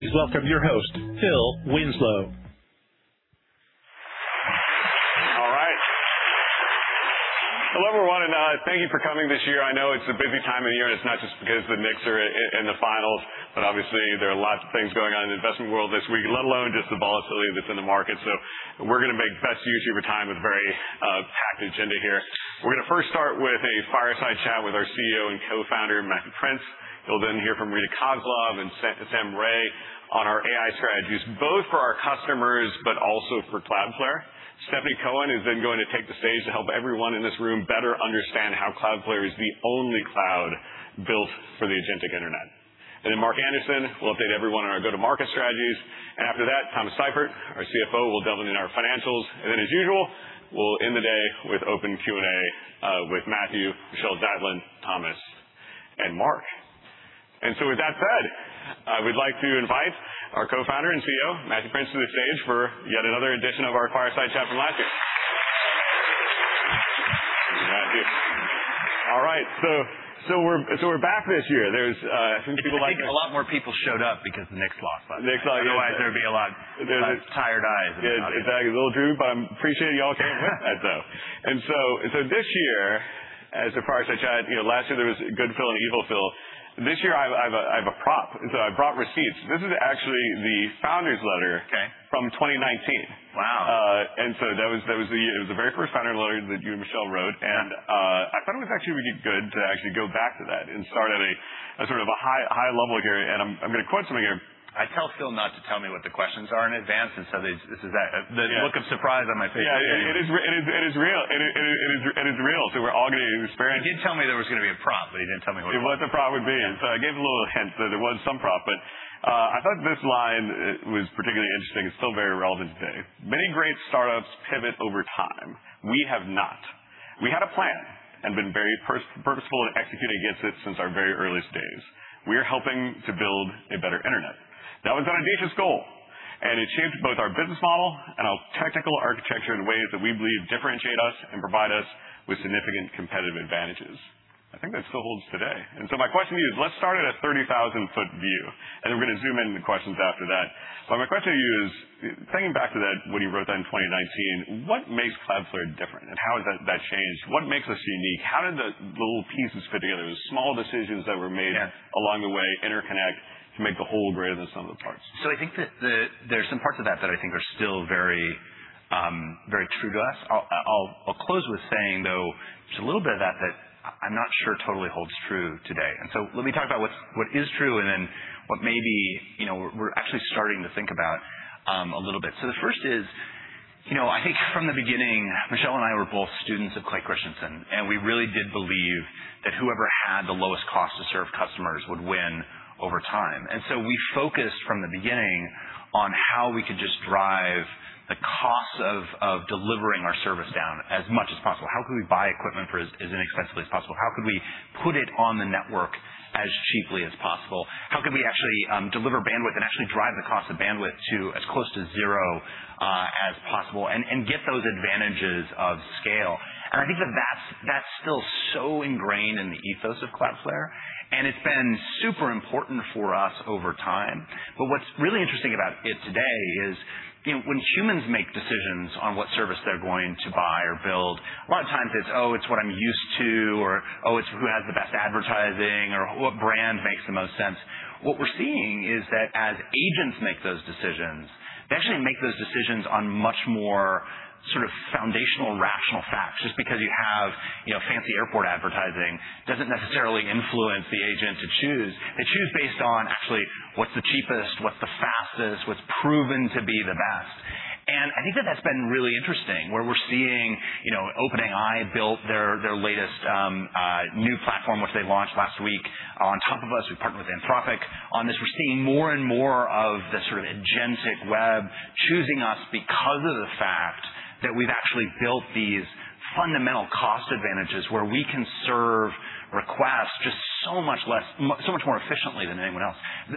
Please welcome your host, Phil Winslow. Hello, everyone, and thank you for coming this year. I know it's a busy time of year, and it's not just because the Knicks are in the finals, but obviously there are lots of things going on in the investment world this week, let alone just the volatility that's in the market. We're going to make best use of your time with a very packed agenda here. We're going to first start with a fireside chat with our CEO and co-founder, Matthew Prince. You'll then hear from Rita Kozlov and Sam Rhea on our AI strategies, both for our customers but also for Cloudflare. Stephanie Cohen is then going to take the stage to help everyone in this room better understand how Cloudflare is the only cloud built for the agentic internet. Mark Anderson will update everyone on our go-to-market strategies. After that, Thomas Seifert, our CFO, will delve into our financials. Then, as usual, we'll end the day with open Q&A with Matthew, Michelle Zatlyn, Thomas, and Mark. With that said, I would like to invite our co-founder and CEO, Matthew Prince, to the stage for yet another edition of our fireside chat from last year. All right. We're back this year. There's some people that- I think a lot more people showed up because the Knicks lost last night. Knicks lost. Otherwise, there'd be a lot of tired eyes in the audience. Exactly. A little droop. I appreciate you all coming with it, though. This year, as a fireside chat, last year there was good Phil and evil Phil. This year I have a prop, so I brought receipts. This is actually the founder's letter- Okay from 2019. Wow. That was the year. It was the very first founder letter that you and Michelle wrote, and I thought it was actually really good to actually go back to that and start at a sort of a high level here, and I'm going to quote something here. I tell Phil not to tell me what the questions are in advance, and so this is that. The look of surprise on my face. Yeah. It is real. We're all going to experience. You did tell me there was going to be a prop, but you didn't tell me what it was. What the prop would be. I gave a little hint that it was some prop, but I thought this line was particularly interesting. It's still very relevant today. "Many great startups pivot over time. We have not. We had a plan and been very purposeful in executing against it since our very earliest days. We are helping to build a better internet. That was an audacious goal, and it shaped both our business model and our technical architecture in ways that we believe differentiate us and provide us with significant competitive advantages." I think that still holds today. My question to you is, let's start at a 30,000-foot view, and then we're going to zoom into questions after that. My question to you is, thinking back to that, what you wrote that in 2019, what makes Cloudflare different and how has that changed? What makes us unique? How did the little pieces fit together, the small decisions that were made- Yeah along the way interconnect to make the whole greater than sum of the parts? I think that there's some parts of that I think are still very true to us. I'll close with saying, though, there's a little bit of that I'm not sure totally holds true today. Let me talk about what is true and then what maybe we're actually starting to think about a little bit. The first is, I think from the beginning, Michelle and I were both students of Clayton Christensen, and we really did believe that whoever had the lowest cost to serve customers would win over time. We focused from the beginning on how we could just drive the cost of delivering our service down as much as possible. How could we buy equipment for as inexpensively as possible? How could we put it on the network as cheaply as possible? How could we actually deliver bandwidth and actually drive the cost of bandwidth to as close to zero as possible and get those advantages of scale? I think that that's still so ingrained in the ethos of Cloudflare, and it's been super important for us over time. What's really interesting about it today is when humans make decisions on what service they're going to buy or build, a lot of times it's, "Oh, it's what I'm used to," or, "Oh, it's who has the best advertising," or, "What brand makes the most sense?" What we're seeing is that as agents make those decisions, they actually make those decisions on much more sort of foundational, rational facts. Just because you have fancy airport advertising doesn't necessarily influence the agent to choose. They choose based on actually what's the cheapest, what's the fastest, what's proven to be the best. I think that that's been really interesting, where we're seeing OpenAI built their latest new platform, which they launched last week on top of us. We partnered with Anthropic on this. We're seeing more and more of the sort of agentic web choosing us because of the fact that we've actually built these fundamental cost advantages where we can serve requests just so much more efficiently than anyone else.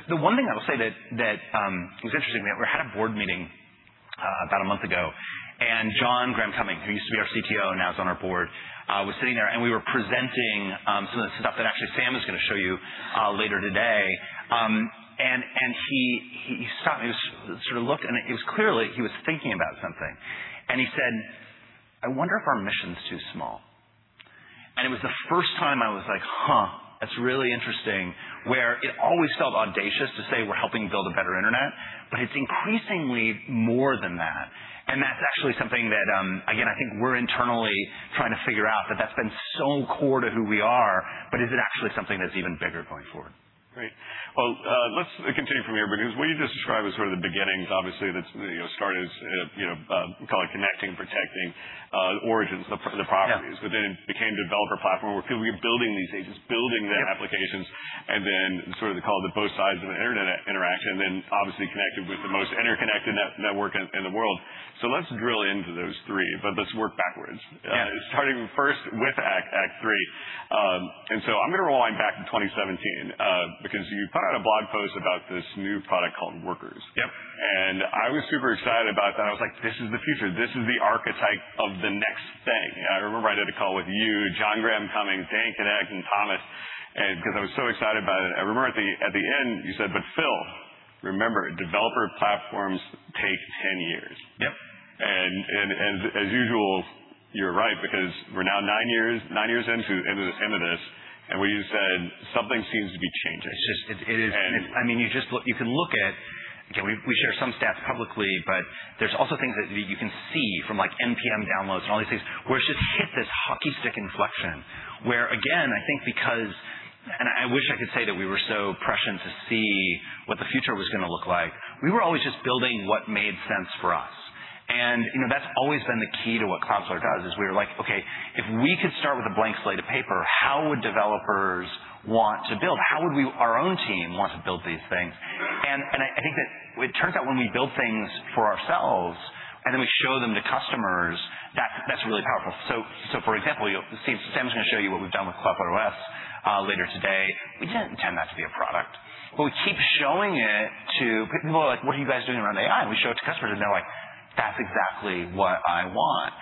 The one thing I will say that was interesting, we had a board meeting about a month ago, John Graham-Cumming, who used to be our CTO and now is on our board, was sitting there, and we were presenting some of the stuff that actually Sam is going to show you later today. He sort of looked, and it was clearly he was thinking about something. He said, "I wonder if our mission's too small." It was the first time I was like, huh, that's really interesting, where it always felt audacious to say we're helping build a better internet, it's increasingly more than that. That's actually something that, again, I think we're internally trying to figure out, that that's been so core to who we are, but is it actually something that's even bigger going forward? Great. Let's continue from here because what you just described was sort of the beginnings, obviously, that started as call it connecting, protecting origins, the properties. Yeah. It became a developer platform where people are building these agents, building their applications, then sort of they call it the both sides of an internet interaction, then obviously connected with the most interconnected network in the world. Let's drill into those three, but let's work backwards. Yeah. Starting first with Act Three. I'm going to rewind back to 2017, because you put out a blog post about this new product called Workers. Yep. I was like, "This is the future. This is the archetype of the next thing." I remember I had a call with you, John Graham-Cumming, Dan Connock, and Thomas, because I was so excited about it. I remember at the end you said, "Phil, remember, developer platforms take 10 years. Yep. As usual, you're right, because we're now nine years into this, and what you said, something seems to be changing. It is. And- You can look at, again, we share some stats publicly, but there's also things that you can see from NPM downloads and all these things, where it's just hit this hockey stick inflection. Where, again, I think because, I wish I could say that we were so prescient to see what the future was going to look like. We were always just building what made sense for us. That's always been the key to what Cloudflare does, is we were like, "Okay, if we could start with a blank slate of paper, how would developers want to build? How would our own team want to build these things?" I think that it turns out when we build things for ourselves, and then we show them to customers, that's really powerful. For example, Sam's going to show you what we've done with Cloudflare OS later today. We didn't intend that to be a product. We keep showing it to people who are like, "What are you guys doing around AI?" We show it to customers, and they're like, "That's exactly what I want."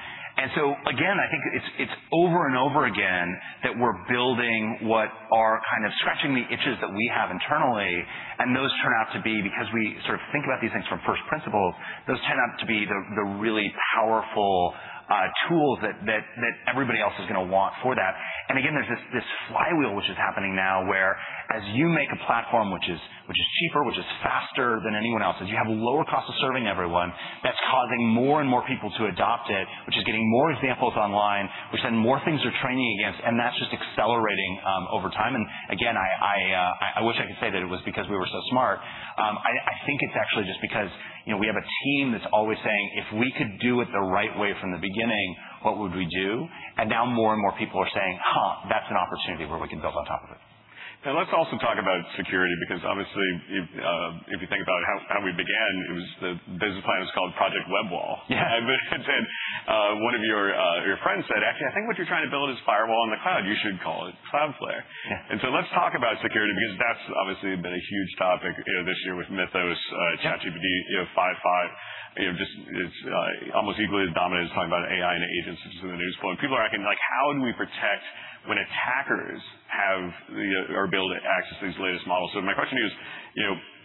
Again, I think it's over and over again that we're building what are kind of scratching the itches that we have internally, and those turn out to be, because we sort of think about these things from first principle, those turn out to be the really powerful tools that everybody else is going to want for that. Again, there's this flywheel which is happening now where as you make a platform which is cheaper, which is faster than anyone else's, you have a lower cost of serving everyone, that's causing more and more people to adopt it, which is getting more examples online, which then more things are training against, and that's just accelerating over time. Again, I wish I could say that it was because we were so smart. I think it's actually just because we have a team that's always saying, "If we could do it the right way from the beginning, what would we do?" Now more and more people are saying, "Huh, that's an opportunity where we can build on top of it. Let's also talk about security, because obviously, if you think about how we began, the business plan was called Project Web Wall. Yeah. One of your friends said, "Actually, I think what you're trying to build is firewall in the cloud. You should call it Cloudflare. Yeah. Let's talk about security, because that's obviously been a huge topic this year with Mythos, ChatGPT, you know, Phi-3. It's almost equally as dominant as talking about AI and agents in the news flow. People are acting like, how do we protect when attackers have the ability to access these latest models? My question to you is,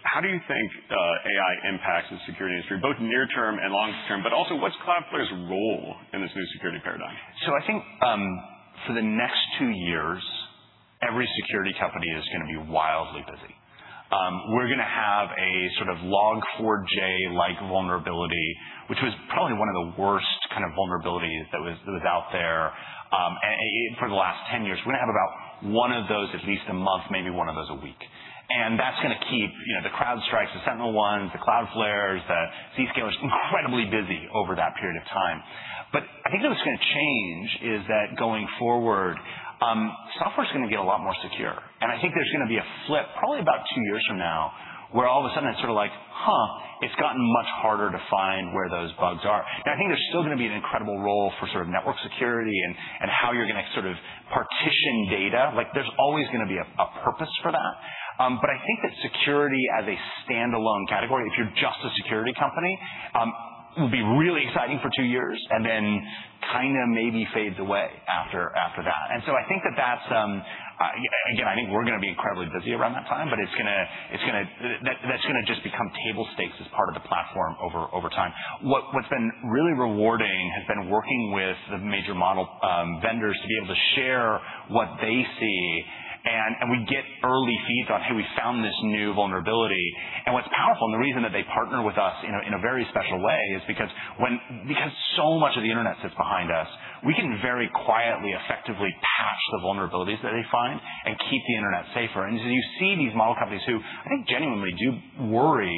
how do you think AI impacts the security industry, both near term and long term, but also what's Cloudflare's role in this new security paradigm? I think for the next two years, every security company is going to be wildly busy. We're going to have a sort of Log4j-like vulnerability, which was probably one of the worst kind of vulnerabilities that was out there for the last 10 years. We're going to have about one of those at least a month, maybe one of those a week. That's going to keep the CrowdStrikes, the SentinelOnes, the Cloudflares, the ZScalers incredibly busy over that period of time. I think what's going to change is that going forward, software's going to get a lot more secure. I think there's going to be a flip probably about two years from now, where all of a sudden it's sort of like, huh, it's gotten much harder to find where those bugs are. I think there's still going to be an incredible role for network security and how you're going to sort of partition data. There's always going to be a purpose for that. I think that security as a standalone category, if you're just a security company, it will be really exciting for two years, and then kind of maybe fades away after that. I think that that's Again, I think we're going to be incredibly busy around that time, but that's going to just become table stakes as part of the platform over time. What's been really rewarding has been working with the major model vendors to be able to share what they see, and we get early feeds on, hey, we found this new vulnerability. What's powerful, and the reason that they partner with us in a very special way is because so much of the internet sits behind us, we can very quietly, effectively patch the vulnerabilities that they find and keep the internet safer. You see these model companies who I think genuinely do worry.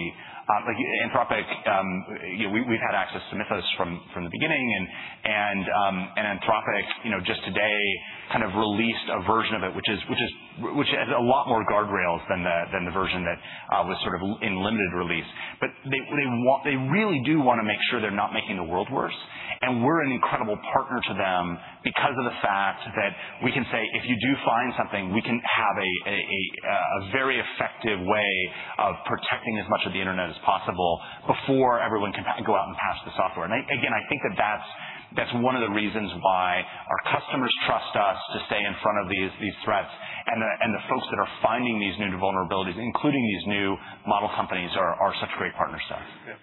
Like Anthropic, we've had access to Mythos from the beginning, and Anthropic, just today, kind of released a version of it, which has a lot more guardrails than the version that was sort of in limited release. They really do want to make sure they're not making the world worse. We're an incredible partner to them because of the fact that we can say, if you do find something, we can have a very effective way of protecting as much of the internet as possible before everyone can go out and patch the software. Again, I think that's one of the reasons why our customers trust us to stay in front of these threats. The folks that are finding these new vulnerabilities, including these new model companies, are such great partners to us. Yep.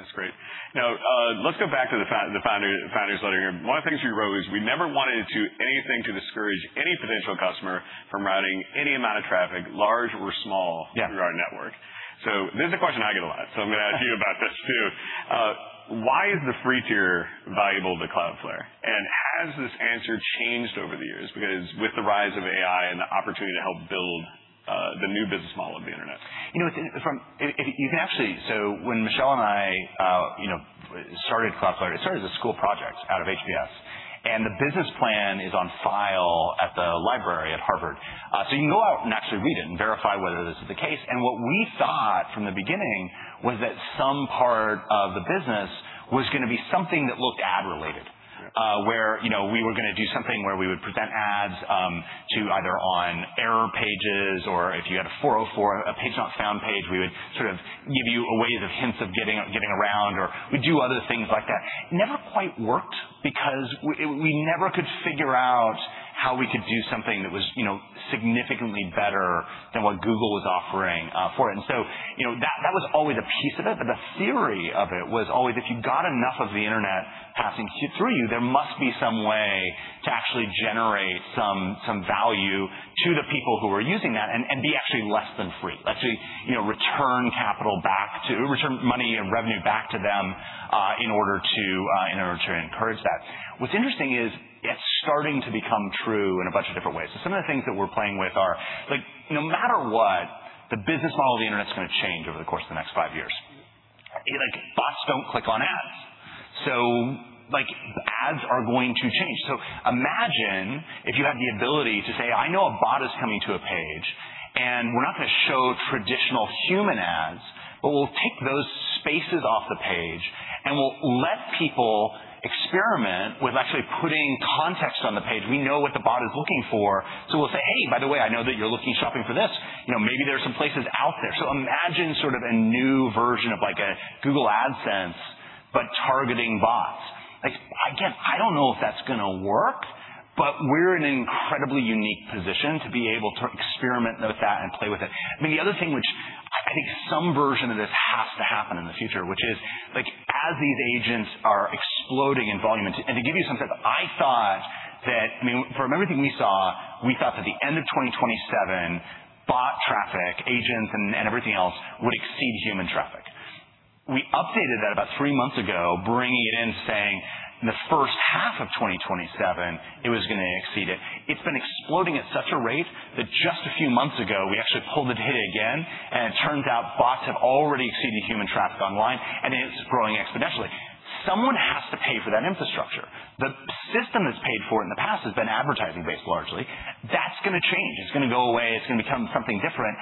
That's great. Now, let's go back to the founder's letter here. One of the things you wrote is, "We never wanted to do anything to discourage any potential customer from routing any amount of traffic, large or small. Yeah through our network." This is a question I get a lot, so I'm going to ask you about this, too. Why is the free tier valuable to Cloudflare, and has this answer changed over the years? Because with the rise of AI and the opportunity to help build the new business model of the internet. When Michelle and I started Cloudflare, it started as a school project out of HBS, and the business plan is on file at the library at Harvard. You can go out and actually read it and verify whether this is the case. What we thought from the beginning was that some part of the business was going to be something that looked ad-related. Where we were going to do something where we would present ads to either on error pages or if you had a 404, a page not found page, we would sort of give you a way of hints of getting around, or we'd do other things like that. Never quite worked because we never could figure out how we could do something that was significantly better than what Google was offering for it. That was always a piece of it. The theory of it was always if you got enough of the internet passing through you, there must be some way to actually generate some value to the people who are using that and be actually less than free. Actually return capital, return money and revenue back to them in order to encourage that. What's interesting is it's starting to become true in a bunch of different ways. Some of the things that we're playing with are, no matter what, the business model of the internet is going to change over the course of the next five years. Like bots don't click on ads. Ads are going to change. Imagine if you have the ability to say, I know a bot is coming to a page, and we're not going to show traditional human ads, but we'll take those spaces off the page, and we'll let people experiment with actually putting context on the page. We know what the bot is looking for, so we'll say, "Hey, by the way, I know that you're looking, shopping for this. Maybe there's some places out there." Imagine sort of a new version of a Google AdSense, but targeting bots. Again, I don't know if that's going to work, but we're in an incredibly unique position to be able to experiment with that and play with it. I mean, the other thing which I think some version of this has to happen in the future, which is as these agents are exploding in volume. To give you some sense, I mean, from everything we saw, we thought that the end of 2027, bot traffic agents and everything else would exceed human traffic. We updated that about three months ago, bringing it in, saying in the first half of 2027 it was going to exceed it. It's been exploding at such a rate that just a few months ago we actually pulled the data again, and it turns out bots have already exceeded human traffic online, and it's growing exponentially. Someone has to pay for that infrastructure. The system that's paid for it in the past has been advertising based largely. That's going to change. It's going to go away. It's going to become something different.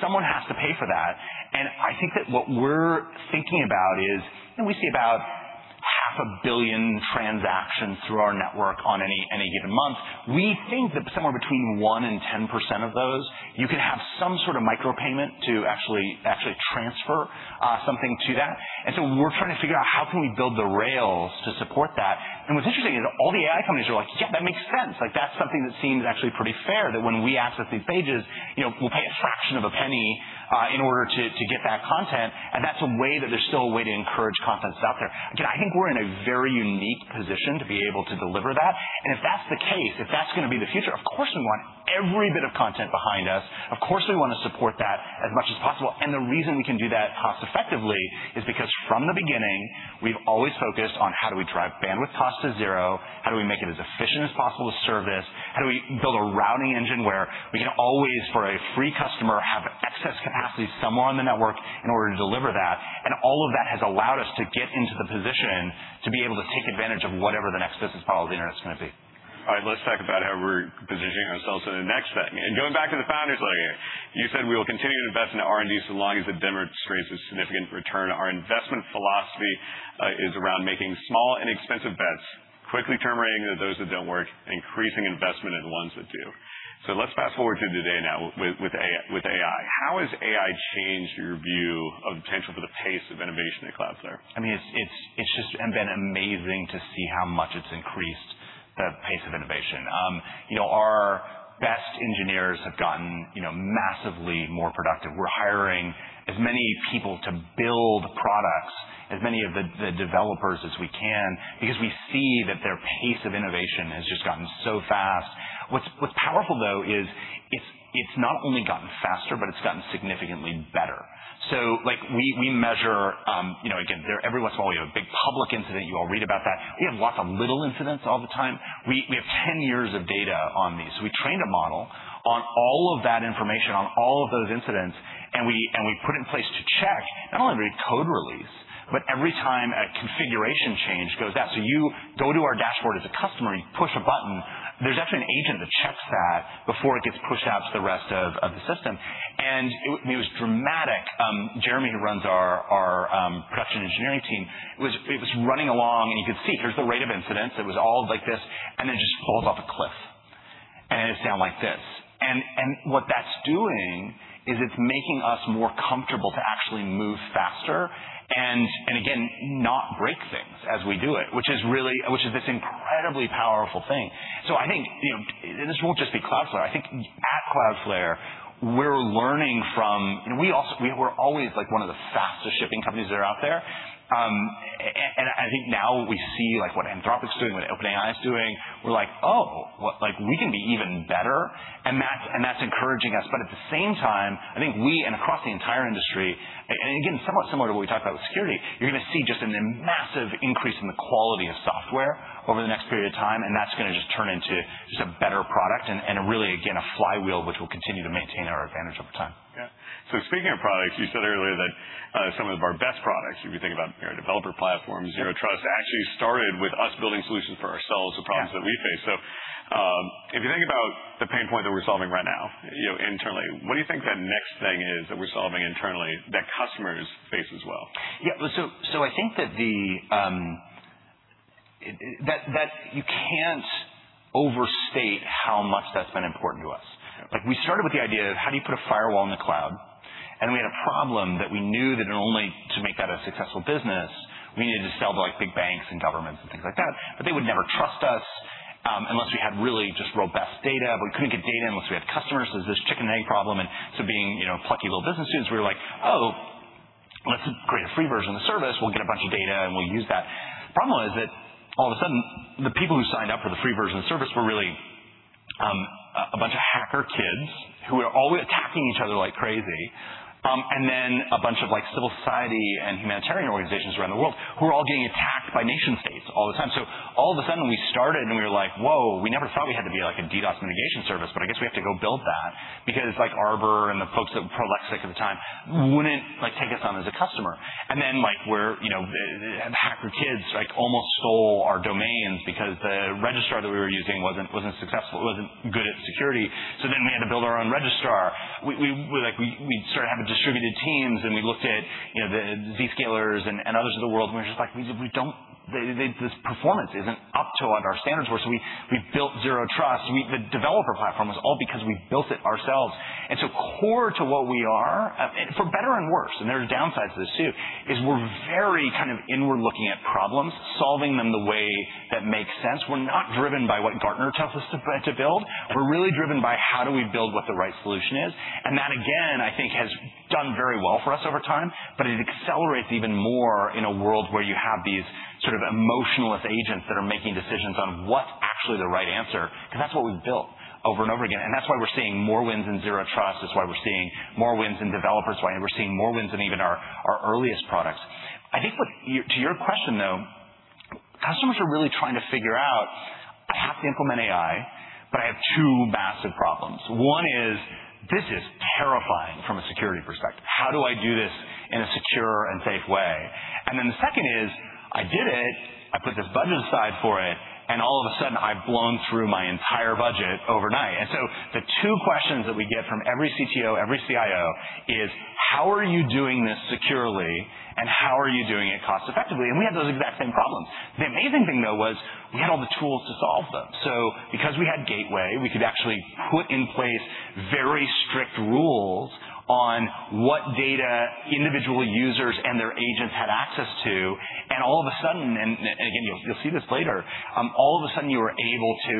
Someone has to pay for that. I think that what we're thinking about is we see about half a billion transactions through our network on any given month. We think that somewhere between 1%-10% of those, you could have some sort of micro payment to actually transfer something to that. We're trying to figure out how can we build the rails to support that. What's interesting is all the AI companies are like, "Yeah, that makes sense." Like that's something that seems actually pretty fair, that when we access these pages, we'll pay a fraction of a penny in order to get that content. That's a way that there's still a way to encourage content that's out there. Again, I think we're in a very unique position to be able to deliver that. If that's the case, if that's going to be the future, of course, we want every bit of content behind us. Of course, we want to support that as much as possible. The reason we can do that cost effectively is because from the beginning, we've always focused on how do we drive bandwidth cost to zero, how do we make it as efficient as possible to service, how do we build a routing engine where we can always, for a free customer, have excess capacity somewhere on the network in order to deliver that. All of that has allowed us to get into the position to be able to take advantage of whatever the next business model of the internet is going to be. All right. Let's talk about how we're positioning ourselves in the next bet. Going back to the founder's letter, you said, "We will continue to invest in R&D so long as it demonstrates a significant return. Our investment philosophy is around making small and inexpensive bets, quickly terminating those that don't work, increasing investment in ones that do." Let's fast-forward to today now with AI. How has AI changed your view of the potential for the pace of innovation at Cloudflare? I mean, it's just been amazing to see how much it's increased the pace of innovation. Our best engineers have gotten massively more productive. We're hiring as many people to build products, as many of the developers as we can because we see that their pace of innovation has just gotten so fast. What's powerful, though, is it's not only gotten faster, but it's gotten significantly better. We measure, again, every once in a while you have a big public incident. You all read about that. We have lots of little incidents all the time. We have 10 years of data on these. We trained a model on all of that information, on all of those incidents, and we put it in place to check not only every code release, but every time a configuration change goes out. You go to our dashboard as a customer and you push a button. There's actually an agent that checks that before it gets pushed out to the rest of the system. It was dramatic. Jeremy, who runs our production engineering team, it was running along and you could see here's the rate of incidents. It was all like this, and it sound like this. What that's doing is it's making us more comfortable to actually move faster and again, not break things as we do it, which is this incredibly powerful thing. I think this won't just be Cloudflare. I think at Cloudflare we're learning from We were always one of the fastest shipping companies that are out there. I think now we see what Anthropic's doing, what OpenAI is doing. We're like, "Oh, we can be even better." That's encouraging us. At the same time, I think we, and across the entire industry, again, somewhat similar to what we talked about with security, you're going to see just a massive increase in the quality of software over the next period of time, that's going to just turn into just a better product and really, again, a flywheel which will continue to maintain our advantage over time. Yeah. Speaking of products, you said earlier that some of our best products, if you think about developer platforms, Zero Trust actually started with us building solutions for ourselves, the problems that we face. If you think about the pain point that we're solving right now internally, what do you think that next thing is that we're solving internally that customers face as well? Yeah. I think that you can't overstate how much that's been important to us. Yeah. We started with the idea of how do you put a firewall in the cloud? We had a problem that we knew that in only to make that a successful business, we needed to sell to big banks and governments and things like that, but they would never trust us unless we had really just robust data. We couldn't get data unless we had customers. There's this chicken and egg problem. Being plucky little business students, we were like, "Oh, let's create a free version of the service. We'll get a bunch of data, and we'll use that." The problem was that all of a sudden, the people who signed up for the free version of the service were really a bunch of hacker kids who were always attacking each other like crazy, and then a bunch of civil society and humanitarian organizations around the world who were all getting attacked by nation-states all the time. All of a sudden, we started, and we were like, "Whoa, we never thought we had to be a DDoS mitigation service, but I guess we have to go build that," because Arbor and the folks at Prolexic at the time wouldn't take us on as a customer. The hacker kids almost stole our domains because the registrar that we were using wasn't good at security. We had to build our own registrar. We started having distributed teams, and we looked at the Zscalers and others in the world, and we were just like, "This performance isn't up to what our standards were." We built Zero Trust. The developer platform was all because we built it ourselves. Core to what we are, for better and worse, and there are downsides to this too, is we're very kind of inward-looking at problems, solving them the way that makes sense. We're not driven by what Gartner tells us to build. We're really driven by how do we build what the right solution is. That, again, I think has done very well for us over time, but it accelerates even more in a world where you have these sort of emotionless agents that are making decisions on what's actually the right answer, because that's what we've built over and over again. That's why we're seeing more wins in Zero Trust. It's why we're seeing more wins in developers, why we're seeing more wins in even our earliest products. I think to your question, though, customers are really trying to figure out, I have to implement AI, but I have two massive problems. One is, this is terrifying from a security perspective. How do I do this in a secure and safe way? The second is, I did it, I put this budget aside for it, and all of a sudden, I've blown through my entire budget overnight. The two questions that we get from every CTO, every CIO is how are you doing this securely, and how are you doing it cost-effectively? We had those exact same problems. The amazing thing, though, was we had all the tools to solve them. Because we had Gateway, we could actually put in place very strict rules on what data individual users and their agents had access to. All of a sudden, and again, you'll see this later, all of a sudden, you were able to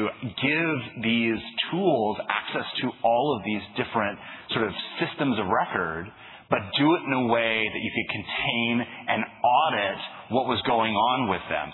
give these tools access to all of these different sort of systems of record, but do it in a way that you could contain and audit what was going on with them.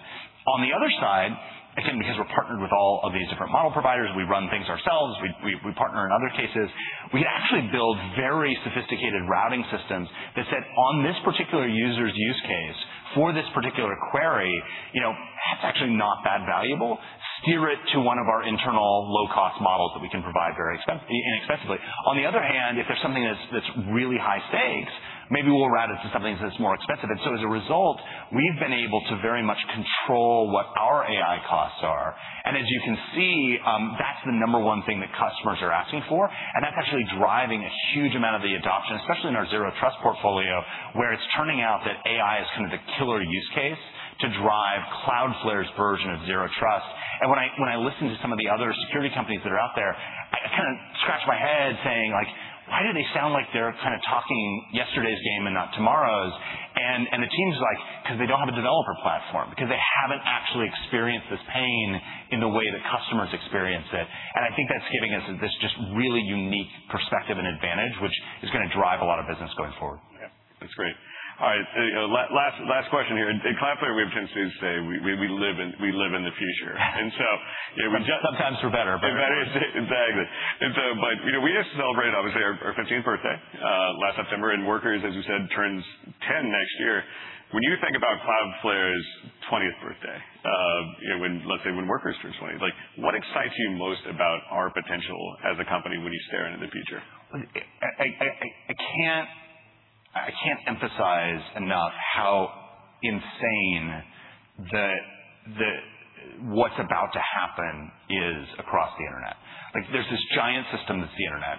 On the other side, again, because we're partnered with all of these different model providers, we run things ourselves, we partner in other cases, we actually build very sophisticated routing systems that said, on this particular user's use case for this particular query, that's actually not that valuable. Steer it to one of our internal low-cost models that we can provide very inexpensively. On the other hand, if there's something that's really high stakes, maybe we'll route it to something that's more expensive. As a result, we've been able to very much control what our AI costs are. As you can see, that's the number one thing that customers are asking for, and that's actually driving a huge amount of the adoption, especially in our Zero Trust portfolio, where it's turning out that AI is kind of the killer use case to drive Cloudflare's version of Zero Trust. When I listen to some of the other security companies that are out there, I kind of scratch my head saying, like, "Why do they sound like they're kind of talking yesterday's game and not tomorrow's?" The team's like, "Because they don't have a developer platform, because they haven't actually experienced this pain in the way that customers experience it." I think that's giving us this just really unique perspective and advantage, which is going to drive a lot of business going forward. Yeah. That's great. All right. Last question here. In Cloudflare, we have a tendency to say, "We live in the future. Sometimes for better. Exactly. We just celebrated, obviously, our 15th birthday last September, and Workers, as you said, turns 10 next year. When you think about Cloudflare's 20th birthday, let's say when Workers turns 20, what excites you most about our potential as a company when you stare into the future? I can't emphasize enough how insane what's about to happen is across the internet. There's this giant system that's the internet.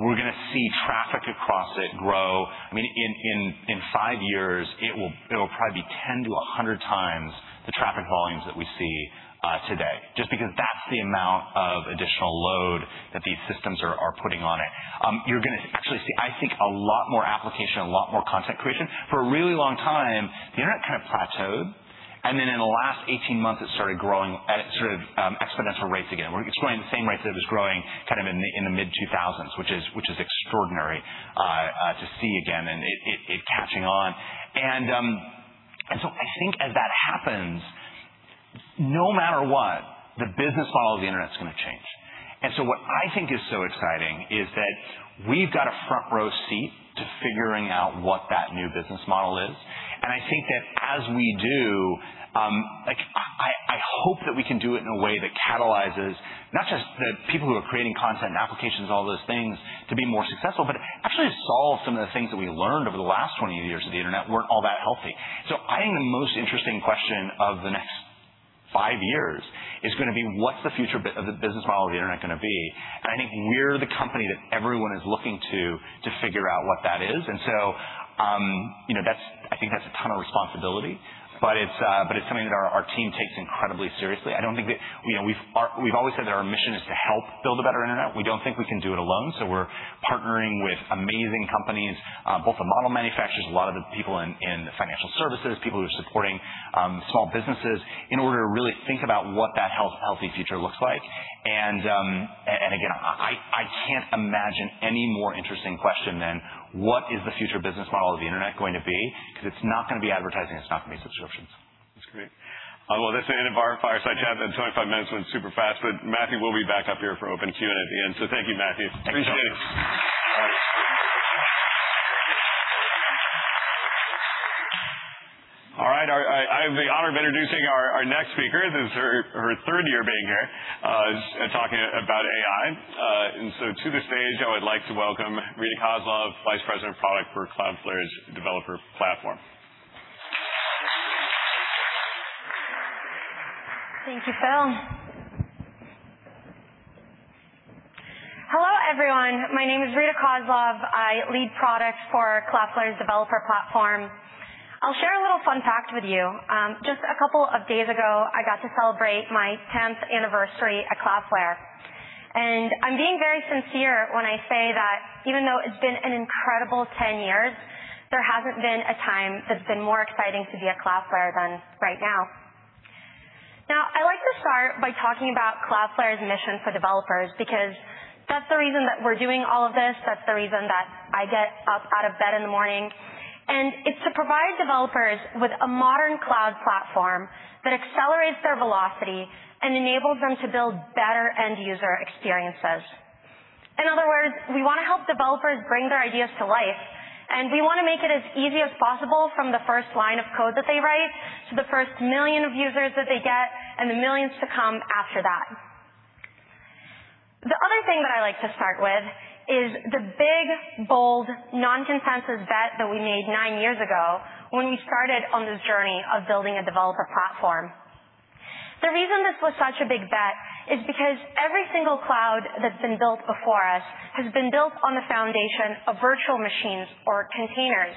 We're going to see traffic across it grow. In five years, it'll probably be 10 to 100 times the traffic volumes that we see today, just because that's the amount of additional load that these systems are putting on it. You're going to actually see, I think, a lot more application, a lot more content creation. For a really long time, the internet kind of plateaued. In the last 18 months, it started growing at sort of exponential rates again. We're growing at the same rates that it was growing kind of in the mid-2000s, which is extraordinary to see again, and it catching on. I think as that happens, no matter what, the business model of the internet's going to change. What I think is so exciting is that we've got a front-row seat to figuring out what that new business model is. I think that as we do, I hope that we can do it in a way that catalyzes not just the people who are creating content and applications and all those things to be more successful. Some of the things that we learned over the last 20 years of the internet weren't all that healthy. I think the most interesting question of the next five years is going to be what's the future of the business model of the internet going to be? I think we're the company that everyone is looking to figure out what that is. I think that's a ton of responsibility, but it's something that our team takes incredibly seriously. We've always said that our mission is to help build a better internet. We don't think we can do it alone. We're partnering with amazing companies, both the model manufacturers, a lot of the people in financial services, people who are supporting small businesses in order to really think about what that healthy future looks like. Again, I can't imagine any more interesting question than what is the future business model of the internet going to be? It's not going to be advertising, it's not going to be subscriptions. That's great. Well, that's the end of our fireside chat. That 25 minutes went super fast. Matthew will be back up here for open Q&A at the end. Thank you, Matthew. Thank you. Appreciate it. All right. I have the honor of introducing our next speaker. This is her third year being here, talking about AI. To the stage, I would like to welcome Rita Kozlov, Vice President of Product for Cloudflare's Developer Platform. Thank you, Phil. Hello, everyone. My name is Rita Kozlov. I lead product for Cloudflare's Developer Platform. I'll share a little fun fact with you. Just a couple of days ago, I got to celebrate my 10th anniversary at Cloudflare, and I'm being very sincere when I say that even though it's been an incredible 10 years, there hasn't been a time that's been more exciting to be at Cloudflare than right now. I'd like to start by talking about Cloudflare's mission for developers, because that's the reason that we're doing all of this. That's the reason that I get up out of bed in the morning, and it's to provide developers with a modern cloud platform that accelerates their velocity and enables them to build better end-user experiences. In other words, we want to help developers bring their ideas to life, and we want to make it as easy as possible from the first million of users that they get, and the millions to come after that. The other thing that I like to start with is the big, bold, non-consensus bet that we made nine years ago when we started on this journey of building a developer platform. The reason this was such a big bet is because every single cloud that's been built before us has been built on the foundation of virtual machines or containers.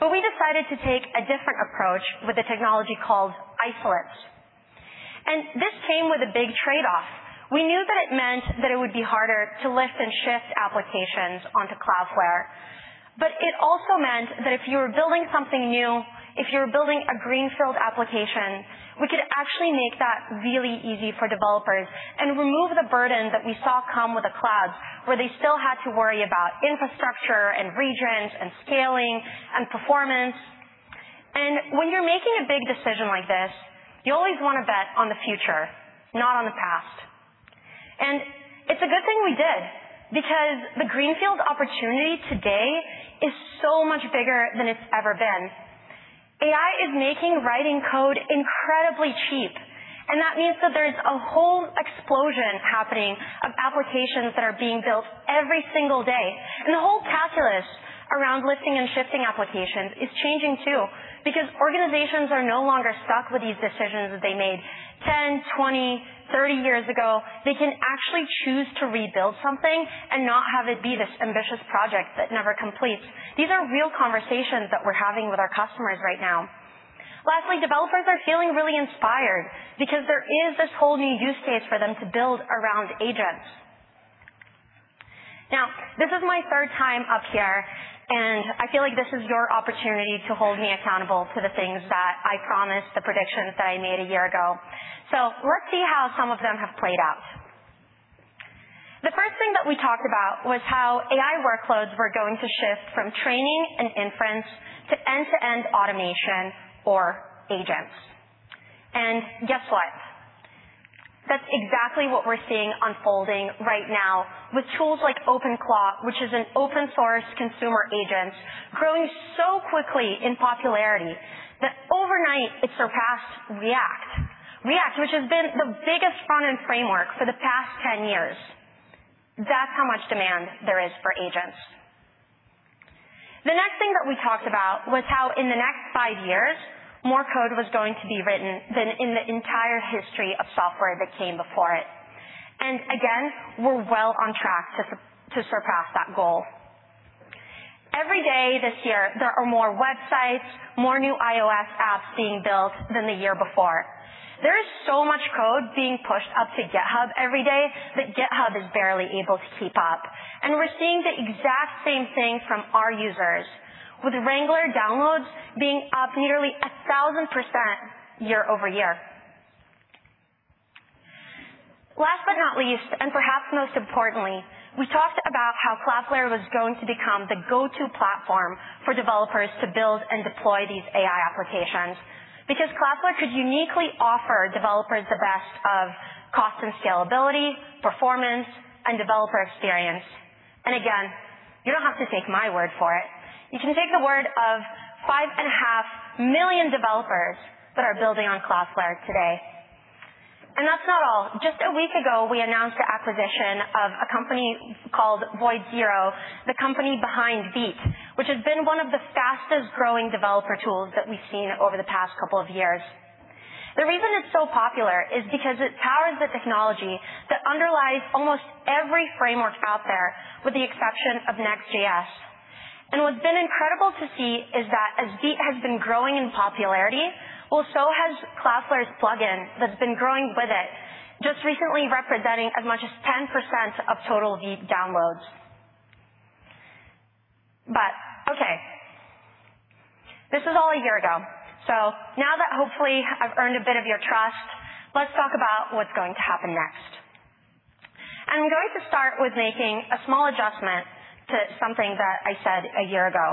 We decided to take a different approach with a technology called Isolates. This came with a big trade-off. We knew that it meant that it would be harder to lift and shift applications onto Cloudflare. It also meant that if you were building something new, if you were building a greenfield application, we could actually make that really easy for developers and remove the burden that we saw come with the clouds, where they still had to worry about infrastructure and regions and scaling and performance. When you're making a big decision like this, you always want to bet on the future, not on the past. It's a good thing we did, because the greenfield opportunity today is so much bigger than it's ever been. AI is making writing code incredibly cheap, and that means that there's a whole explosion happening of applications that are being built every single day. The whole calculus around lifting and shifting applications is changing too, because organizations are no longer stuck with these decisions that they made 10, 20, 30 years ago. They can actually choose to rebuild something and not have it be this ambitious project that never completes. These are real conversations that we're having with our customers right now. Developers are feeling really inspired because there is this whole new use case for them to build around agents. This is my third time up here, and I feel like this is your opportunity to hold me accountable to the things that I promised, the predictions that I made a year ago. Let's see how some of them have played out. The first thing that we talked about was how AI workloads were going to shift from training and inference to end-to-end automation or agents. Guess what? That's exactly what we're seeing unfolding right now with tools like OpenClaw, which is an open source consumer agent growing so quickly in popularity that overnight it surpassed React. React, which has been the biggest front-end framework for the past 10 years. That's how much demand there is for agents. The next thing that we talked about was how in the next five years, more code was going to be written than in the entire history of software that came before it. Again, we're well on track to surpass that goal. Every day this year, there are more websites, more new iOS apps being built than the year before. There is so much code being pushed up to GitHub every day that GitHub is barely able to keep up. We're seeing the exact same thing from our users with Wrangler downloads being up nearly 1,000% year-over-year. Last but not least, and perhaps most importantly, we talked about how Cloudflare was going to become the go-to platform for developers to build and deploy these AI applications because Cloudflare could uniquely offer developers the best of cost and scalability, performance, and developer experience. Again, you don't have to take my word for it. You can take the word of 5.5 million developers that are building on Cloudflare today. That's not all. Just a week ago, we announced the acquisition of a company called VoidZero, the company behind Vite, which has been one of the fastest-growing developer tools that we've seen over the past couple of years. The reason it's so popular is because it powers the technology that underlies almost every framework out there, with the exception of Next.js. What's been incredible to see is that as Vite has been growing in popularity, well, so has Cloudflare's plugin that's been growing with it, just recently representing as much as 10% of total Vite downloads. Okay, this was all a year ago. Now that hopefully I've earned a bit of your trust, let's talk about what's going to happen next. I'm going to start with making a small adjustment to something that I said a year ago.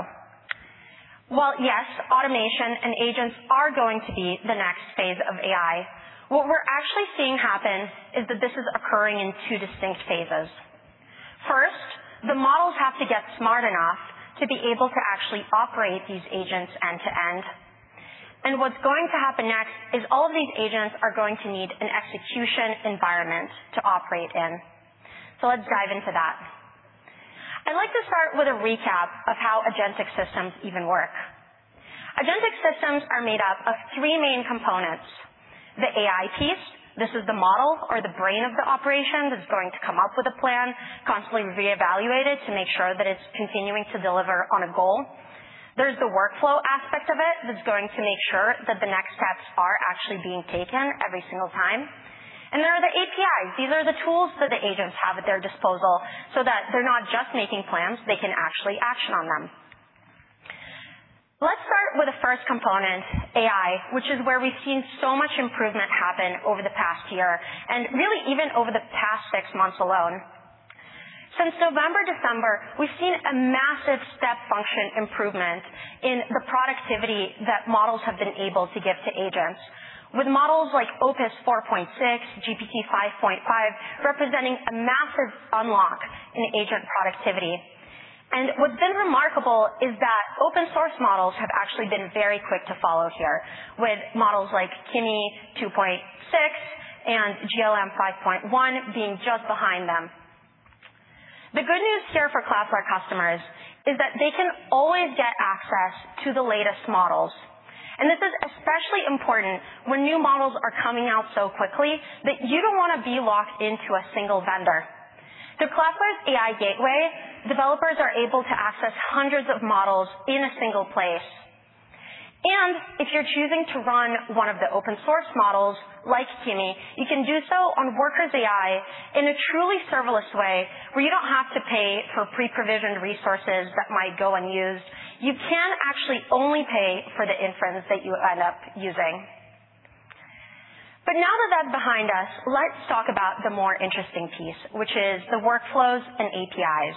While, yes, automation and agents are going to be the next phase of AI, what we're actually seeing happen is that this is occurring in two distinct phases. First, the models have to get smart enough to be able to actually operate these agents end-to-end. What's going to happen next is all of these agents are going to need an execution environment to operate in. Let's dive into that. I'd like to start with a recap of how agentic systems even work. Agentic systems are made up of three main components. The AI piece, this is the model or the brain of the operation that's going to come up with a plan, constantly reevaluate it to make sure that it's continuing to deliver on a goal. There's the workflow aspect of it that's going to make sure that the next steps are actually being taken every single time. Then there are the APIs. These are the tools that the agents have at their disposal so that they're not just making plans, they can actually action on them. Let's start with the first component, AI, which is where we've seen so much improvement happen over the past year and really even over the past six months alone. Since November, December, we've seen a massive step function improvement in the productivity that models have been able to give to agents. With models like Opus 4.6, GPT-5.5 representing a massive unlock in agent productivity. What's been remarkable is that open source models have actually been very quick to follow here, with models like Kimi 2.6 and GLM-5.1 being just behind them. The good news here for Cloudflare customers is that they can always get access to the latest models. This is especially important when new models are coming out so quickly that you don't want to be locked into a single vendor. Through Cloudflare's AI Gateway, developers are able to access hundreds of models in a single place. If you're choosing to run one of the open source models like Kimi, you can do so on Workers AI in a truly serverless way where you don't have to pay for pre-provisioned resources that might go unused. You can actually only pay for the inference that you end up using. Now that that's behind us, let's talk about the more interesting piece, which is the Workflows and APIs.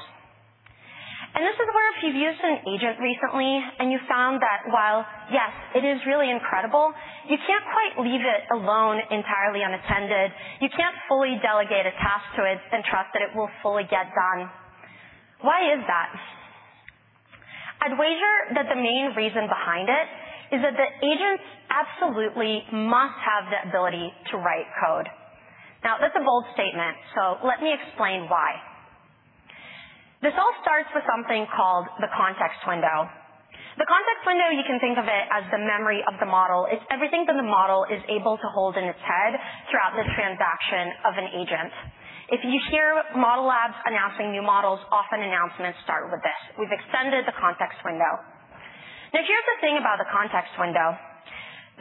This is where if you've used an agent recently and you found that while, yes, it is really incredible, you can't quite leave it alone entirely unattended. You can't fully delegate a task to it and trust that it will fully get done. Why is that? I'd wager that the main reason behind it is that the agents absolutely must have the ability to write code. That's a bold statement, so let me explain why. This all starts with something called the context window. The context window, you can think of it as the memory of the model. It's everything that the model is able to hold in its head throughout the transaction of an agent. If you hear model labs announcing new models, often announcements start with this. "We've extended the context window." Here's the thing about the context window.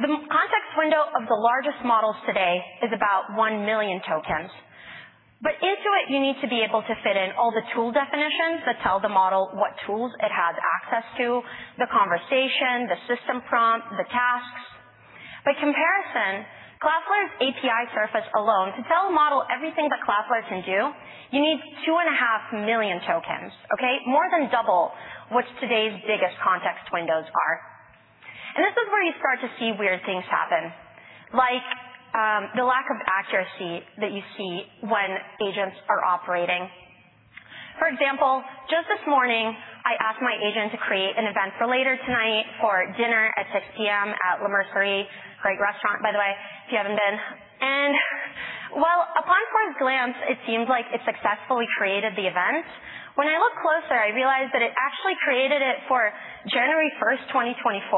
The context window of the largest models today is about one million tokens. Into it, you need to be able to fit in all the tool definitions that tell the model what tools it has access to, the conversation, the system prompt, the tasks. By comparison, Cloudflare's API surface alone, to tell a model everything that Cloudflare can do, you need two and a half million tokens. Okay? More than double what today's biggest context windows are. This is where you start to see weird things happen, like the lack of accuracy that you see when agents are operating. For example, just this morning, I asked my agent to create an event for later tonight for dinner at 6:00 P.M. at Le Mercerie, great restaurant, by the way, if you haven't been. While upon first glance, it seems like it successfully created the event, when I looked closer, I realized that it actually created it for January 1st, 2024,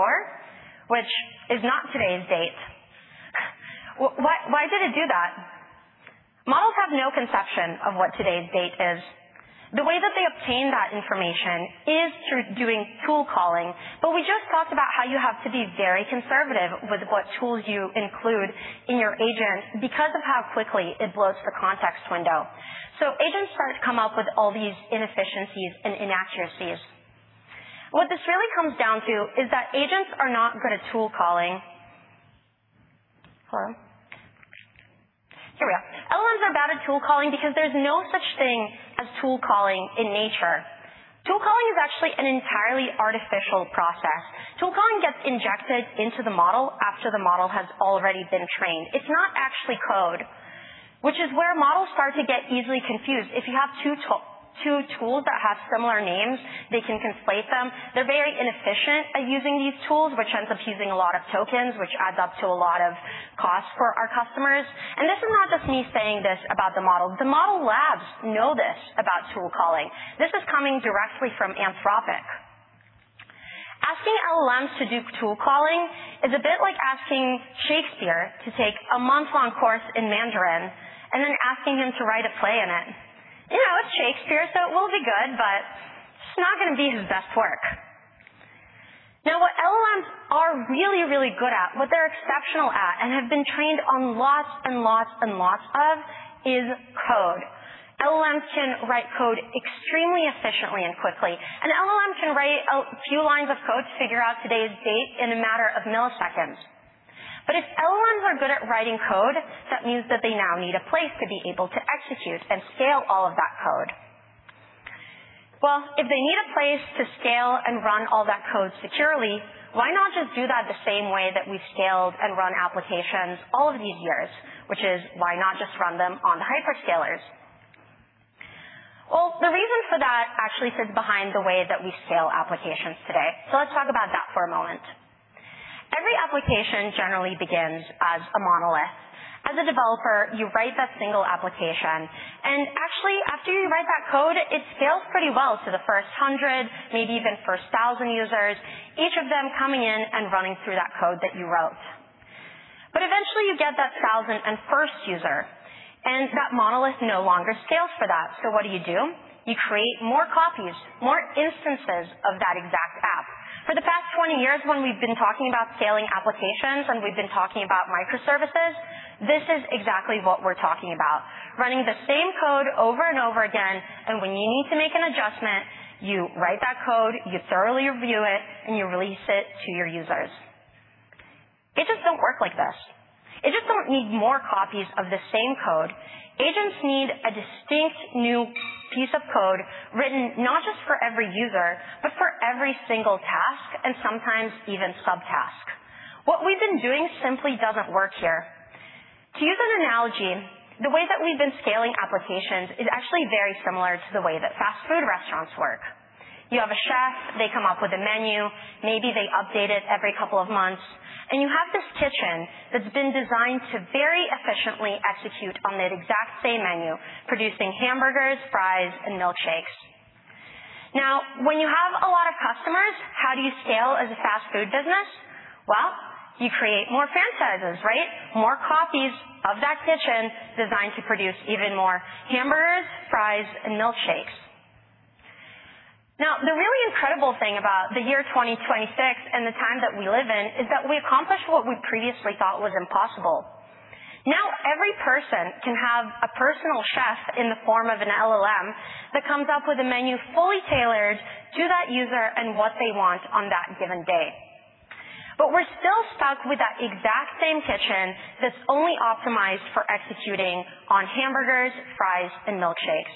which is not today's date. Why did it do that? Models have no conception of what today's date is. The way that they obtain that information is through doing tool calling, but we just talked about how you have to be very conservative with what tools you include in your agent because of how quickly it blows the context window. Agents start to come up with all these inefficiencies and inaccuracies. What this really comes down to is that agents are not good at tool calling. Hold on. Here we are. LLMs are bad at tool calling because there's no such thing as tool calling in nature. Tool calling is actually an entirely artificial process. Tool calling gets injected into the model after the model has already been trained. It's not actually code, which is where models start to get easily confused. If you have two tools that have similar names, they can conflate them. They're very inefficient at using these tools, which ends up using a lot of tokens, which adds up to a lot of costs for our customers. This is not just me saying this about the model. The model labs know this about tool calling. This is coming directly from Anthropic. Asking LLMs to do tool calling is a bit like asking Shakespeare to take a month-long course in Mandarin and then asking him to write a play in it. You know, it's Shakespeare, so it will be good, but it's not going to be his best work. What LLMs are really, really good at, what they're exceptional at, and have been trained on lots and lots and lots of, is code. LLMs can write code extremely efficiently and quickly. An LLM can write a few lines of code to figure out today's date in a matter of milliseconds. If LLMs are good at writing code, that means that they now need a place to be able to execute and scale all of that code. If they need a place to scale and run all that code securely, why not just do that the same way that we've scaled and run applications all of these years, which is why not just run them on the hyperscalers? The reason for that actually sits behind the way that we scale applications today. Let's talk about that for a moment. Every application generally begins as a monolith. As a developer, you write that single application, and actually, after you write that code, it scales pretty well to the first 100, maybe even first 1,000 users, each of them coming in and running through that code that you wrote. Eventually, you get that 1,001st user, and that monolith no longer scales for that. What do you do? You create more copies, more instances of that exact app. For the past 20 years, when we've been talking about scaling applications and we've been talking about microservices, this is exactly what we're talking about, running the same code over and over again, and when you need to make an adjustment, you write that code, you thoroughly review it, and you release it to your users. Agents don't work like this. Agents don't need more copies of the same code. Agents need a distinct new piece of code written not just for every user, but for every single task and sometimes even sub-task. What we've been doing simply doesn't work here. To use an analogy, the way that we've been scaling applications is actually very similar to the way that fast food restaurants work. You have a chef, they come up with a menu, maybe they update it every couple of months, and you have this kitchen that's been designed to very efficiently execute on that exact same menu, producing hamburgers, fries, and milkshakes. When you have a lot of customers, how do you scale as a fast food business? You create more franchises, right? More copies of that kitchen designed to produce even more hamburgers, fries, and milkshakes. The really incredible thing about the year 2026 and the time that we live in is that we accomplished what we previously thought was impossible. Every person can have a personal chef in the form of an LLM that comes up with a menu fully tailored to that user and what they want on that given day. We're still stuck with that exact same kitchen that's only optimized for executing on hamburgers, fries, and milkshakes.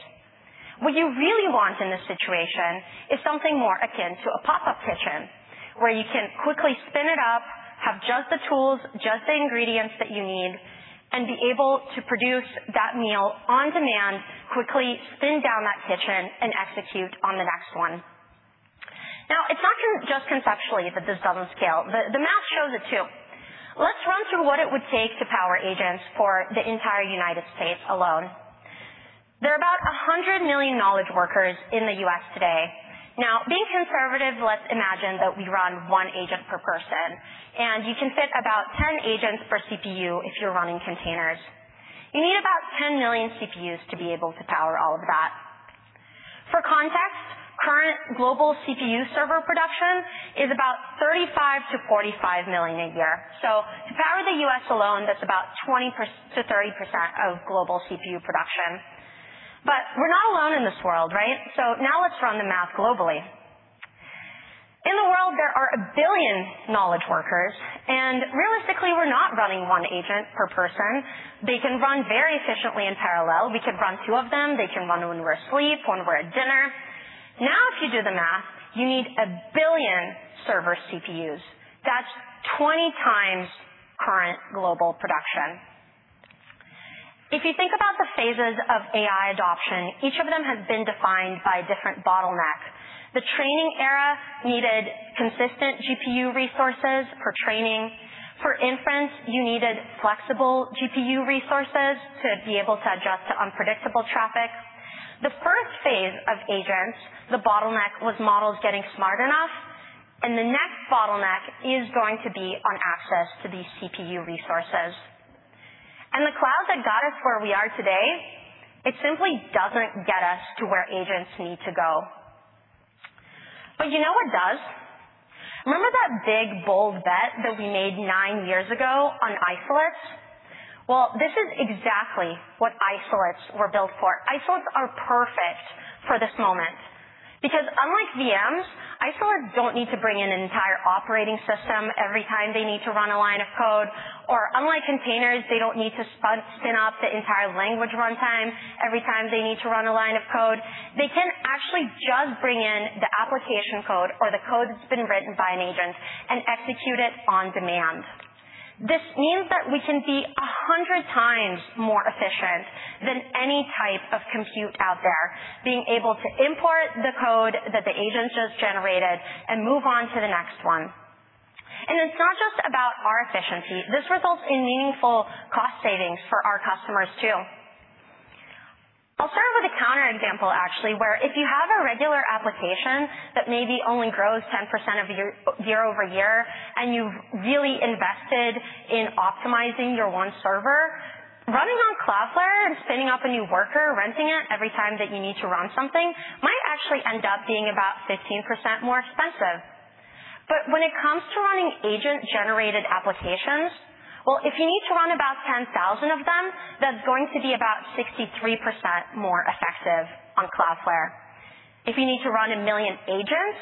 What you really want in this situation is something more akin to a pop-up kitchen, where you can quickly spin it up, have just the tools, just the ingredients that you need, and be able to produce that meal on demand, quickly spin down that kitchen and execute on the next one. It's not just conceptually that this doesn't scale. The math shows it too. Let's run through what it would take to power agents for the entire United States alone. There are about 100 million knowledge workers in the U.S. today. Being conservative, let's imagine that we run one agent per person, and you can fit about 10 agents per CPU if you're running containers. You need about 10 million CPUs to be able to power all of that. For context, current global CPU server production is about 35 million to 45 million a year. To power the U.S. alone, that's about 20%-30% of global CPU production. We're not alone in this world, right? Let's run the math globally. In the world, there are a billion knowledge workers, and realistically, we're not running one agent per person. They can run very efficiently in parallel. We could run two of them. They can run when we're asleep, when we're at dinner. If you do the math, you need a billion server CPUs. That's 20 times current global production. If you think about the phases of AI adoption, each of them has been defined by different bottlenecks. The training era needed consistent GPU resources for training. For inference, you needed flexible GPU resources to be able to adjust to unpredictable traffic. The first phase of agents, the bottleneck, was models getting smart enough, the next bottleneck is going to be on access to these CPU resources. The cloud that got us where we are today, it simply doesn't get us to where agents need to go. You know what does? Remember that big, bold bet that we made nine years ago on Isolates? This is exactly what Isolates were built for. Isolates are perfect for this moment because unlike VMs, Isolates don't need to bring in an entire operating system every time they need to run a line of code, or unlike containers, they don't need to spin up the entire language runtime every time they need to run a line of code. They can actually just bring in the application code or the code that's been written by an agent and execute it on demand. This means that we can be 100 times more efficient than any type of compute out there, being able to import the code that the agent just generated and move on to the next one. It's not just about our efficiency. This results in meaningful cost savings for our customers, too. I'll start with a counter example, actually, where if you have a regular application that maybe only grows 10% year-over-year, and you've really invested in optimizing your one server, running on Cloudflare and spinning up a new Worker, renting it every time that you need to run something, might actually end up being about 15% more expensive. When it comes to running agent-generated applications, if you need to run about 10,000 of them, that's going to be about 63% more effective on Cloudflare. If you need to run a million agents,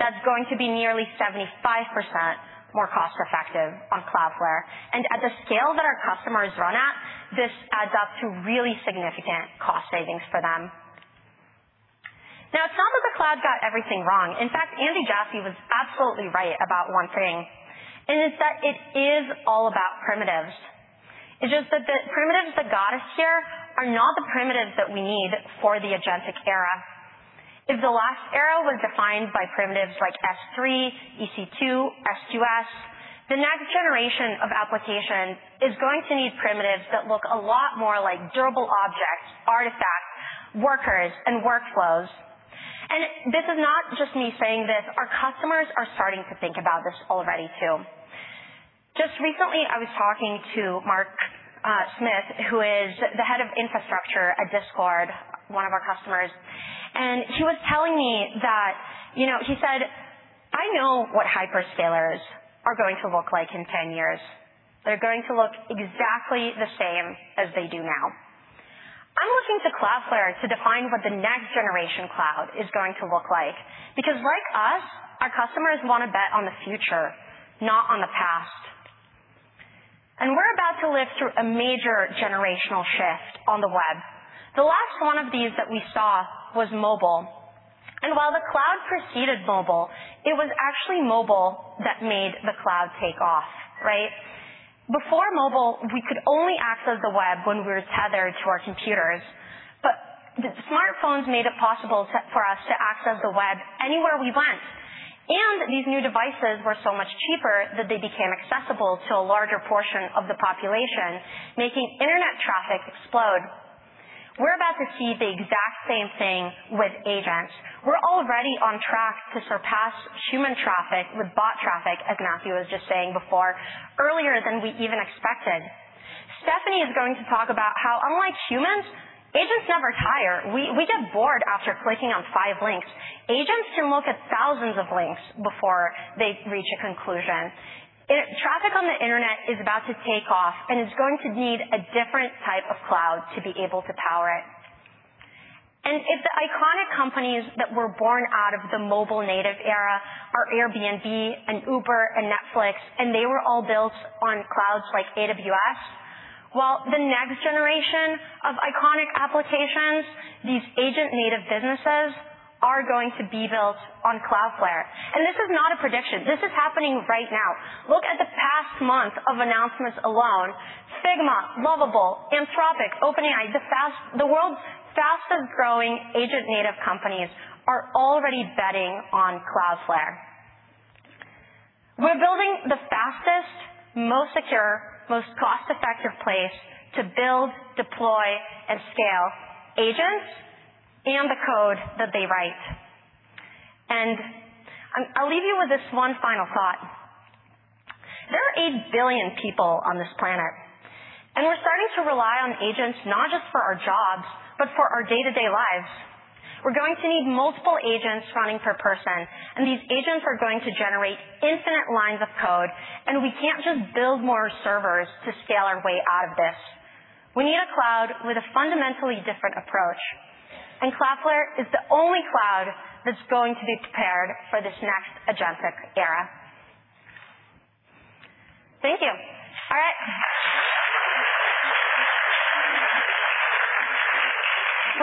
that's going to be nearly 75% more cost effective on Cloudflare. At the scale that our customers run at, this adds up to really significant cost savings for them. It's not that the cloud got everything wrong. In fact, Andy Jassy was absolutely right about one thing, it's that it is all about primitives. It's just that the primitives that got us here are not the primitives that we need for the agentic era. If the last era was defined by primitives like S3, EC2, SQS, the next generation of application is going to need primitives that look a lot more like Durable Objects, Artifacts, Workers, and Workflows. This is not just me saying this. Our customers are starting to think about this already, too. Just recently, I was talking to Mark Smith, who is the head of infrastructure at Discord, one of our customers, and he was telling me that, he said, "I know what hyperscalers are going to look like in 10 years. They're going to look exactly the same as they do now." I'm looking to Cloudflare to define what the next generation cloud is going to look like, because like us, our customers want to bet on the future, not on the past. We're about to live through a major generational shift on the web. The last one of these that we saw was mobile. While the cloud preceded mobile, it was actually mobile that made the cloud take off. Right? Before mobile, we could only access the web when we were tethered to our computers. Smartphones made it possible for us to access the web anywhere we went. These new devices were so much cheaper that they became accessible to a larger portion of the population, making internet traffic explode. We're about to see the exact same thing with agents. We're already on track to surpass human traffic with bot traffic, as Matthew was just saying before, earlier than we even expected. Stephanie is going to talk about how, unlike humans, agents never tire. We get bored after clicking on five links. Agents can look at thousands of links before they reach a conclusion. Traffic on the internet is about to take off, and it's going to need a different type of cloud to be able to power it. If the iconic companies that were born out of the mobile native era are Airbnb and Uber and Netflix, and they were all built on clouds like AWS, well, the next generation of iconic applications, these agent native businesses, are going to be built on Cloudflare. This is not a prediction. This is happening right now. Look at the past month of announcements alone. Figma, Lovable, Anthropic, OpenAI, the world's fastest-growing agent native companies are already betting on Cloudflare. We're building the fastest, most secure, most cost-effective place to build, deploy, and scale agents and the code that they write. I'll leave you with this one final thought. There are 8 billion people on this planet, and we're starting to rely on agents not just for our jobs, but for our day-to-day lives. We're going to need multiple agents running per person, and these agents are going to generate infinite lines of code, and we can't just build more servers to scale our way out of this. We need a cloud with a fundamentally different approach, Cloudflare is the only cloud that's going to be prepared for this next agentic era. Thank you. All right.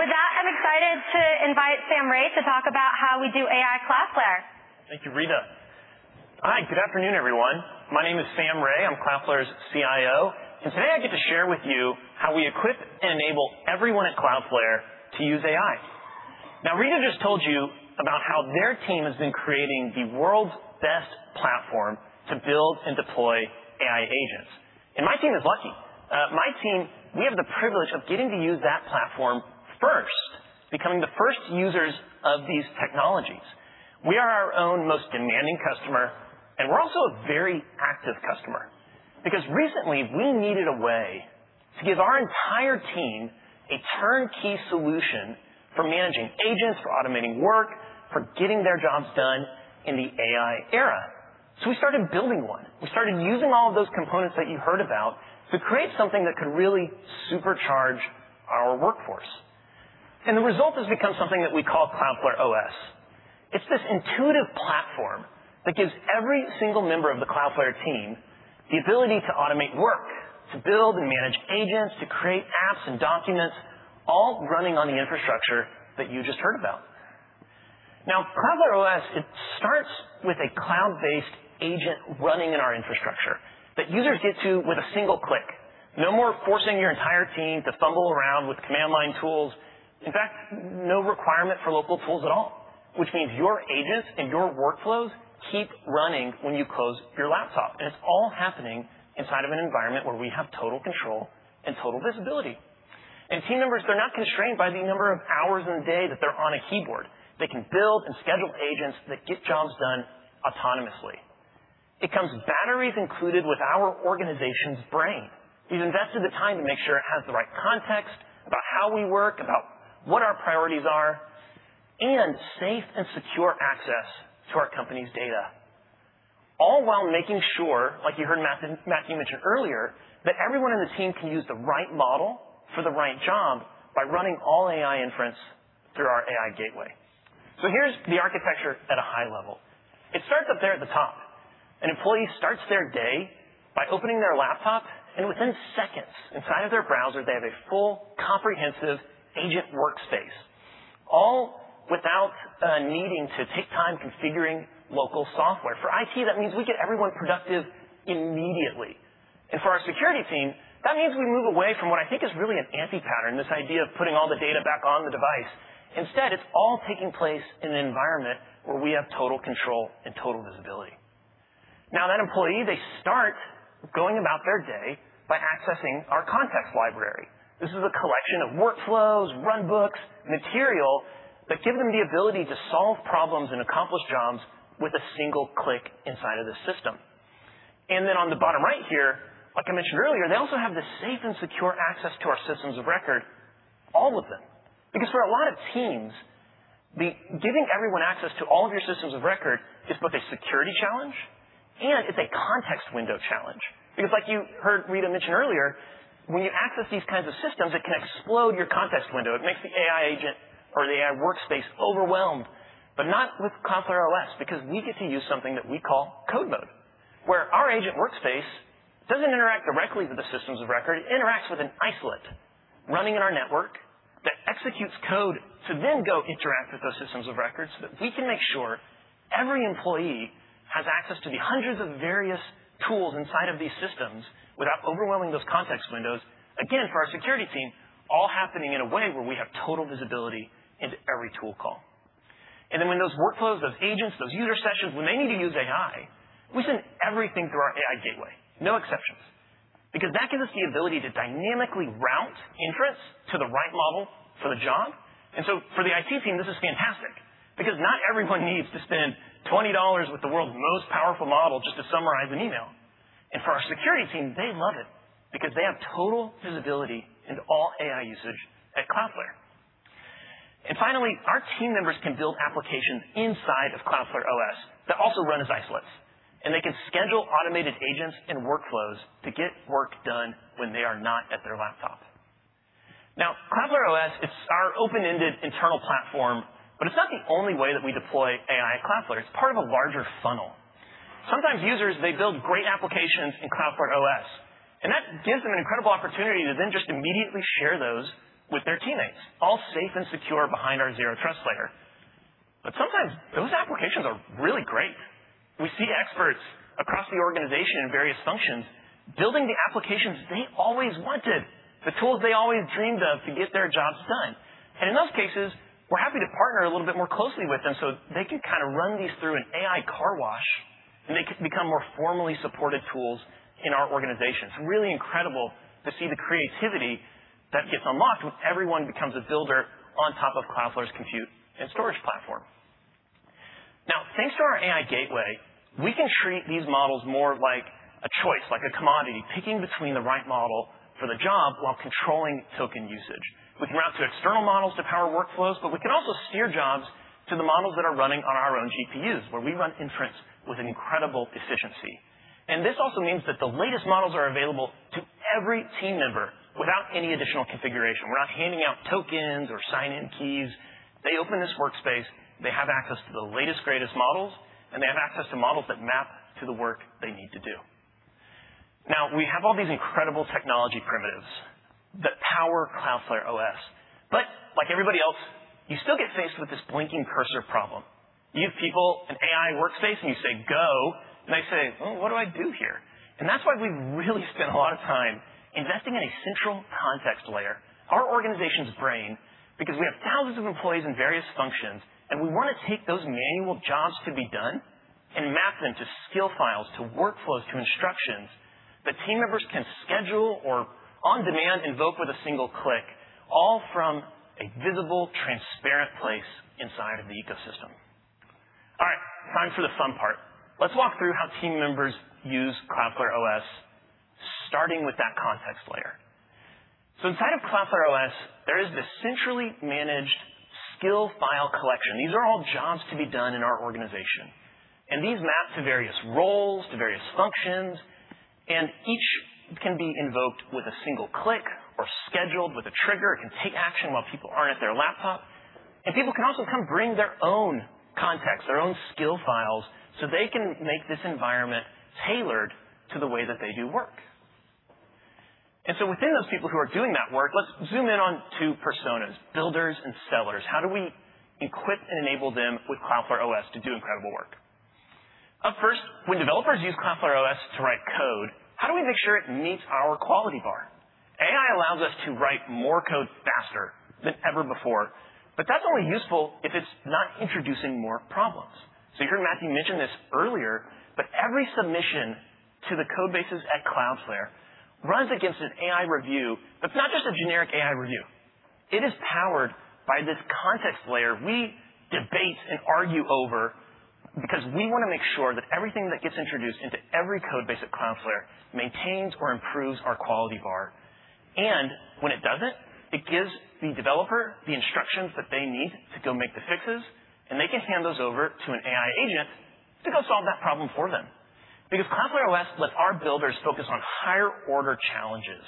With that, I'm excited to invite Sam Rhea to talk about how we do AI at Cloudflare. Thank you, Rita. Hi, good afternoon, everyone. My name is Sam Rhea. I'm Cloudflare's CIO, and today I get to share with you how we equip and enable everyone at Cloudflare to use AI. Rita just told you about how their team has been creating the world's best platform to build and deploy AI agents. We have the privilege of getting to use that platform first, becoming the first users of these technologies. We are our own most demanding customer, and we're also a very active customer, because recently we needed a way to give our entire team a turnkey solution for managing agents, for automating work, for getting their jobs done in the AI era. We started building one. We started using all of those components that you heard about to create something that could really supercharge our workforce. The result has become something that we call Cloudflare OS. It is this intuitive platform that gives every single member of the Cloudflare team the ability to automate work, to build and manage agents, to create apps and documents, all running on the infrastructure that you just heard about. Cloudflare OS, it starts with a cloud-based agent running in our infrastructure that users get to with a single click. No more forcing your entire team to fumble around with command-line tools. In fact, no requirement for local tools at all, which means your agents and your workflows keep running when you close your laptop. It is all happening inside of an environment where we have total control and total visibility. Team members, they are not constrained by the number of hours in the day that they are on a keyboard. They can build and schedule agents that get jobs done autonomously. It comes batteries included with our organization's brain. We have invested the time to make sure it has the right context about how we work, about what our priorities are, and safe and secure access to our company's data, all while making sure, like you heard Matthew mention earlier, that everyone on the team can use the right model for the right job by running all AI inference through our AI gateway. Here is the architecture at a high level. It starts up there at the top. An employee starts their day by opening their laptop, and within seconds, inside of their browser, they have a full, comprehensive agent workspace, all without needing to take time configuring local software. For IT, that means we get everyone productive immediately. For our security team, that means we move away from what I think is really an anti-pattern, this idea of putting all the data back on the device. Instead, it is all taking place in an environment where we have total control and total visibility. That employee, they start going about their day by accessing our context library. This is a collection of workflows, runbooks, material that give them the ability to solve problems and accomplish jobs with a single click inside of the system. Then on the bottom right here, like I mentioned earlier, they also have the safe and secure access to our systems of record, all of them. Because for a lot of teams, giving everyone access to all of your systems of record is both a security challenge and it is a context window challenge. Because like you heard Rita mention earlier, when you access these kinds of systems, it can explode your context window. It makes the AI agent or the AI workspace overwhelmed, but not with Cloudflare OS, because we get to use something that we call Code Mode, where our agent workspace does not interact directly with the systems of record. It interacts with an isolate running in our network that executes code to then go interact with those systems of record so that we can make sure every employee has access to the hundreds of various tools inside of these systems without overwhelming those context windows. Again, for our security team, all happening in a way where we have total visibility into every tool call. Then when those workflows, those agents, those user sessions, when they need to use AI, we send everything through our AI gateway, no exceptions. that gives us the ability to dynamically route inference to the right model for the job. For the IT team, this is fantastic because not everyone needs to spend $20 with the world's most powerful model just to summarize an email. For our security team, they love it because they have total visibility into all AI usage at Cloudflare. Finally, our team members can build applications inside of Cloudflare OS that also run as isolates, and they can schedule automated agents and workflows to get work done when they are not at their laptop. Cloudflare OS, it's our open-ended internal platform, but it's not the only way that we deploy AI at Cloudflare. It's part of a larger funnel. Sometimes users, they build great applications in Cloudflare OS, that gives them an incredible opportunity to then just immediately share those with their teammates, all safe and secure behind our Zero Trust layer. Sometimes those applications are really great. We see experts across the organization in various functions building the applications they always wanted, the tools they always dreamed of to get their jobs done. In those cases, we're happy to partner a little bit more closely with them so they can kind of run these through an AI car wash, and they can become more formally supported tools in our organizations. It's really incredible to see the creativity that gets unlocked when everyone becomes a builder on top of Cloudflare's compute and storage platform. Thanks to our AI Gateway, we can treat these models more like a choice, like a commodity, picking between the right model for the job while controlling token usage. We can route to external models to power workflows, but we can also steer jobs to the models that are running on our own GPUs, where we run inference with incredible efficiency. This also means that the latest models are available to every team member without any additional configuration. We're not handing out tokens or sign-in keys. They open this workspace, they have access to the latest, greatest models, and they have access to models that map to the work they need to do. We have all these incredible technology primitives that power Cloudflare OS. Like everybody else, you still get faced with this blinking cursor problem. You give people an AI workspace and you say, "Go," and they say, "Well, what do I do here?" That's why we've really spent a lot of time investing in a central context layer, our organization's brain, because we have thousands of employees in various functions, and we want to take those manual jobs to be done and map them to skill files, to workflows, to instructions that team members can schedule or on-demand invoke with a single click, all from a visible, transparent place inside of the ecosystem. Time for the fun part. Let's walk through how team members use Cloudflare OS, starting with that context layer. Inside of Cloudflare OS, there is this centrally managed skill file collection. These are all jobs to be done in our organization. These map to various roles, to various functions, each can be invoked with a single click or scheduled with a trigger. It can take action while people aren't at their laptop. People can also come bring their own context, their own skill files, so they can make this environment tailored to the way that they do work. Within those people who are doing that work, let's zoom in on two personas, builders and sellers. How do we equip and enable them with Cloudflare OS to do incredible work? Up first, when developers use Cloudflare OS to write code, how do we make sure it meets our quality bar? AI allows us to write more code faster than ever before, but that's only useful if it's not introducing more problems. You heard Matthew mention this earlier, every submission to the codebases at Cloudflare runs against an AI review. It's not just a generic AI review. It is powered by this context layer we debate and argue over because we want to make sure that everything that gets introduced into every codebase at Cloudflare maintains or improves our quality bar. When it doesn't, it gives the developer the instructions that they need to go make the fixes, and they can hand those over to an AI agent to go solve that problem for them. Cloudflare OS lets our builders focus on higher order challenges,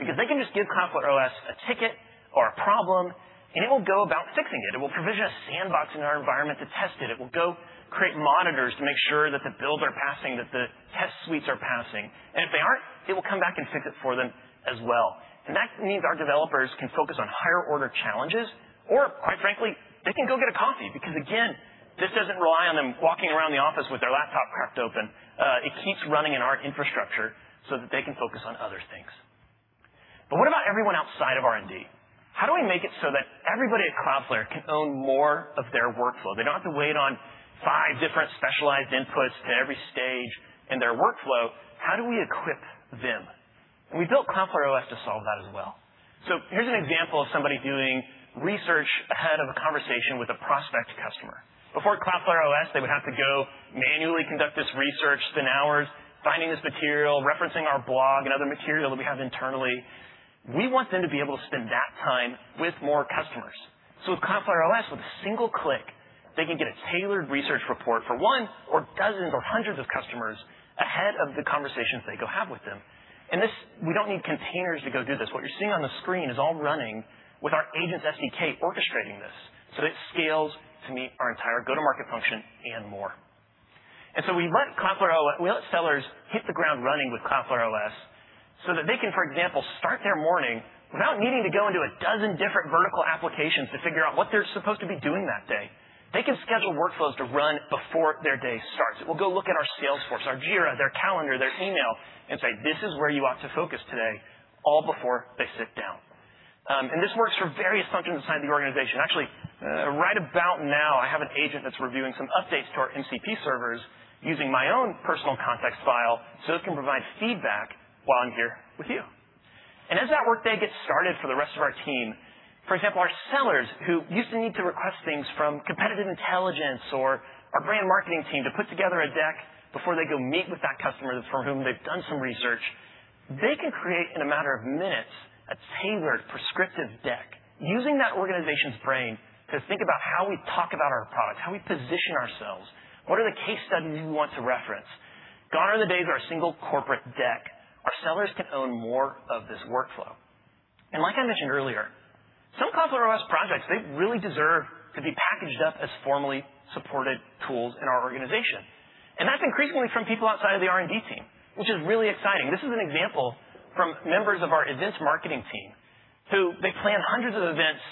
they can just give Cloudflare OS a ticket or a problem, and it will go about fixing it. It will provision a sandbox in our environment to test it. It will go create monitors to make sure that the builds are passing, that the test suites are passing. If they aren't, it will come back and fix it for them as well. That means our developers can focus on higher order challenges, or quite frankly, they can go get a coffee. Again, this doesn't rely on them walking around the office with their laptop cracked open. It keeps running in our infrastructure so that they can focus on other things. What about everyone outside of R&D? How do we make it so that everybody at Cloudflare can own more of their workflow? They don't have to wait on five different specialized inputs to every stage in their workflow. How do we equip them? We built Cloudflare OS to solve that as well. Here's an example of somebody doing research ahead of a conversation with a prospect customer. Before Cloudflare OS, they would have to go manually conduct this research, spend hours finding this material, referencing our blog, and other material that we have internally. We want them to be able to spend that time with more customers. With Cloudflare OS, with a single click, they can get a tailored research report for one or dozens or hundreds of customers ahead of the conversations they go have with them. This, we don't need containers to go do this. What you're seeing on the screen is all running with our Agents SDK orchestrating this so that it scales to meet our entire go-to-market function and more. We let sellers hit the ground running with Cloudflare OS so that they can, for example, start their morning without needing to go into a dozen different vertical applications to figure out what they're supposed to be doing that day. They can schedule Workflows to run before their day starts. It will go look in our Salesforce, our Jira, their calendar, their email, and say, "This is where you ought to focus today," all before they sit down. This works for various functions inside the organization. Actually, right about now, I have an agent that's reviewing some updates to our MCP servers using my own personal context file so it can provide feedback while I'm here with you. As that workday gets started for the rest of our team, for example, our sellers who used to need to request things from competitive intelligence or our brand marketing team to put together a deck before they go meet with that customer for whom they've done some research, they can create, in a matter of minutes, a tailored, prescriptive deck using that organization's brain to think about how we talk about our product, how we position ourselves, what are the case studies we want to reference. Gone are the days of our single corporate deck. Our sellers can own more of this workflow. Like I mentioned earlier, some Cloudflare OS projects, they really deserve to be packaged up as formally supported tools in our organization. That's increasingly from people outside of the R&D team, which is really exciting. This is an example from members of our events marketing team, who they plan hundreds of events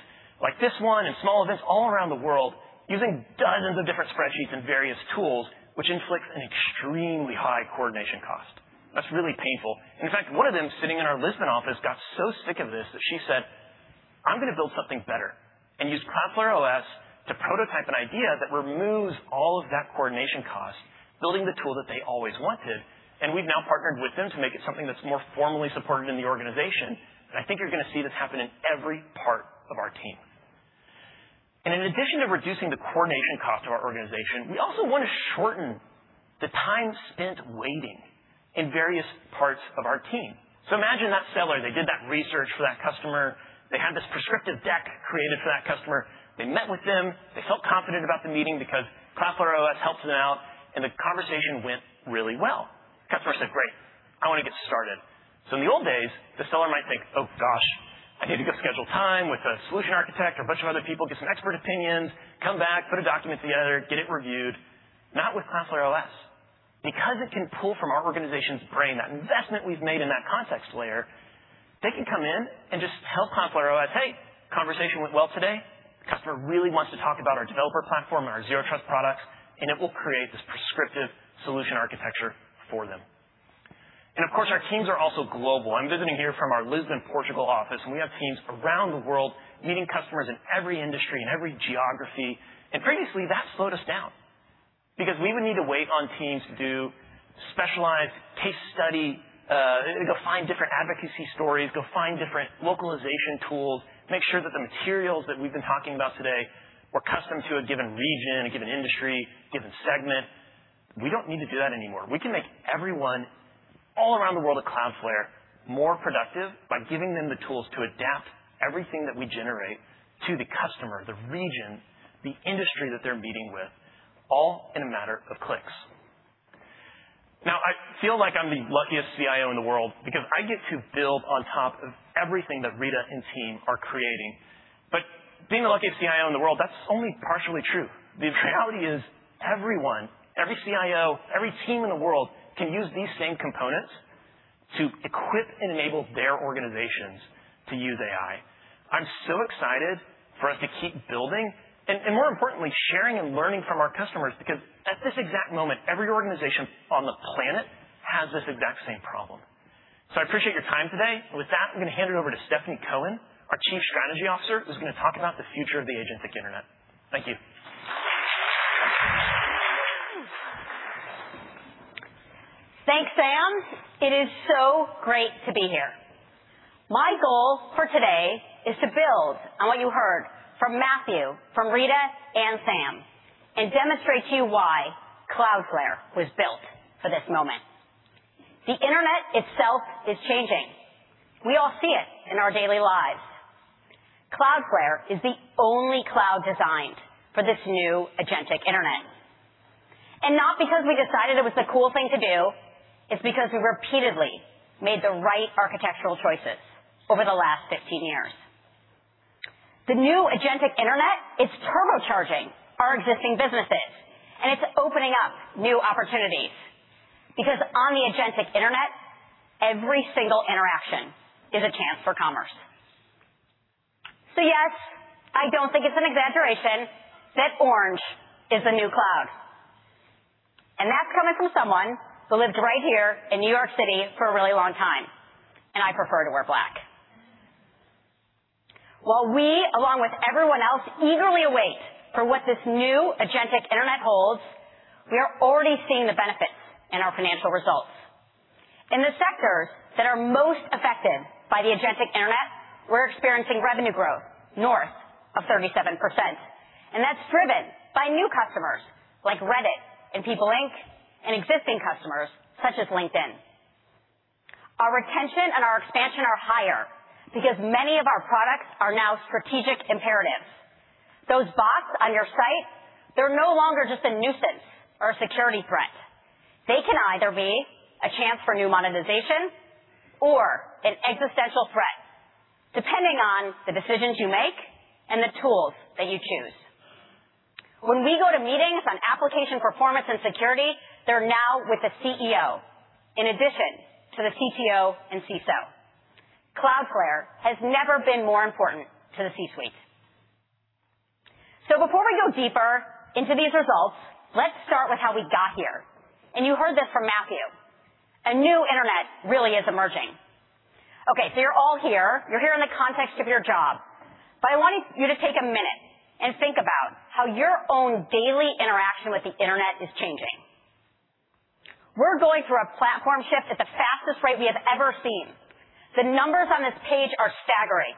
like this one and small events all around the world, using dozens of different spreadsheets and various tools, which inflicts an extremely high coordination cost. That's really painful. In fact, one of them sitting in our Lisbon office got so sick of this that she said, "I'm going to build something better," and used Cloudflare OS to prototype an idea that removes all of that coordination cost, building the tool that they always wanted. We've now partnered with them to make it something that's more formally supported in the organization. I think you're going to see this happen in every part of our team. In addition to reducing the coordination cost of our organization, we also want to shorten the time spent waiting in various parts of our team. Imagine that seller, they did that research for that customer. They had this prescriptive deck created for that customer. They met with them. They felt confident about the meeting because Cloudflare OS helped them out, the conversation went really well. Customer said, "Great, I want to get started." In the old days, the seller might think, "Oh, gosh, I need to go schedule time with a solution architect or a bunch of other people, get some expert opinions, come back, put a document together, get it reviewed." Not with Cloudflare OS. Because it can pull from our organization's brain that investment we've made in that context layer, they can come in and just tell Cloudflare OS, "Hey, conversation went well today. Customer really wants to talk about our developer platform and our Zero Trust products," and it will create this prescriptive solution architecture for them. Of course, our teams are also global. I'm visiting here from our Lisbon, Portugal office, and we have teams around the world meeting customers in every industry and every geography. Previously, that slowed us down because we would need to wait on teams to do specialized case study, go find different advocacy stories, go find different localization tools, make sure that the materials that we've been talking about today were custom to a given region, a given industry, given segment. We don't need to do that anymore. We can make everyone all around the world at Cloudflare more productive by giving them the tools to adapt everything that we generate to the customer, the region, the industry that they're meeting with, all in a matter of clicks. I feel like I'm the luckiest CIO in the world because I get to build on top of everything that Rita and team are creating. Being the luckiest CIO in the world, that's only partially true. The reality is everyone, every CIO, every team in the world, can use these same components to equip and enable their organizations to use AI. I'm so excited for us to keep building and more importantly, sharing and learning from our customers, because at this exact moment, every organization on the planet has this exact same problem. I appreciate your time today. With that, I'm going to hand it over to Stephanie Cohen, our Chief Strategy Officer, who's going to talk about the future of the agentic internet. Thank you. Thanks, Sam. It is so great to be here. My goal for today is to build on what you heard from Matthew, from Rita, and Sam, and demonstrate to you why Cloudflare was built for this moment. The internet itself is changing. We all see it in our daily lives. Cloudflare is the only cloud designed for this new agentic internet. Not because we decided it was the cool thing to do, it's because we repeatedly made the right architectural choices over the last 15 years. The new agentic internet, it's turbocharging our existing businesses, and it's opening up new opportunities. Because on the agentic internet, every single interaction is a chance for commerce. Yes, I don't think it's an exaggeration that orange is the new cloud. That's coming from someone who lived right here in New York City for a really long time, and I prefer to wear black. While we, along with everyone else, eagerly await for what this new agentic internet holds, we are already seeing the benefits in our financial results. In the sectors that are most affected by the agentic internet, we're experiencing revenue growth north of 37%, and that's driven by new customers like Reddit and PeopleLink, and existing customers such as LinkedIn. Our retention and our expansion are higher because many of our products are now strategic imperatives. Those bots on your site, they're no longer just a nuisance or a security threat. They can either be a chance for new monetization or an existential threat, depending on the decisions you make and the tools that you choose. When we go to meetings on application performance and security, they're now with the CEO in addition to the CTO and CISO. Cloudflare has never been more important to the C-suite. Before we go deeper into these results, let's start with how we got here. You heard this from Matthew. A new internet really is emerging. You're all here, you're here in the context of your job, but I want you to take a minute and think about how your own daily interaction with the internet is changing. We're going through a platform shift at the fastest rate we have ever seen. The numbers on this page are staggering.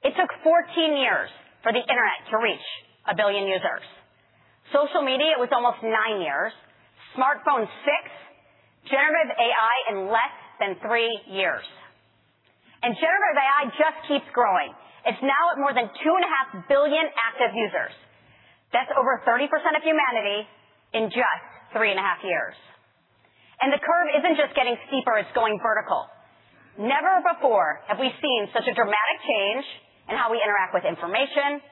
It took 14 years for the internet to reach a billion users. Social media, it was almost nine years, smartphones, six, generative AI in less than three years. Generative AI just keeps growing. It's now at more than 2.5 billion active users. That's over 30% of humanity in just 3.5 years. The curve isn't just getting steeper, it's going vertical. Never before have we seen such a dramatic change in how we interact with information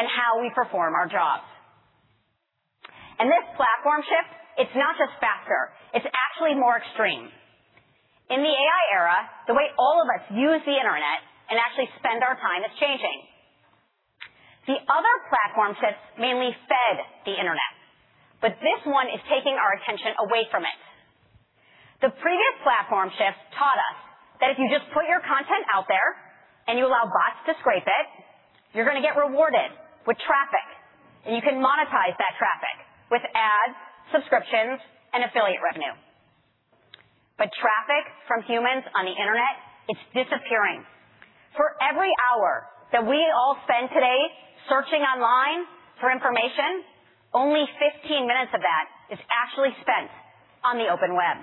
and how we perform our jobs. This platform shift, it's not just faster, it's actually more extreme. In the AI era, the way all of us use the internet and actually spend our time is changing. The other platform shifts mainly fed the internet, but this one is taking our attention away from it. The previous platform shifts taught us that if you just put your content out there and you allow bots to scrape it, you're going to get rewarded with traffic, and you can monetize that traffic with ads, subscriptions, and affiliate revenue. Traffic from humans on the internet, it's disappearing. For every hour that we all spend today searching online for information, only 15 minutes of that is actually spent on the open web.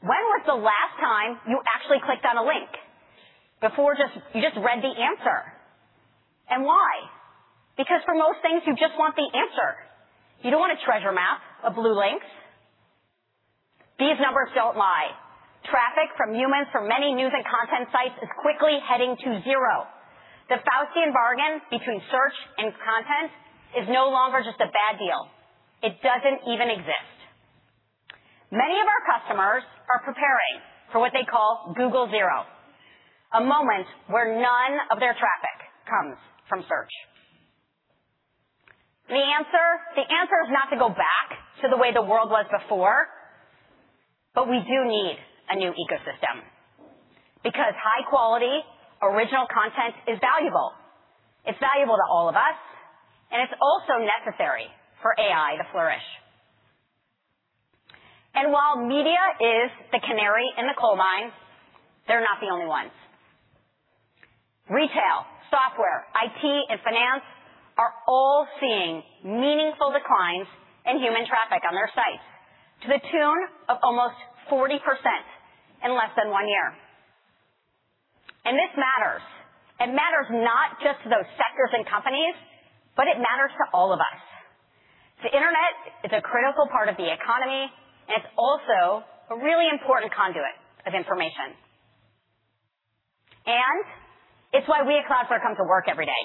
When was the last time you actually clicked on a link before you just read the answer? Why? Because for most things, you just want the answer. You don't want a treasure map of blue links. These numbers don't lie. Traffic from humans from many news and content sites is quickly heading to zero. The Faustian bargain between search and content is no longer just a bad deal. It doesn't even exist. Many of our customers are preparing for what they call Google Zero, a moment where none of their traffic comes from search. The answer is not to go back to the way the world was before, we do need a new ecosystem because high-quality, original content is valuable. It's valuable to all of us, and it's also necessary for AI to flourish. While media is the canary in the coal mine, they're not the only ones. Retail, software, IT, and finance are all seeing meaningful declines in human traffic on their sites to the tune of almost 40% in less than one year. This matters. It matters not just to those sectors and companies, but it matters to all of us. The internet is a critical part of the economy, and it's also a really important conduit of information. It's why we at Cloudflare come to work every day.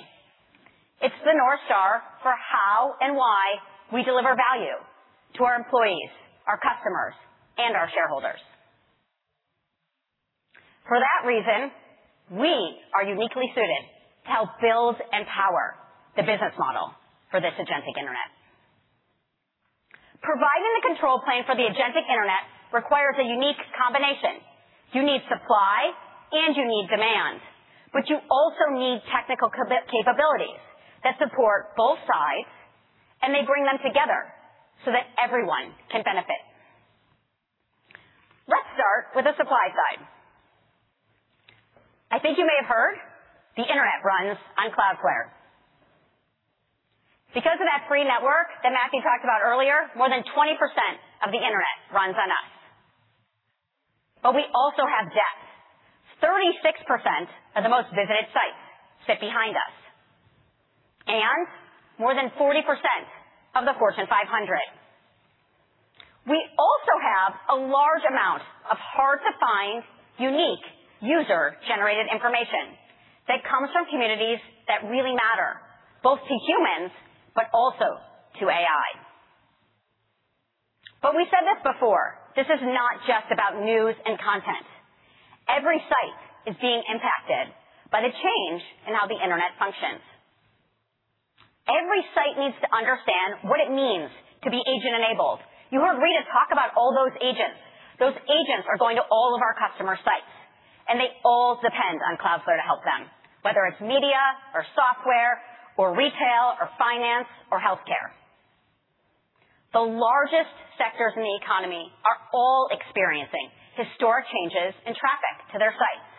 It's the North Star for how and why we deliver value to our employees, our customers, and our shareholders. For that reason, we are uniquely suited to help build and power the business model for this agentic internet. Providing the control plane for the agentic internet requires a unique combination. You need supply and you need demand, but you also need technical capabilities that support both sides, and they bring them together so that everyone can benefit. Let's start with the supply side. I think you may have heard the internet runs on Cloudflare. Because of that free network that Matthew talked about earlier, more than 20% of the internet runs on us. We also have depth. 36% of the most visited sites sit behind us, and more than 40% of the Fortune 500. We also have a large amount of hard-to-find, unique user-generated information that comes from communities that really matter, both to humans but also to AI. We said this before, this is not just about news and content. Every site is being impacted by the change in how the internet functions. Every site needs to understand what it means to be agent-enabled. You heard Rita talk about all those agents. Those agents are going to all of our customer sites, and they all depend on Cloudflare to help them, whether it's media or software or retail or finance or healthcare. The largest sectors in the economy are all experiencing historic changes in traffic to their sites,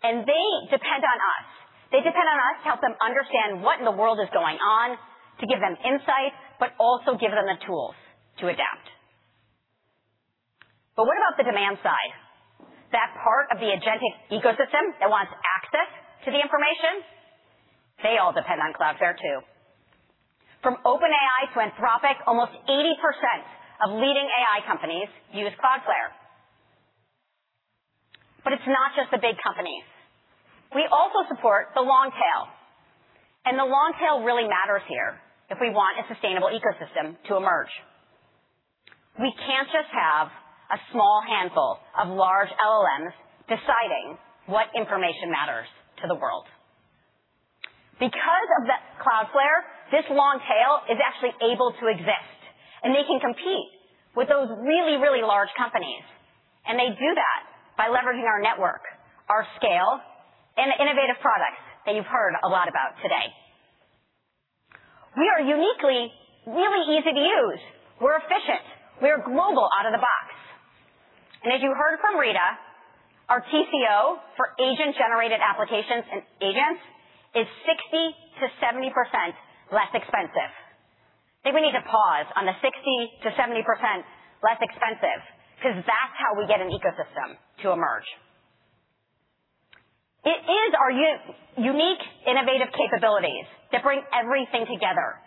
and they depend on us. They depend on us to help them understand what in the world is going on, to give them insight, but also give them the tools to adapt. What about the demand side? That part of the agentic ecosystem that wants access to the information, they all depend on Cloudflare too. From OpenAI to Anthropic, almost 80% of leading AI companies use Cloudflare. It's not just the big companies. We also support the long tail, and the long tail really matters here if we want a sustainable ecosystem to emerge. We can't just have a small handful of large LLMs deciding what information matters to the world. Because of the Cloudflare, this long tail is actually able to exist, and they can compete with those really, really large companies, and they do that by leveraging our network, our scale, and the innovative products that you've heard a lot about today. We are uniquely really easy to use. We're efficient. We're global out of the box. As you heard from Rita, our TCO for agent-generated applications and agents is 60%-70% less expensive. I think we need to pause on the 60%-70% less expensive, because that's how we get an ecosystem to emerge. It is our unique, innovative capabilities that bring everything together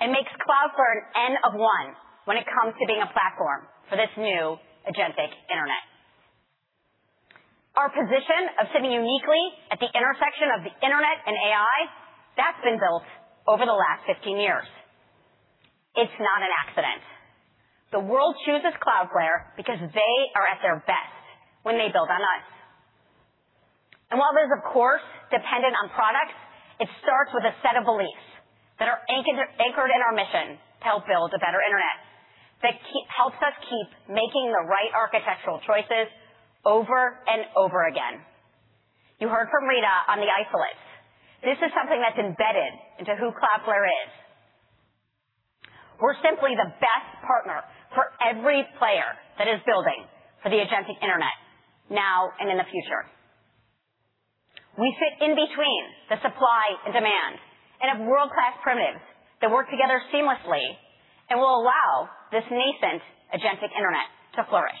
and makes Cloudflare an N of one when it comes to being a platform for this new agentic internet. Our position of sitting uniquely at the intersection of the internet and AI, that's been built over the last 15 years. It's not an accident. The world chooses Cloudflare because they are at their best when they build on us. While there's a course dependent on products, it starts with a set of beliefs that are anchored in our mission to help build a better internet that helps us keep making the right architectural choices over and over again. You heard from Rita on the Isolates. This is something that's embedded into who Cloudflare is. We're simply the best partner for every player that is building for the agentic internet now and in the future. We sit in between the supply and demand and have world-class primitives that work together seamlessly and will allow this nascent agentic internet to flourish.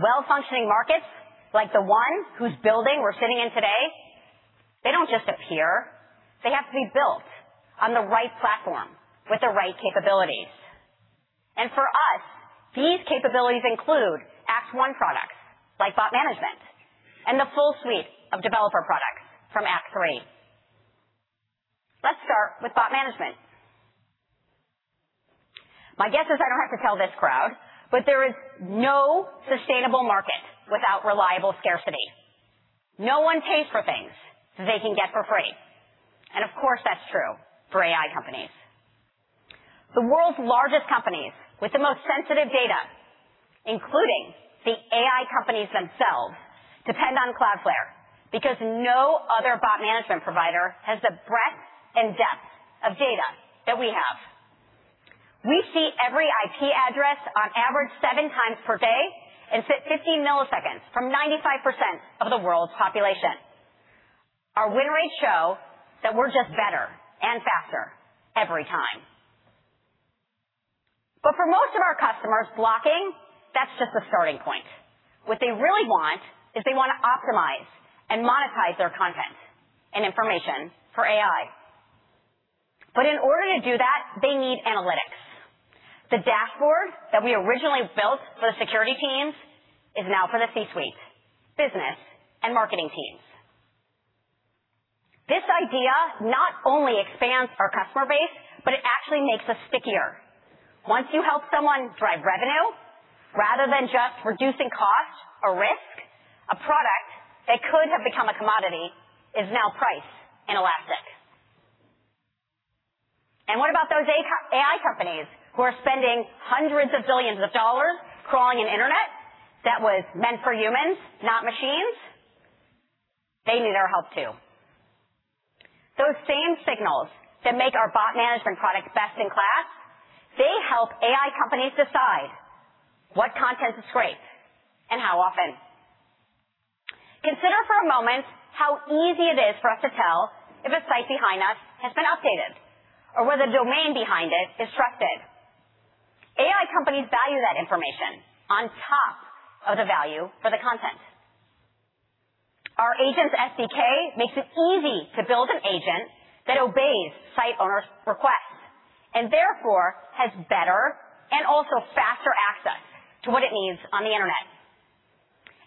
Well-functioning markets like the one whose building we're sitting in today, they don't just appear. They have to be built on the right platform with the right capabilities. For us, these capabilities include Act One products like Bot Management and the full suite of developer products from Act Three. Let's start with Bot Management. My guess is I don't have to tell this crowd, there is no sustainable market without reliable scarcity. No one pays for things they can get for free, and of course, that's true for AI companies. The world's largest companies with the most sensitive data, including the AI companies themselves, depend on Cloudflare because no other Bot Management provider has the breadth and depth of data that we have. We see every IP address on average 7 times per day and sit 15 milliseconds from 95% of the world's population. Our win rates show that we're just better and faster every time. For most of our customers blocking, that's just the starting point. What they really want is they want to optimize and monetize their content and information for AI. In order to do that, they need analytics. The dashboard that we originally built for the security teams is now for the C-suite, business, and marketing teams. This idea not only expands our customer base, it actually makes us stickier. Once you help someone drive revenue rather than just reducing cost or risk, a product that could have become a commodity is now priced inelastic. What about those AI companies who are spending hundreds of billions of dollars crawling an internet that was meant for humans, not machines? They need our help too. Those same signals that make our Bot Management product best in class, they help AI companies decide what content is scraped and how often. Consider for a moment how easy it is for us to tell if a site behind us has been outdated or whether the domain behind it is trusted. AI companies value that information on top of the value for the content. Our Agents SDK makes it easy to build an agent that obeys site owners' requests, and therefore has better and also faster access to what it needs on the internet.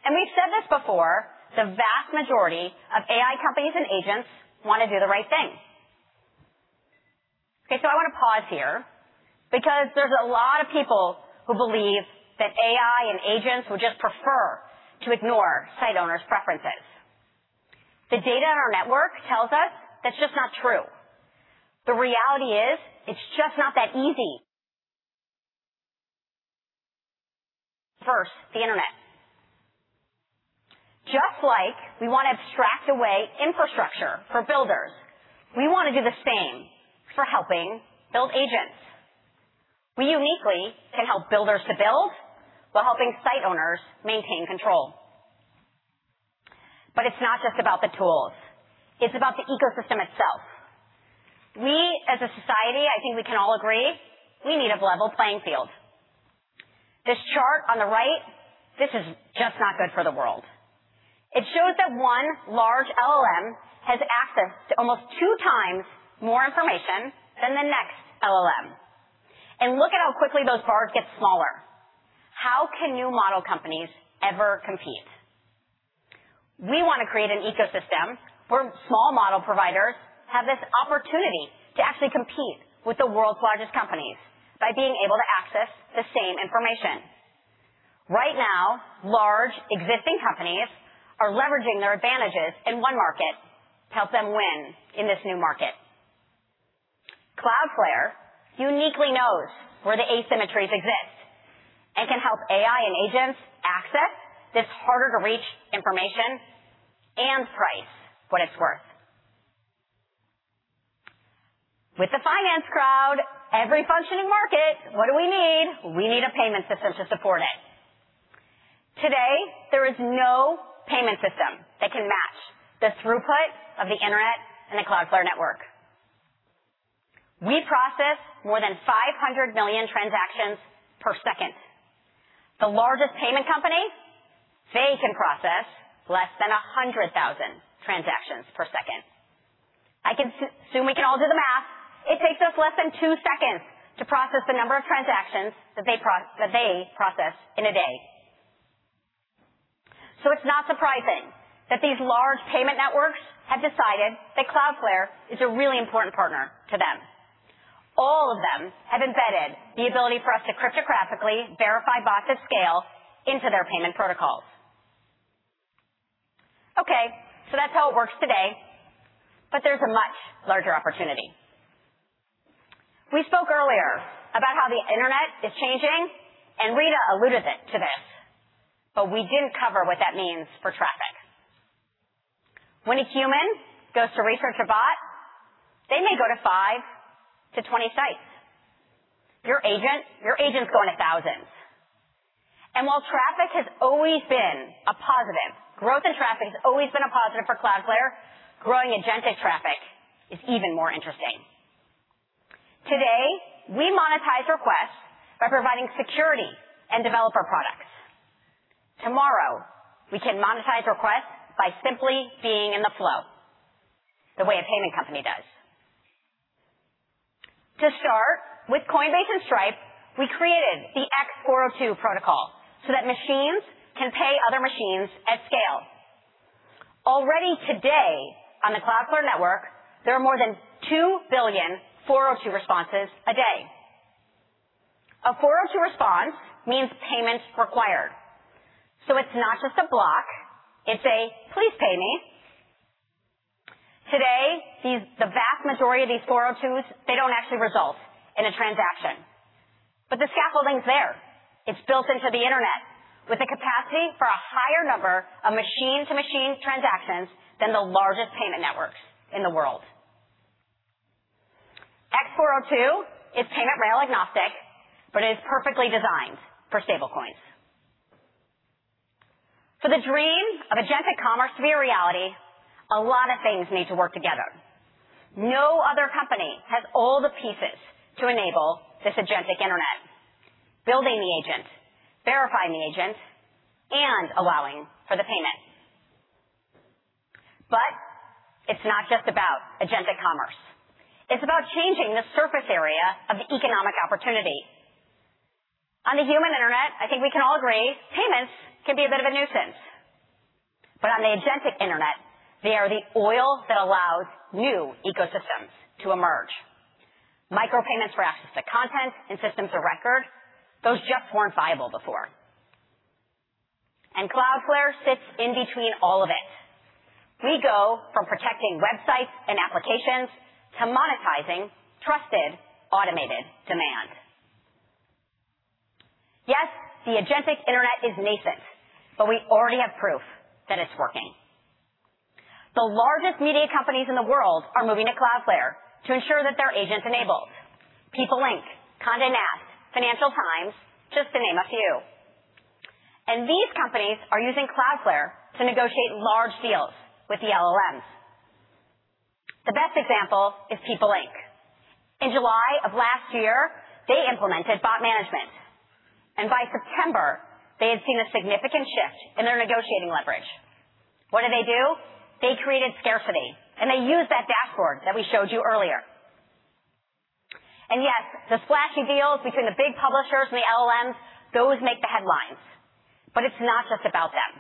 We've said this before, the vast majority of AI companies and agents want to do the right thing. I want to pause here because there's a lot of people who believe that AI and agents would just prefer to ignore site owners' preferences. The data on our network tells us that's just not true. The reality is it's just not that easy. First, the internet. Just like we want to abstract away infrastructure for builders, we want to do the same for helping build agents. We uniquely can help builders to build while helping site owners maintain control. It's not just about the tools, it's about the ecosystem itself. We, as a society, I think we can all agree, we need a level playing field. This chart on the right, this is just not good for the world. It shows that one large LLM has access to almost two times more information than the next LLM. Look at how quickly those bars get smaller. How can new model companies ever compete? We want to create an ecosystem where small model providers have this opportunity to actually compete with the world's largest companies by being able to access the same information. Right now, large existing companies are leveraging their advantages in one market to help them win in this new market. Cloudflare uniquely knows where the asymmetries exist and can help AI and agents access this harder-to-reach information and price what it's worth. With the finance crowd, every functioning market, what do we need? We need a payment system to support it. Today, there is no payment system that can match the throughput of the internet and the Cloudflare network. We process more than 500 million transactions per second. The largest payment company, they can process less than 100,000 transactions per second. I assume we can all do the math. It takes us less than two seconds to process the number of transactions that they process in a day. It's not surprising that these large payment networks have decided that Cloudflare is a really important partner to them. All of them have embedded the ability for us to cryptographically verify bots at scale into their payment protocols. That's how it works today, but there's a much larger opportunity. We spoke earlier about how the internet is changing, and Rita alluded to this, but we didn't cover what that means for traffic. When a human goes to research a bot, they may go to five to 20 sites. Your agent's going to thousands. While traffic has always been a positive, growth in traffic has always been a positive for Cloudflare, growing agentic traffic is even more interesting. Today, we monetize requests by providing security and developer products. Tomorrow, we can monetize requests by simply being in the flow, the way a payment company does. To start, with Coinbase and Stripe, we created the X402 protocol so that machines can pay other machines at scale. Already today on the Cloudflare network, there are more than two billion 402 responses a day. A 402 response means payment required. It's not just a block, it's a, "Please pay me." Today, the vast majority of these 402s, they don't actually result in a transaction. The scaffolding's there. It's built into the internet with the capacity for a higher number of machine-to-machine transactions than the largest payment networks in the world. X402 is payment rail agnostic, but it is perfectly designed for stablecoins. For the dream of agentic commerce to be a reality, a lot of things need to work together. No other company has all the pieces to enable this agentic internet, building the agent, verifying the agent, and allowing for the payment. It's not just about agentic commerce. It's about changing the surface area of the economic opportunity. On the human internet, I think we can all agree, payments can be a bit of a nuisance. On the agentic internet, they are the oil that allows new ecosystems to emerge. Micro payments for access to content and systems of record, those just weren't viable before. Cloudflare sits in between all of it. We go from protecting websites and applications to monetizing trusted, automated demand. Yes, the agentic internet is nascent, but we already have proof that it's working. The largest media companies in the world are moving to Cloudflare to ensure that they're agent-enabled. PeopleLink, Condé Nast, Financial Times, just to name a few. These companies are using Cloudflare to negotiate large deals with the LLMs. The best example is PeopleLink. In July of last year, they implemented Bot Management, by September, they had seen a significant shift in their negotiating leverage. What did they do? They created scarcity, and they used that dashboard that we showed you earlier. Yes, the splashy deals between the big publishers and the LLMs, those make the headlines. It's not just about them.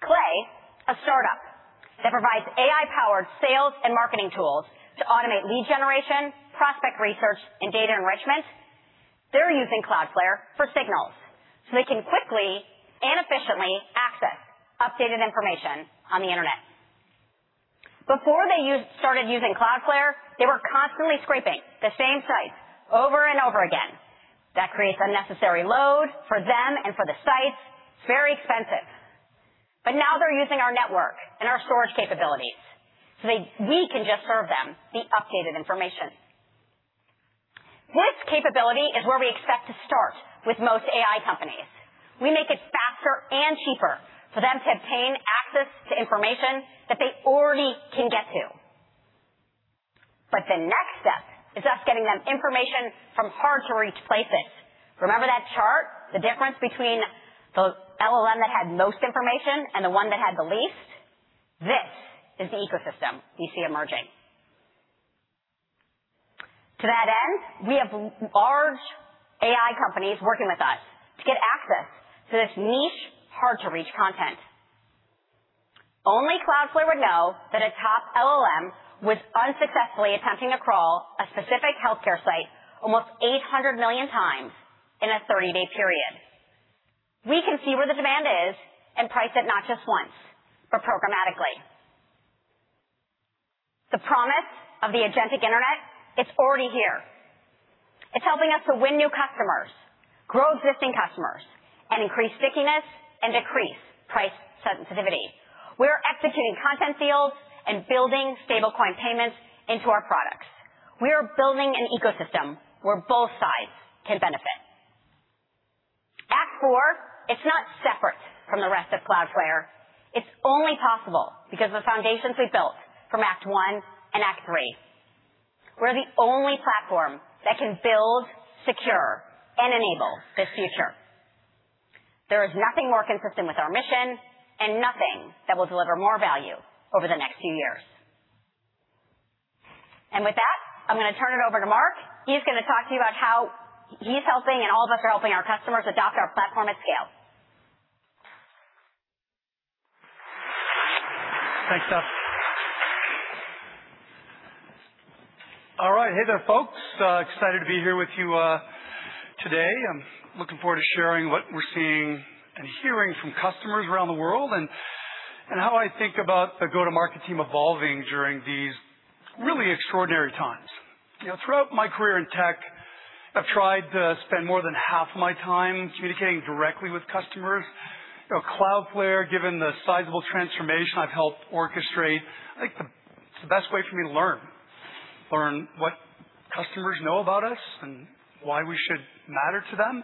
Clay, a startup that provides AI-powered sales and marketing tools to automate lead generation, prospect research, and data enrichment, they're using Cloudflare for signals so they can quickly and efficiently access updated information on the internet. Before they started using Cloudflare, they were constantly scraping the same sites over and over again. That creates unnecessary load for them and for the sites. It's very expensive. Now they're using our network and our storage capabilities, so we can just serve them the updated information. This capability is where we expect to start with most AI companies. We make it faster and cheaper for them to obtain access to information that they already can get to. The next step is us getting them information from hard-to-reach places. Remember that chart? The difference between the LLM that had the most information and the one that had the least? This is the ecosystem you see emerging. To that end, we have large AI companies working with us to get access to this niche, hard-to-reach content. Only Cloudflare would know that a top LLM was unsuccessfully attempting to crawl a specific healthcare site almost 800 million times in a 30-day period. We can see where the demand is and price it not just once, but programmatically. The promise of the agentic internet, it's already here. It's helping us to win new customers, grow existing customers, and increase stickiness and decrease price sensitivity. We're executing content deals and building stable coin payments into our products. We are building an ecosystem where both sides can benefit. Act 4, it's not separate from the rest of Cloudflare. It's only possible because of the foundations we built from act one and act three. We're the only platform that can build, secure, and enable this future. There is nothing more consistent with our mission and nothing that will deliver more value over the next few years. With that, I'm going to turn it over to Mark. He's going to talk to you about how he's helping, and all of us are helping our customers adopt our platform at scale. Thanks, Steph. All right. Hey there, folks. Excited to be here with you today. I'm looking forward to sharing what we're seeing and hearing from customers around the world and how I think about the go-to-market team evolving during these really extraordinary times. Throughout my career in tech, I've tried to spend more than half my time communicating directly with customers. Cloudflare, given the sizable transformation I've helped orchestrate, I think it's the best way for me to learn. Learn what customers know about us and why we should matter to them.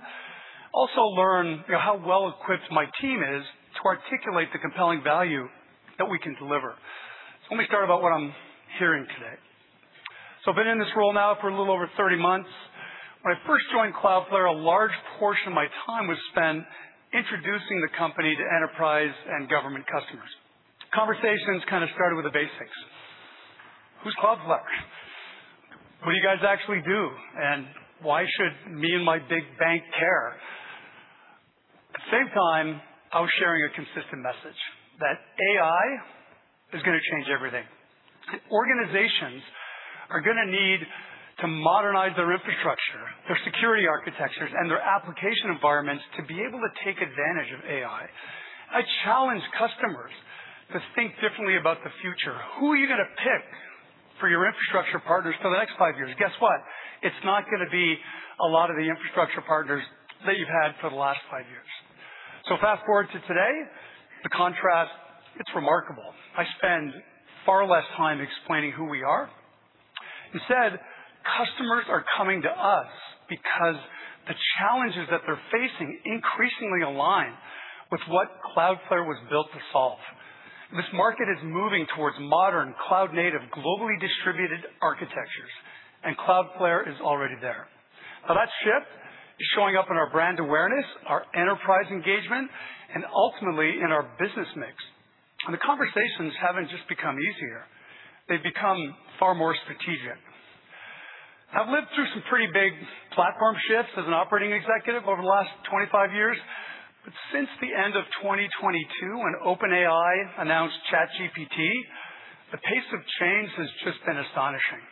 Also learn how well-equipped my team is to articulate the compelling value that we can deliver. Let me start about what I'm hearing today. I've been in this role now for a little over 30 months. When I first joined Cloudflare, a large portion of my time was spent introducing the company to enterprise and government customers. Conversations kind of started with the basics. "Who's Cloudflare? What do you guys actually do? Why should me and my big bank care?" At the same time, I was sharing a consistent message that AI is going to change everything. That organizations are going to need to modernize their infrastructure, their security architectures, and their application environments to be able to take advantage of AI. I challenge customers to think differently about the future. Who are you going to pick for your infrastructure partners for the next five years? Guess what? It's not going to be a lot of the infrastructure partners that you've had for the last five years. Fast-forward to today, the contrast, it's remarkable. I spend far less time explaining who we are. Instead, customers are coming to us because the challenges that they're facing increasingly align with what Cloudflare was built to solve. This market is moving towards modern cloud-native, globally distributed architectures, and Cloudflare is already there. That shift is showing up in our brand awareness, our enterprise engagement, and ultimately in our business mix. The conversations haven't just become easier. They've become far more strategic. I've lived through some pretty big platform shifts as an operating executive over the last 25 years. Since the end of 2022, when OpenAI announced ChatGPT, the pace of change has just been astonishing.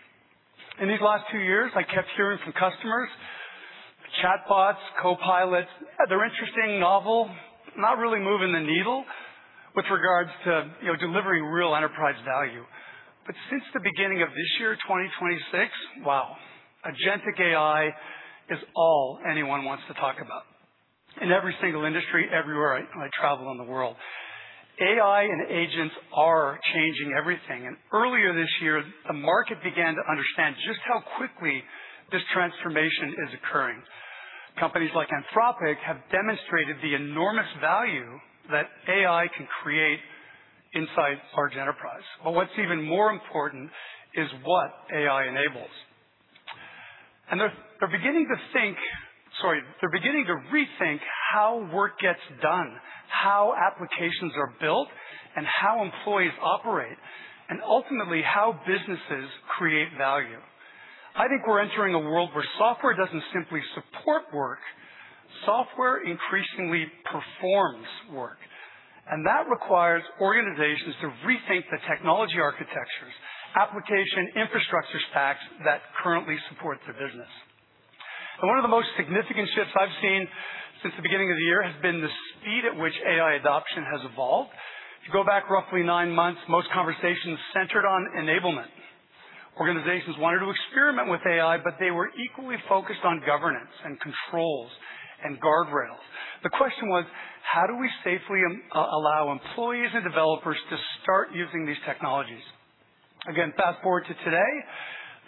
In these last two years, I kept hearing from customers, chatbots, copilots, they're interesting, novel, not really moving the needle with regards to delivering real enterprise value. Since the beginning of this year, 2026, wow, agentic AI is all anyone wants to talk about in every single industry, everywhere I travel in the world. AI and agents are changing everything, and earlier this year, the market began to understand just how quickly this transformation is occurring. Companies like Anthropic have demonstrated the enormous value that AI can create inside large enterprise. What's even more important is what AI enables. They're beginning to rethink how work gets done, how applications are built, and how employees operate, and ultimately, how businesses create value. I think we're entering a world where software doesn't simply support work, software increasingly performs work, and that requires organizations to rethink the technology architectures, application infrastructure stacks that currently support their business. One of the most significant shifts I've seen since the beginning of the year has been the speed at which AI adoption has evolved. If you go back roughly nine months, most conversations centered on enablement. Organizations wanted to experiment with AI, but they were equally focused on governance and controls and guardrails. The question was, how do we safely allow employees and developers to start using these technologies? Again, fast-forward to today,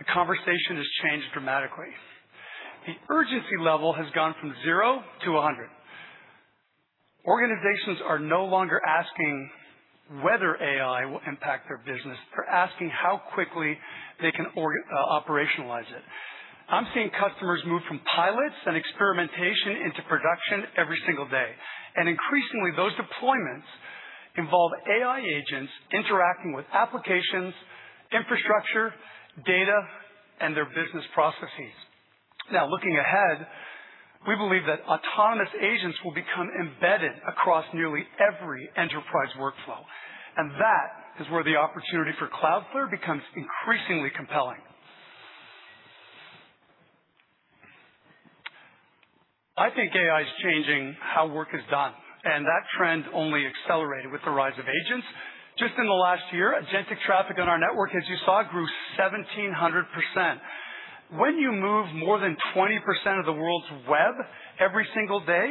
the conversation has changed dramatically. The urgency level has gone from 0 to 100. Organizations are no longer asking whether AI will impact their business. They're asking how quickly they can operationalize it. I'm seeing customers move from pilots and experimentation into production every single day. Increasingly, those deployments involve AI agents interacting with applications, infrastructure, data, and their business processes. Looking ahead, we believe that autonomous agents will become embedded across nearly every enterprise workflow, that is where the opportunity for Cloudflare becomes increasingly compelling. I think AI is changing how work is done, that trend only accelerated with the rise of agents. Just in the last year, agentic traffic on our network, as you saw, grew 1,700%. When you move more than 20% of the world's web every single day,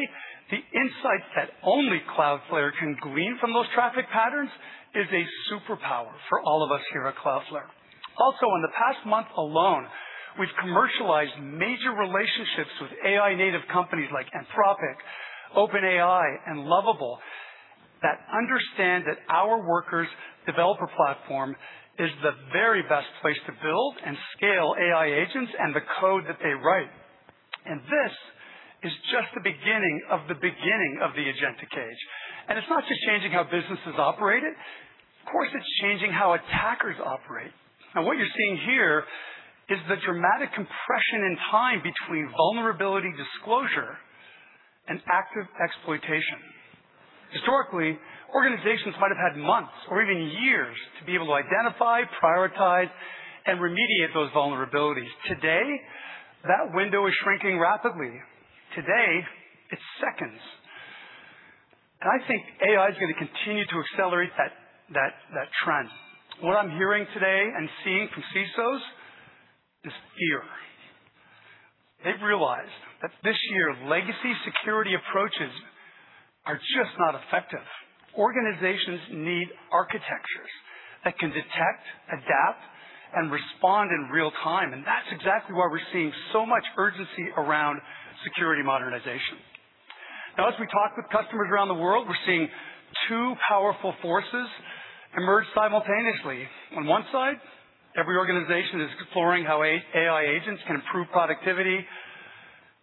the insights that only Cloudflare can glean from those traffic patterns is a superpower for all of us here at Cloudflare. Also, in the past month alone, we've commercialized major relationships with AI native companies like Anthropic, OpenAI, and Lovable that understand that our Workers developer platform is the very best place to build and scale AI agents and the code that they write. This is just the beginning of the beginning of the agentic age. It's not just changing how businesses operate it, of course, it's changing how attackers operate. What you're seeing here is the dramatic compression in time between vulnerability disclosure and active exploitation. Historically, organizations might have had months or even years to be able to identify, prioritize, and remediate those vulnerabilities. Today, that window is shrinking rapidly. Today, it's seconds. I think AI is going to continue to accelerate that trend. What I'm hearing today and seeing from CISOs is fear. They've realized that this year, legacy security approaches are just not effective. Organizations need architectures that can detect, adapt, and respond in real time, that's exactly why we're seeing so much urgency around security modernization. As we talk with customers around the world, we're seeing two powerful forces emerge simultaneously. On one side, every organization is exploring how AI agents can improve productivity,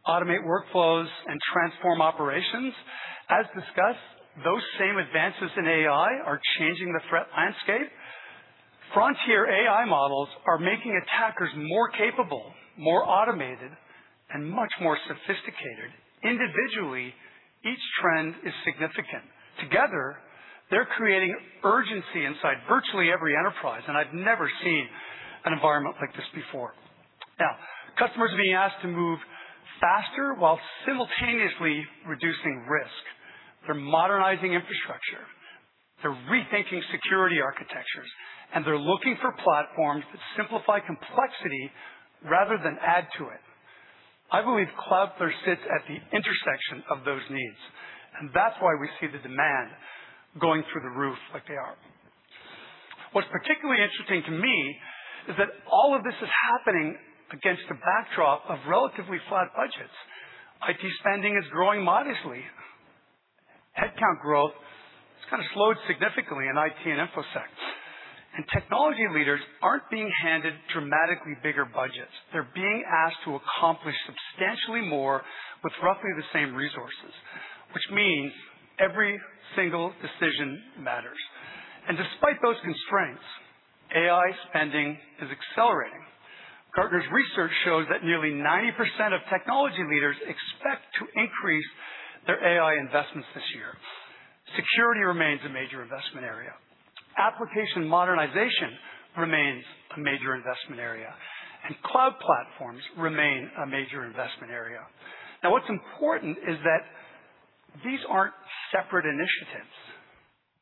automate workflows, transform operations. As discussed, those same advances in AI are changing the threat landscape. Frontier AI models are making attackers more capable, more automated, much more sophisticated. Individually, each trend is significant. Together, they're creating urgency inside virtually every enterprise, I've never seen an environment like this before. Customers are being asked to move faster while simultaneously reducing risk. They're modernizing infrastructure, they're rethinking security architectures, they're looking for platforms that simplify complexity rather than add to it. I believe Cloudflare sits at the intersection of those needs, that's why we see the demand going through the roof like they are. What's particularly interesting to me is that all of this is happening against a backdrop of relatively flat budgets. IT spending is growing modestly. Headcount growth has kind of slowed significantly in IT and InfoSec. Technology leaders aren't being handed dramatically bigger budgets. They're being asked to accomplish substantially more with roughly the same resources, which means every single decision matters. Despite those constraints, AI spending is accelerating. Gartner's research shows that nearly 90% of technology leaders expect to increase their AI investments this year. Security remains a major investment area. Application modernization remains a major investment area, and cloud platforms remain a major investment area. What's important is that these aren't separate initiatives.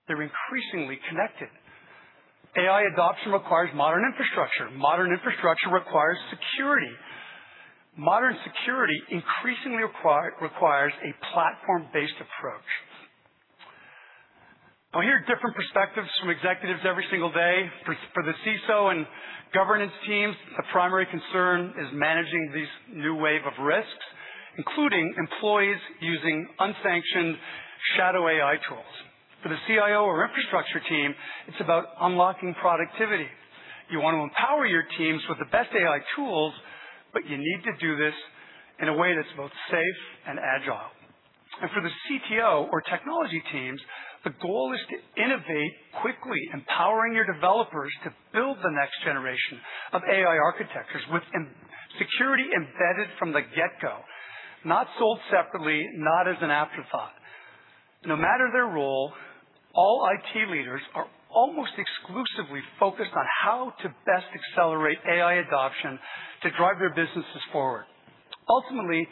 They're increasingly connected. AI adoption requires modern infrastructure. Modern infrastructure requires security. Modern security increasingly requires a platform-based approach. I hear different perspectives from executives every single day. For the CISO and governance teams, the primary concern is managing this new wave of risks, including employees using unsanctioned shadow AI tools. For the CIO or infrastructure team, it's about unlocking productivity. You want to empower your teams with the best AI tools, but you need to do this in a way that's both safe and agile. For the CTO or technology teams, the goal is to innovate quickly, empowering your developers to build the next generation of AI architectures with security embedded from the get-go, not sold separately, not as an afterthought. No matter their role, all IT leaders are almost exclusively focused on how to best accelerate AI adoption to drive their businesses forward. Ultimately,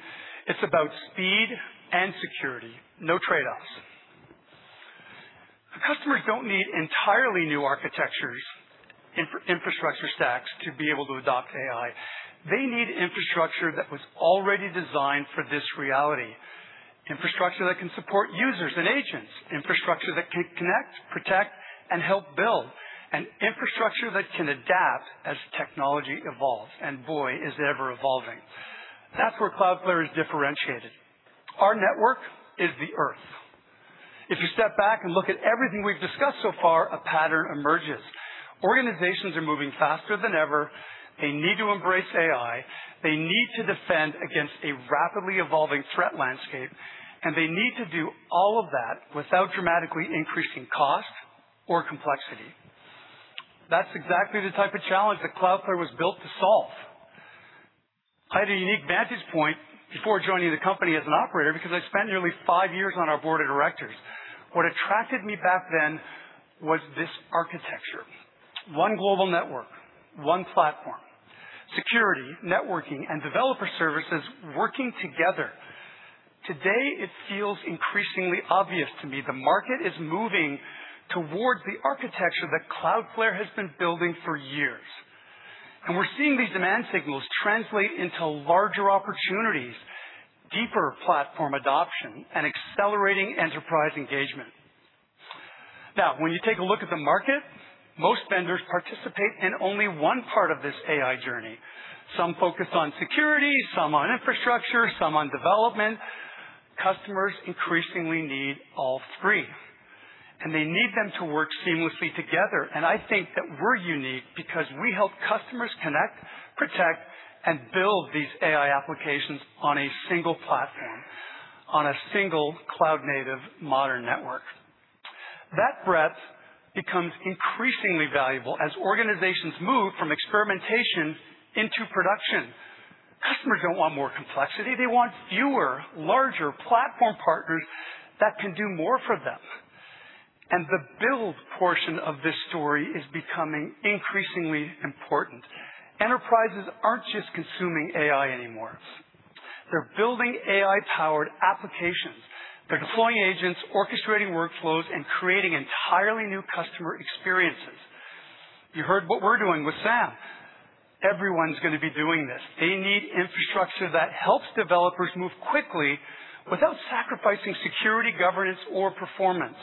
it's about speed and security. No trade-offs. Customers don't need entirely new architectures, infrastructure stacks to be able to adopt AI. They need infrastructure that was already designed for this reality, infrastructure that can support users and agents, infrastructure that can connect, protect, and help build, and infrastructure that can adapt as technology evolves, and boy, is it ever evolving. That's where Cloudflare is differentiated. Our network is the Earth. If you step back and look at everything we've discussed so far, a pattern emerges. Organizations are moving faster than ever. They need to embrace AI. They need to defend against a rapidly evolving threat landscape, and they need to do all of that without dramatically increasing cost or complexity. That's exactly the type of challenge that Cloudflare was built to solve. I had a unique vantage point before joining the company as an operator because I spent nearly five years on our board of directors. What attracted me back then was this architecture. One global network, one platform, security, networking, and developer services working together. Today, it feels increasingly obvious to me the market is moving towards the architecture that Cloudflare has been building for years. We're seeing these demand signals translate into larger opportunities, deeper platform adoption, and accelerating enterprise engagement. When you take a look at the market, most vendors participate in only one part of this AI journey. Some focus on security, some on infrastructure, some on development. Customers increasingly need all three, and they need them to work seamlessly together. I think that we're unique because we help customers connect, protect, and build these AI applications on a single platform, on a single cloud-native modern network. That breadth becomes increasingly valuable as organizations move from experimentation into production. Customers don't want more complexity. They want fewer, larger platform partners that can do more for them. The build portion of this story is becoming increasingly important. Enterprises aren't just consuming AI anymore. They're building AI-powered applications. They're deploying agents, orchestrating workflows, and creating entirely new customer experiences. You heard what we're doing with Sam. Everyone's going to be doing this. They need infrastructure that helps developers move quickly without sacrificing security, governance, or performance.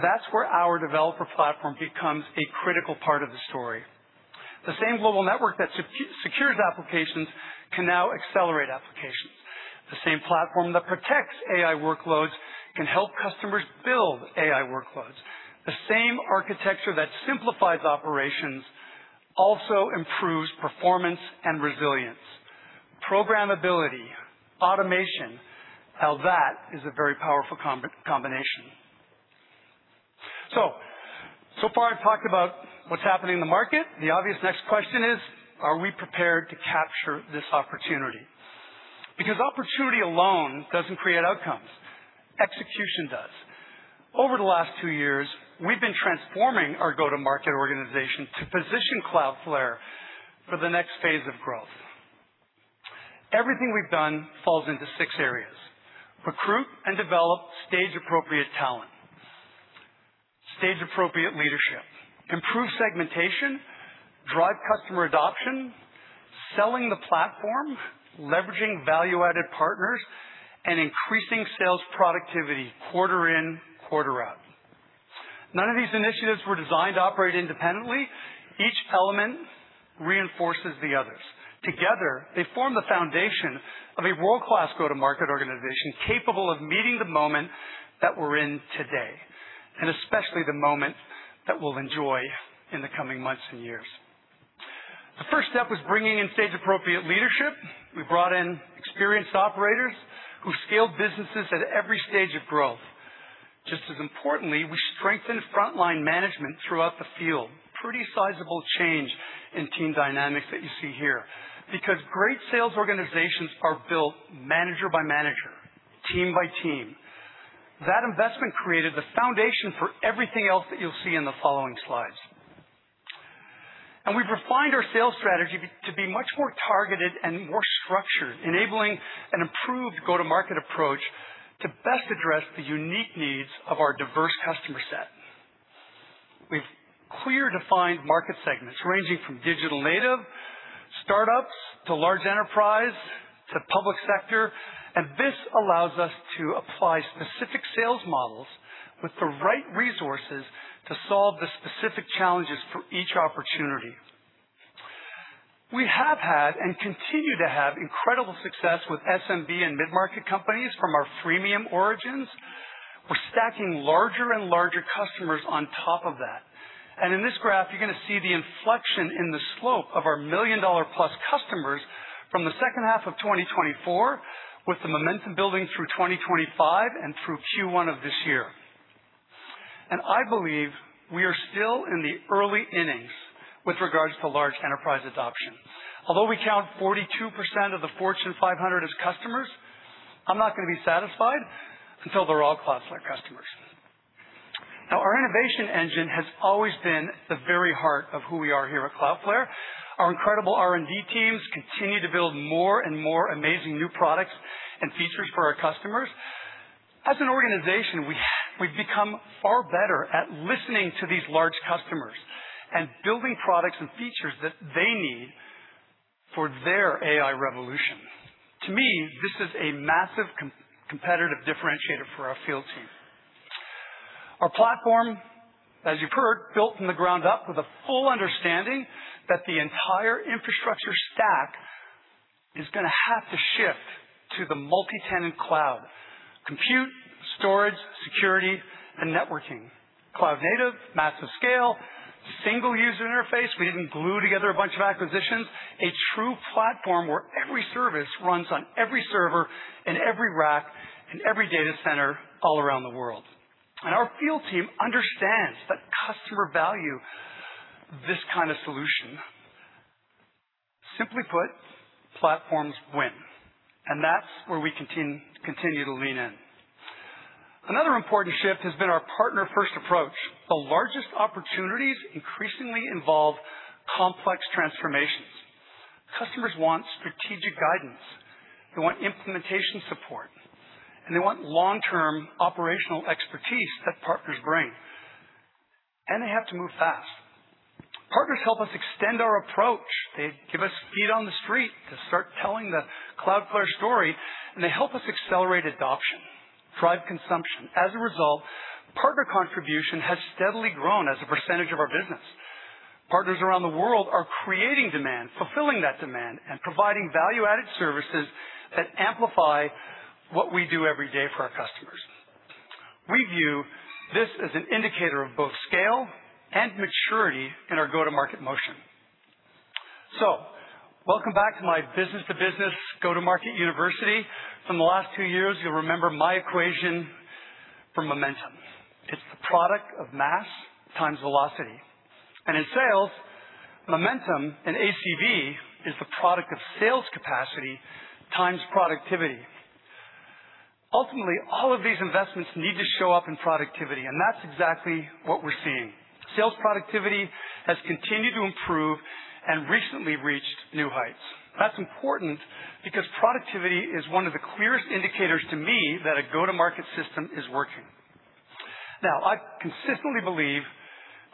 That's where our developer platform becomes a critical part of the story. The same global network that secures applications can now accelerate applications. The same platform that protects AI workloads can help customers build AI workloads. The same architecture that simplifies operations also improves performance and resilience. Programmability, automation. That is a very powerful combination. So far I've talked about what's happening in the market. The obvious next question is, are we prepared to capture this opportunity? Because opportunity alone doesn't create outcomes. Execution does. Over the last two years, we've been transforming our go-to-market organization to position Cloudflare for the next phase of growth. Everything we've done falls into six areas. Recruit and develop stage-appropriate talent, stage-appropriate leadership, improve segmentation, drive customer adoption, selling the platform, leveraging value-added partners, and increasing sales productivity quarter in, quarter out. None of these initiatives were designed to operate independently. Each element reinforces the others. Together, they form the foundation of a world-class go-to-market organization capable of meeting the moment that we're in today, and especially the moment that we'll enjoy in the coming months and years. The first step was bringing in stage-appropriate leadership. We brought in experienced operators who scaled businesses at every stage of growth. Just as importantly, we strengthened frontline management throughout the field. Pretty sizable change in team dynamics that you see here, because great sales organizations are built manager by manager, team by team. That investment created the foundation for everything else that you'll see in the following slides. We've refined our sales strategy to be much more targeted and more structured, enabling an improved go-to-market approach to best address the unique needs of our diverse customer set. We've clearly defined market segments ranging from digital native startups, to large enterprise, to public sector, and this allows us to apply specific sales models with the right resources to solve the specific challenges for each opportunity. We have had and continue to have incredible success with SMB and mid-market companies from our freemium origins. We're stacking larger and larger customers on top of that. In this graph, you're going to see the inflection in the slope of our million-dollar-plus customers from the second half of 2024, with the momentum building through 2025 and through Q1 of this year. I believe we are still in the early innings with regards to large enterprise adoption. Although we count 42% of the Fortune 500 as customers, I'm not going to be satisfied until they're all Cloudflare customers. Our innovation engine has always been the very heart of who we are here at Cloudflare. Our incredible R&D teams continue to build more and more amazing new products and features for our customers. As an organization, we've become far better at listening to these large customers and building products and features that they need for their AI revolution. To me, this is a massive competitive differentiator for our field team. Our platform, as you've heard, built from the ground up with a full understanding that the entire infrastructure stack is going to have to shift to the multi-tenant cloud, compute, storage, security, and networking. Cloud native, massive scale, single user interface. We didn't glue together a bunch of acquisitions. A true platform where every service runs on every server and every rack and every data center all around the world. Our field team understands that customer value, this kind of solution. Simply put, platforms win, and that's where we continue to lean in. Another important shift has been our partner first approach. The largest opportunities increasingly involve complex transformations. Customers want strategic guidance, they want implementation support, and they want long-term operational expertise that partners bring. They have to move fast. Partners help us extend our approach. They give us feet on the street to start telling the Cloudflare story, and they help us accelerate adoption, drive consumption. As a result, partner contribution has steadily grown as a percentage of our business. Partners around the world are creating demand, fulfilling that demand, and providing value-added services that amplify what we do every day for our customers. We view this as an indicator of both scale and maturity in our go-to-market motion. Welcome back to my business to business go-to-market university. From the last two years, you'll remember my equation for momentum. It's the product of mass times velocity. In sales, momentum and ACV is the product of sales capacity times productivity. Ultimately, all of these investments need to show up in productivity, and that's exactly what we're seeing. Sales productivity has continued to improve and recently reached new heights. That's important because productivity is one of the clearest indicators to me that a go-to-market system is working. I consistently believe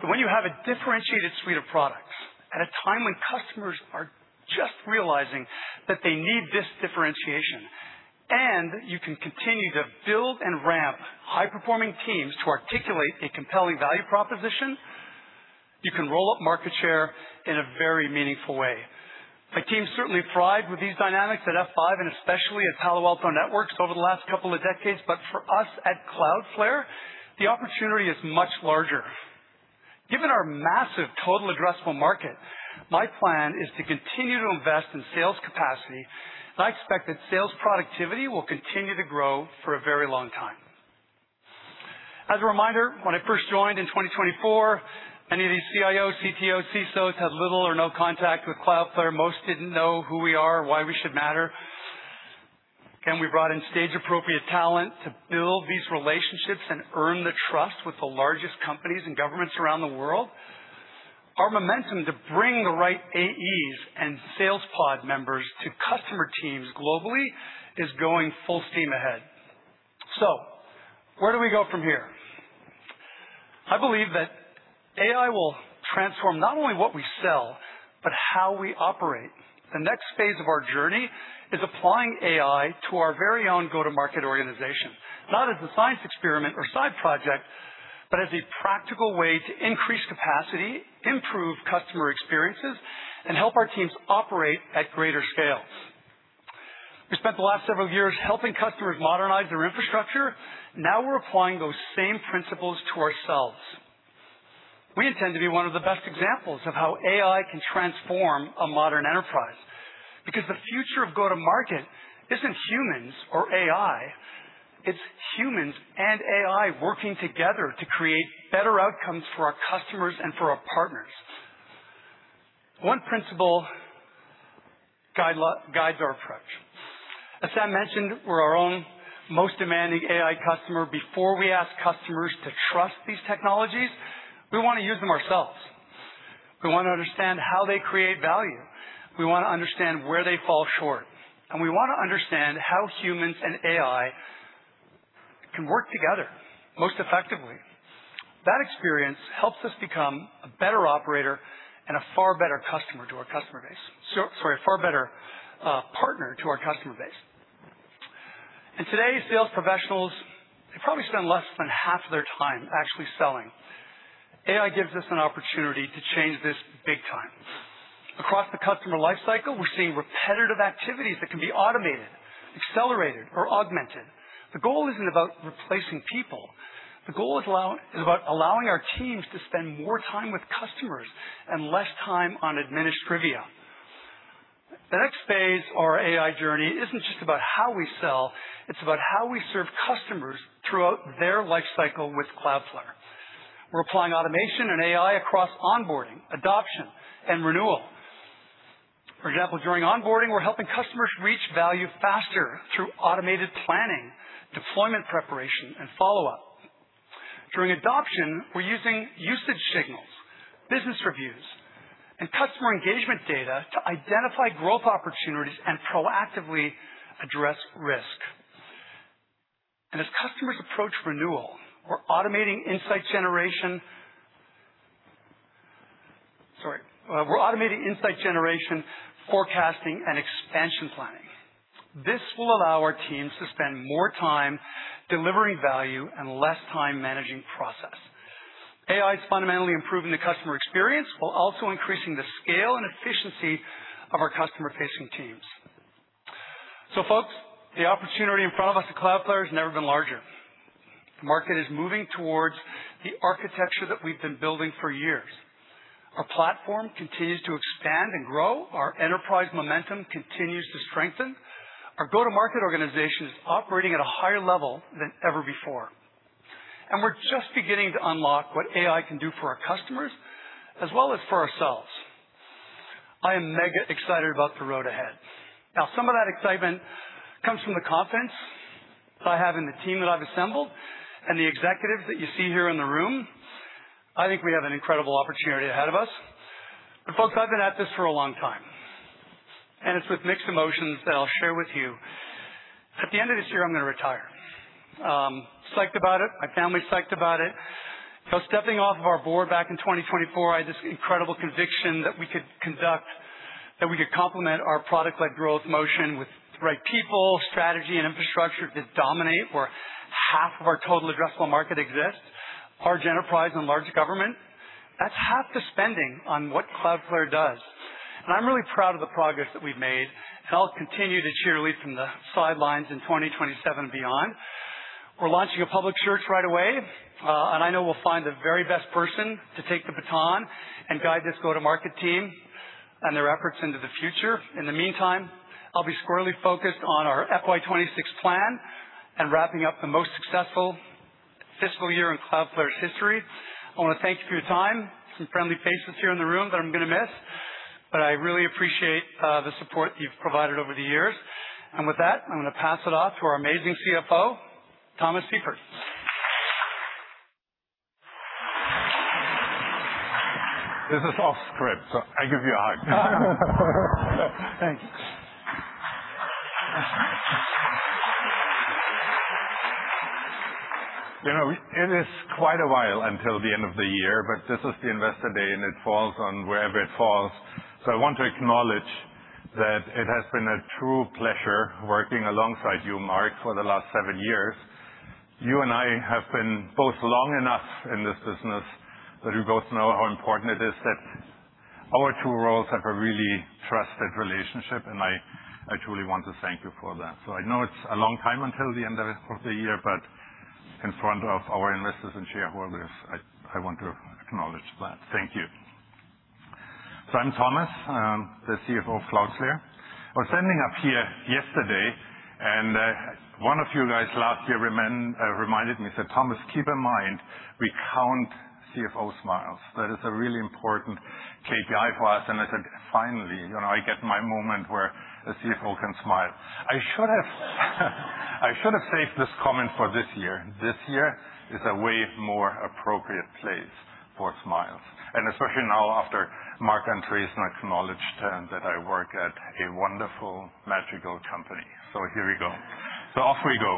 that when you have a differentiated suite of products at a time when customers are just realizing that they need this differentiation, you can continue to build and ramp high-performing teams to articulate a compelling value proposition, you can roll up market share in a very meaningful way. My team certainly thrived with these dynamics at F5 and especially at Palo Alto Networks over the last couple of decades. For us at Cloudflare, the opportunity is much larger. Given our massive total addressable market, my plan is to continue to invest in sales capacity, I expect that sales productivity will continue to grow for a very long time. As a reminder, when I first joined in 2024, many of these CIOs, CTOs, CISOs had little or no contact with Cloudflare. Most didn't know who we are, why we should matter. Again, we brought in stage appropriate talent to build these relationships and earn the trust with the largest companies and governments around the world. Our momentum to bring the right AEs and sales pod members to customer teams globally is going full steam ahead. Where do we go from here? I believe that AI will transform not only what we sell, but how we operate. The next phase of our journey is applying AI to our very own go-to-market organization, not as a science experiment or side project, but as a practical way to increase capacity, improve customer experiences, and help our teams operate at greater scales. We spent the last several years helping customers modernize their infrastructure. We're applying those same principles to ourselves. We intend to be one of the best examples of how AI can transform a modern enterprise, because the future of go-to-market isn't humans or AI, it's humans and AI working together to create better outcomes for our customers and for our partners. One principle guides our approach. As Sam mentioned, we're our own most demanding AI customer. Before we ask customers to trust these technologies, we want to use them ourselves. We want to understand how they create value. We want to understand where they fall short, and we want to understand how humans and AI can work together most effectively. That experience helps us become a better operator and a far better partner to our customer base. Today's sales professionals, they probably spend less than half of their time actually selling. AI gives us an opportunity to change this big time. Across the customer life cycle, we're seeing repetitive activities that can be automated, accelerated, or augmented. The goal isn't about replacing people. The goal is about allowing our teams to spend more time with customers and less time on administered trivia. The next phase of our AI journey isn't just about how we sell, it's about how we serve customers throughout their life cycle with Cloudflare. We're applying automation and AI across onboarding, adoption, and renewal. For example, during onboarding, we're helping customers reach value faster through automated planning, deployment preparation, and follow-up. During adoption, we're using usage signals, business reviews, and customer engagement data to identify growth opportunities and proactively address risk. As customers approach renewal, we're automating insight generation, forecasting, and expansion planning. This will allow our teams to spend more time delivering value and less time managing process. AI is fundamentally improving the customer experience while also increasing the scale and efficiency of our customer-facing teams. Folks, the opportunity in front of us at Cloudflare has never been larger. The market is moving towards the architecture that we've been building for years. Our platform continues to expand and grow. Our enterprise momentum continues to strengthen. Our go-to-market organization is operating at a higher level than ever before. We're just beginning to unlock what AI can do for our customers as well as for ourselves. I am mega excited about the road ahead. Some of that excitement comes from the confidence that I have in the team that I've assembled and the executives that you see here in the room. I think we have an incredible opportunity ahead of us. Folks, I've been at this for a long time, and it's with mixed emotions that I'll share with you, at the end of this year, I'm going to retire. I'm psyched about it. My family's psyched about it. You know, stepping off of our board back in 2024, I had this incredible conviction that we could complement our product-led growth motion with the right people, strategy, and infrastructure to dominate where half of our total addressable market exists, large enterprise and large government. That's half the spending on what Cloudflare does. I'll continue to cheerlead from the sidelines in 2027 and beyond. We're launching a public search right away, I know we'll find the very best person to take the baton and guide this go-to-market team and their efforts into the future. In the meantime, I'll be squarely focused on our FY 2026 plan and wrapping up the most successful fiscal year in Cloudflare's history. I want to thank you for your time. Some friendly faces here in the room that I'm going to miss, but I really appreciate the support you've provided over the years. With that, I'm going to pass it off to our amazing CFO, Thomas Seifert. This is off script. I give you a hug. Thank you. It is quite a while until the end of the year. This is the Investor Day. It falls on wherever it falls. I want to acknowledge that it has been a true pleasure working alongside you, Mark, for the last seven years. You and I have been both long enough in this business that we both know how important it is that our two roles have a really trusted relationship. I truly want to thank you for that. I know it's a long time until the end of the year. In front of our investors and shareholders, I want to acknowledge that. Thank you. I'm Thomas, the CFO of Cloudflare. I was standing up here yesterday. One of you guys last year reminded me, said, "Thomas, keep in mind, we count CFO smiles." That is a really important KPI for us. I said, "Finally, I get my moment where the CFO can smile." I should have saved this comment for this year. This year is a way more appropriate place for smiles. Especially now after Mark and Theresa acknowledged that I work at a wonderful, magical company. Here we go. Off we go.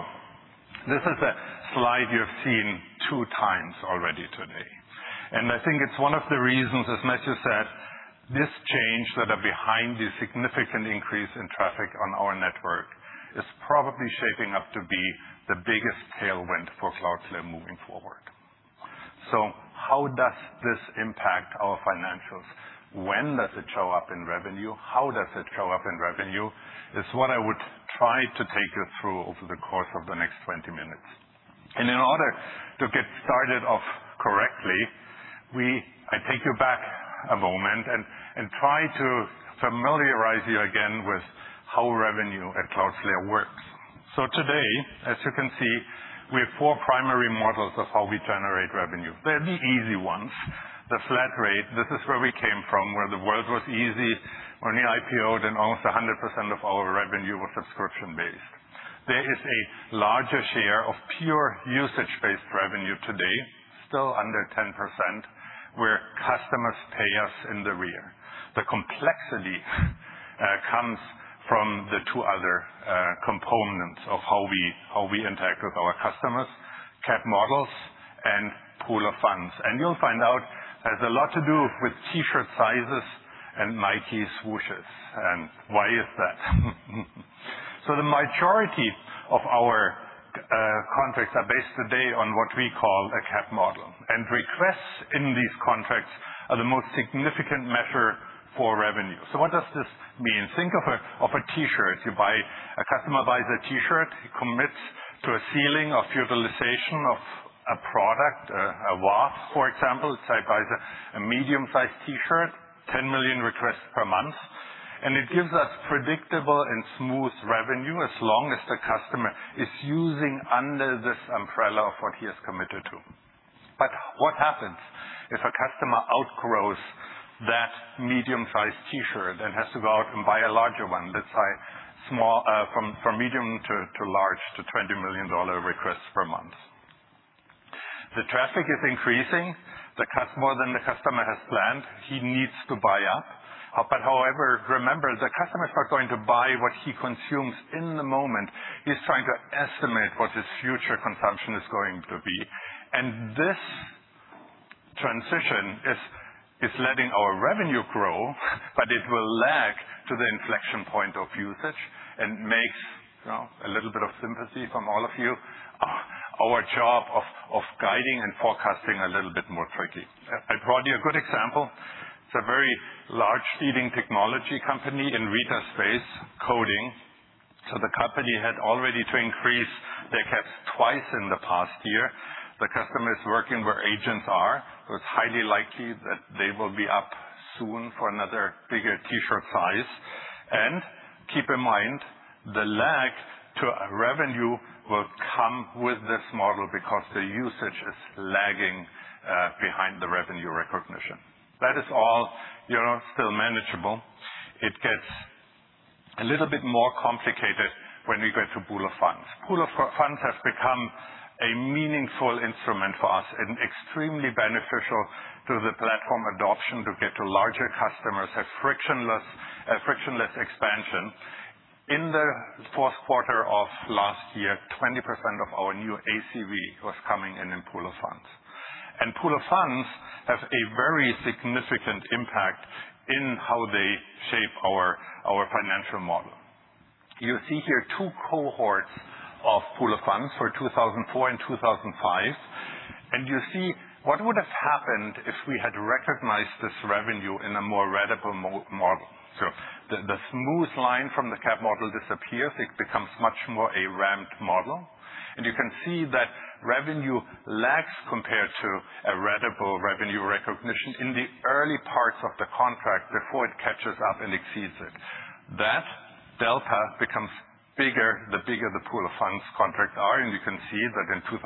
This is a slide you've seen two times already today. I think it's one of the reasons, as Michelle said, this change that are behind the significant increase in traffic on our network is probably shaping up to be the biggest tailwind for Cloudflare moving forward. How does this impact our financials? When does it show up in revenue? How does it show up in revenue? Is what I would try to take you through over the course of the next 20 minutes. In order to get started off correctly, I take you back a moment and try to familiarize you again with how revenue at Cloudflare works. Today, as you can see, we have four primary models of how we generate revenue. They're the easy ones. The flat rate, this is where we came from, where the world was easy. We're near IPO'd and almost 100% of our revenue was subscription-based. There is a larger share of pure usage-based revenue today, still under 10%, where customers pay us in the rear. The complexity comes from the two other components of how we interact with our customers, cap models and pool of funds. You'll find out has a lot to do with T-shirt sizes and Nike swooshes. Why is that? The majority of our contracts are based today on what we call a cap model. Requests in these contracts are the most significant measure for revenue. What does this mean? Think of a T-shirt. A customer buys a T-shirt, he commits to a ceiling of utilization of a product, a WAF, for example. Say buys a medium-sized T-shirt, 10 million requests per month. It gives us predictable and smooth revenue as long as the customer is using under this umbrella of what he has committed to. What happens if a customer outgrows that medium-sized T-shirt and has to go out and buy a larger one? Let's say from medium to large, to 20 million requests per month. The traffic is increasing more than the customer has planned. He needs to buy up. However, remember, the customers are going to buy what he consumes in the moment. He's trying to estimate what his future consumption is going to be. This transition is letting our revenue grow, but it will lag to the inflection point of usage and makes, a little bit of sympathy from all of you, our job of guiding and forecasting a little bit more tricky. I brought you a good example. It's a very large leading technology company in retail space coding. The company had already to increase their caps twice in the past year. The customer is working where Agents are. It's highly likely that they will be up soon for another bigger T-shirt size. Keep in mind, the lag to revenue will come with this model because the usage is lagging behind the revenue recognition. That is all still manageable. It gets a little bit more complicated when we go to pool of funds. Pool of funds has become a meaningful instrument for us and extremely beneficial to the platform adoption to get to larger customers, a frictionless expansion. In the fourth quarter of last year, 20% of our new ACV was coming in in pool of funds. Pool of funds has a very significant impact in how they shape our financial model. You see here two cohorts of pool of funds for 2004 and 2005. You see what would have happened if we had recognized this revenue in a more radical model. The smooth line from the cap model disappears. It becomes much more a ramped model. You can see that revenue lags compared to a radical revenue recognition in the early parts of the contract before it catches up and exceeds it. That delta becomes bigger, the bigger the pool of funds contracts are. You can see that in 2005,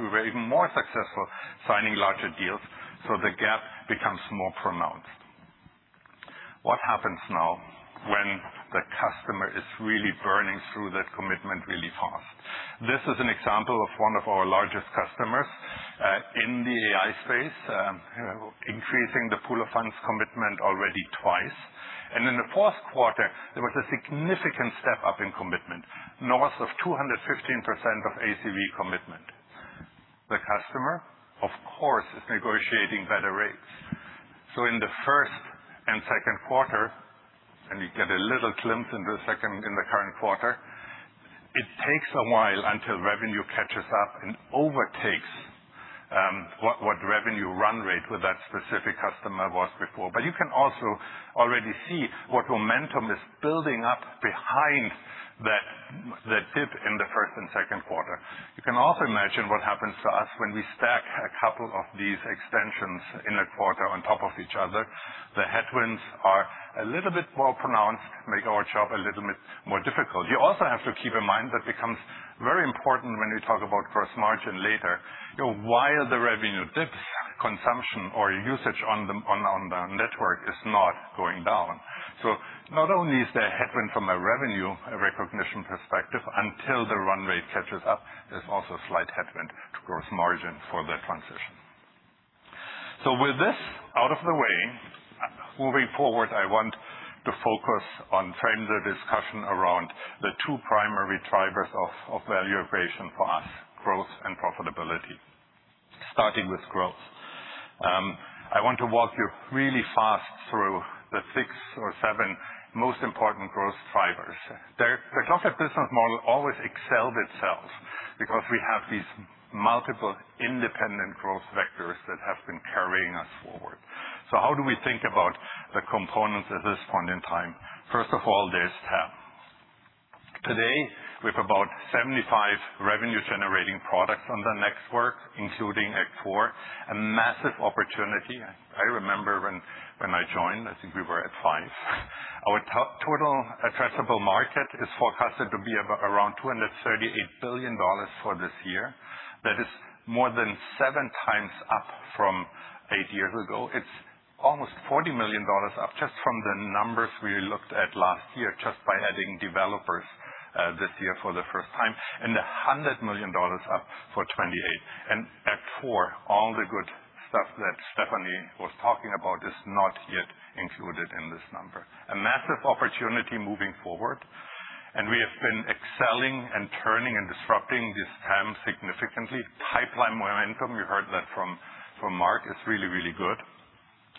we were even more successful signing larger deals, the gap becomes more pronounced. What happens now when the customer is really burning through that commitment really fast? This is an example of one of our largest customers, in the AI space, increasing the pool of funds commitment already twice. In the fourth quarter, there was a significant step up in commitment, north of 215% of ACV commitment. The customer, of course, is negotiating better rates. In the first and second quarter, and you get a little glimpse in the current quarter, it takes a while until revenue catches up and overtakes what revenue run rate with that specific customer was before. You can also already see what momentum is building up behind that dip in the first and second quarter. You can also imagine what happens to us when we stack a couple of these extensions in a quarter on top of each other. The headwinds are a little bit more pronounced, make our job a little bit more difficult. You also have to keep in mind that becomes very important when we talk about gross margin later. While the revenue dips, consumption or usage on the network is not going down. Not only is there a headwind from a revenue recognition perspective, until the runway catches up, there's also a slight headwind to gross margin for that transition. With this out of the way, moving forward, I want to focus on frame the discussion around the two primary drivers of value creation for us, growth and profitability. Starting with growth. I want to walk you really fast through the six or seven most important growth drivers. The Cloudflare business model always excelled itself because we have these multiple independent growth vectors that have been carrying us forward. How do we think about the components at this point in time? First of all, there's TAM. Today, we have about 75 revenue-generating products on the network, including Act four, a massive opportunity. I remember when I joined, I think we were at five. Our total addressable market is forecasted to be around $238 billion for this year. That is more than seven times up from eight years ago. It's almost $40 million up just from the numbers we looked at last year, just by adding developers this year for the first time. $100 million up for 2028. Act 4, all the good stuff that Stephanie was talking about is not yet included in this number. A massive opportunity moving forward, and we have been excelling and turning and disrupting this TAM significantly. Pipeline momentum, you heard that from Mark, is really, really good.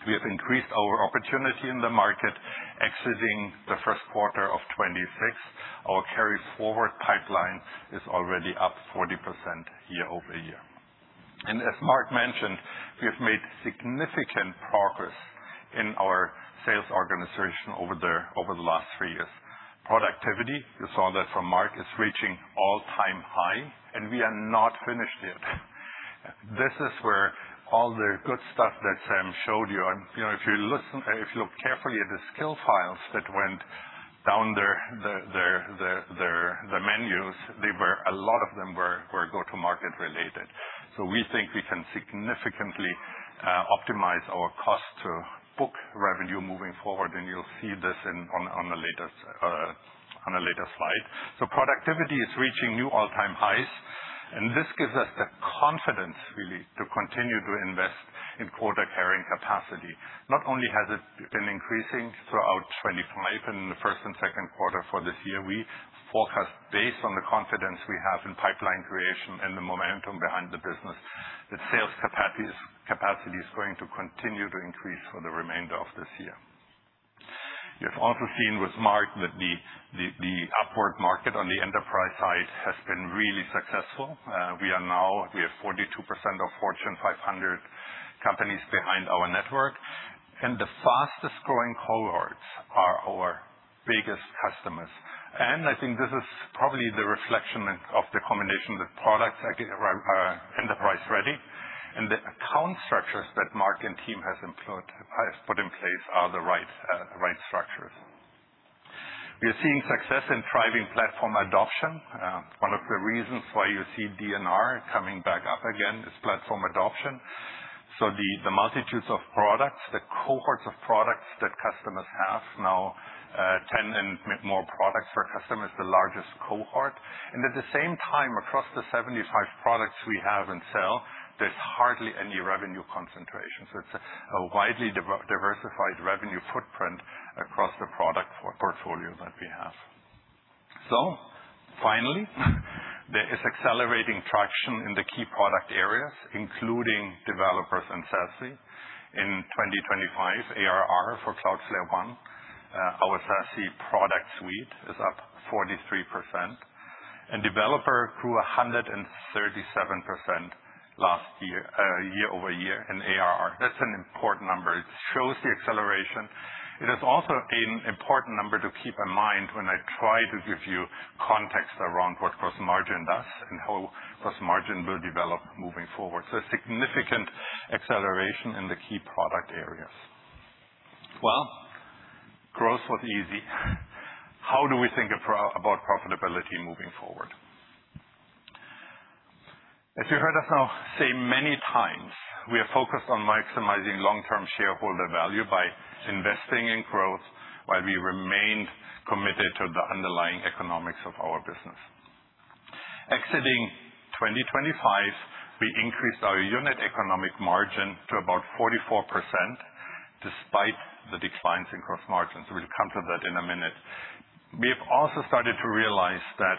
We have increased our opportunity in the market exiting the first quarter of 2026. Our carry forward pipeline is already up 40% year-over-year. And as Mark mentioned, we have made significant progress in our sales organization over the last three years. Productivity, you saw that from Mark, is reaching all-time high, and we are not finished yet. This is where all the good stuff that Sam showed you. If you look carefully at the skill files that went down the menus, a lot of them were go-to-market related. We think we can significantly optimize our cost to book revenue moving forward, and you'll see this on a later slide. Productivity is reaching new all-time highs, and this gives us the confidence really to continue to invest in quota carrying capacity. Not only has it been increasing throughout 2025 and in the first and second quarter for this year, we forecast based on the confidence we have in pipeline creation and the momentum behind the business, that sales capacity is going to continue to increase for the remainder of this year. You've also seen with Mark that the upward market on the enterprise side has been really successful. We have 42% of Fortune 500 companies behind our network, and the fastest growing cohorts are our biggest customers. And I think this is probably the reflection of the combination of the products that are enterprise ready and the account structures that Mark and team has put in place are the right structures. We are seeing success in driving platform adoption. One of the reasons why you see DBNR coming back up again is platform adoption. The multitudes of products, the cohorts of products that customers have now, 10 and more products per customer is the largest cohort. And at the same time, across the 75 products we have and sell, there's hardly any revenue concentration. So it's a widely diversified revenue footprint across the product portfolio that we have. Finally, there is accelerating traction in the key product areas, including developers and SASE. In 2025, ARR for Cloudflare One, our SASE product suite, is up 43%, and developer grew 137% last year-over-year in ARR. That's an important number. It shows the acceleration. It is also an important number to keep in mind when I try to give you context around what gross margin does and how gross margin will develop moving forward. Significant acceleration in the key product areas. Well, growth was easy. How do we think about profitability moving forward? As you heard us now say many times, we are focused on maximizing long-term shareholder value by investing in growth while we remain committed to the underlying economics of our business. Exiting 2025, we increased our unit economic margin to about 44%, despite the declines in gross margins. We'll come to that in a minute. We have also started to realize that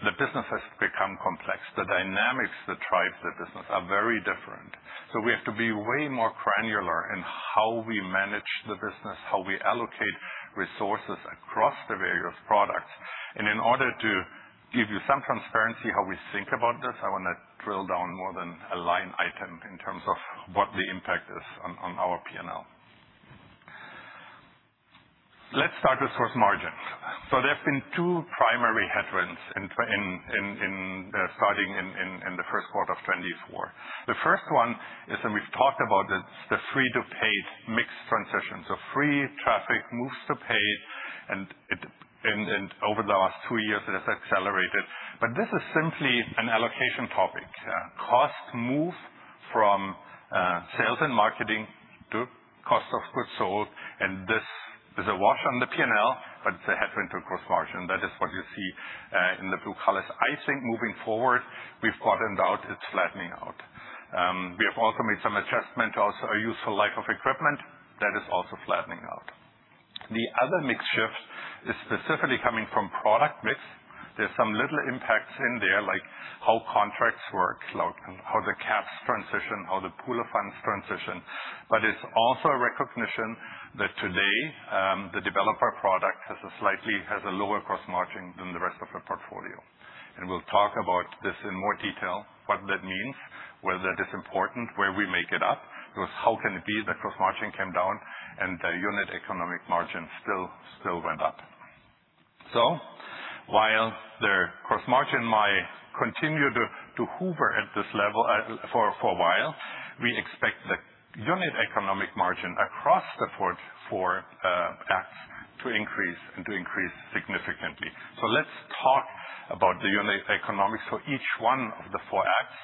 the business has become complex. The dynamics that drive the business are very different. So we have to be way more granular in how we manage the business, how we allocate resources across the various products. In order to give you some transparency how we think about this, I want to drill down more than a line item in terms of what the impact is on our P&L. Let's start with gross margins. There have been two primary headwinds starting in the first quarter of 2024. The first one is, and we've talked about this, the free to paid mix. Free traffic moves to paid, and over the last two years it has accelerated. This is simply an allocation topic. Cost move from sales and marketing to cost of goods sold, and this is a wash on the P&L, but it's a headwind to gross margin. That is what you see in the blue colors. I think moving forward, we've gotten that it's flattening out. We have also made some adjustment also useful life of equipment, that is also flattening out. The other mix shift is specifically coming from product mix. There's some little impacts in there, like how contracts work, how the caps transition, how the pool of funds transition. It's also a recognition that today, the developer product has a slightly, has a lower gross margin than the rest of the portfolio. We'll talk about this in more detail, what that means, whether that is important, where we make it up. Because how can it be that gross margin came down and the unit economic margin still went up? While the gross margin might continue to hover at this level for a while, we expect the unit economic margin across the four Acts to increase, and to increase significantly. Let's talk about the unit economics for each one of the four Acts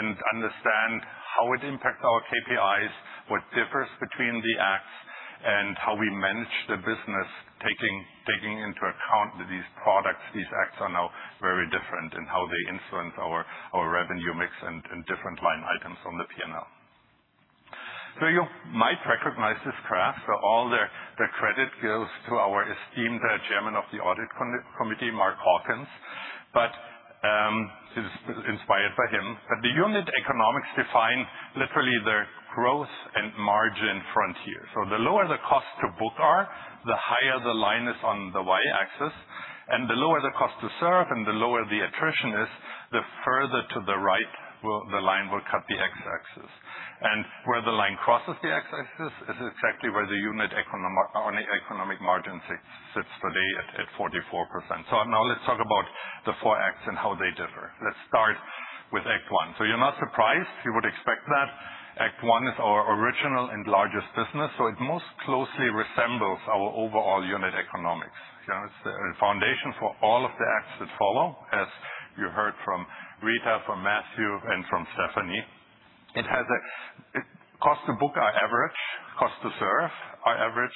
and understand how it impacts our KPIs, what differs between the Acts, and how we manage the business, taking into account that these products, these Acts are now very different in how they influence our revenue mix and different line items on the P&L. You might recognize this graph. All the credit goes to our esteemed Chair of the Audit Committee, Mark Hawkins. This is inspired by him. The unit economics define literally the growth and margin frontier. The lower the cost to book are, the higher the line is on the Y-axis, and the lower the cost to serve and the lower the attrition is, the further to the right the line will cut the X-axis. Where the line crosses the X-axis is exactly where the unit economic margin sits today at 44%. Now let's talk about the four Acts and how they differ. Let's start with Act One. You're not surprised. You would expect that. Act One is our original and largest business, so it most closely resembles our overall unit economics. It's the foundation for all of the Acts that follow, as you heard from Rita, from Matthew, and from Stephanie. It cost to book our average, cost to serve our average,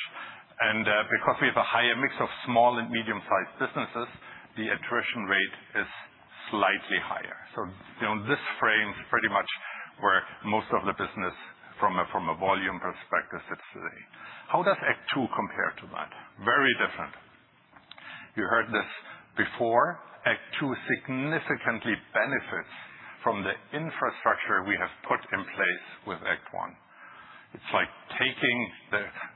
and because we have a higher mix of small and medium-sized businesses, the attrition rate is slightly higher. This frame pretty much where most of the business from a volume perspective sits today. How does Act Two compare to that? Very different. You heard this before. Act Two significantly benefits from the infrastructure we have put in place with Act One. It's like taking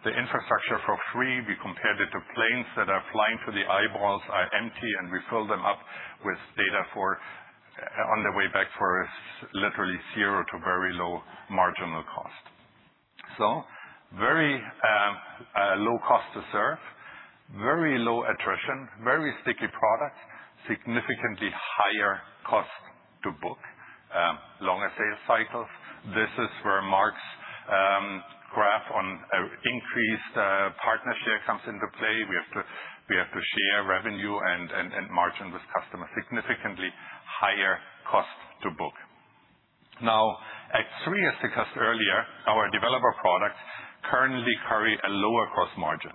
the infrastructure for free. We compare it to planes that are flying so the eyeballs are empty, and we fill them up with data on the way back for literally zero to very low marginal cost. Very low cost to serve, very low attrition, very sticky product, significantly higher cost to book. Longer sales cycles. This is where Mark's graph on increased partnership comes into play. We have to share revenue and margin with customers. Significantly higher cost to book. Act Three, as discussed earlier, our developer products currently carry a lower gross margin.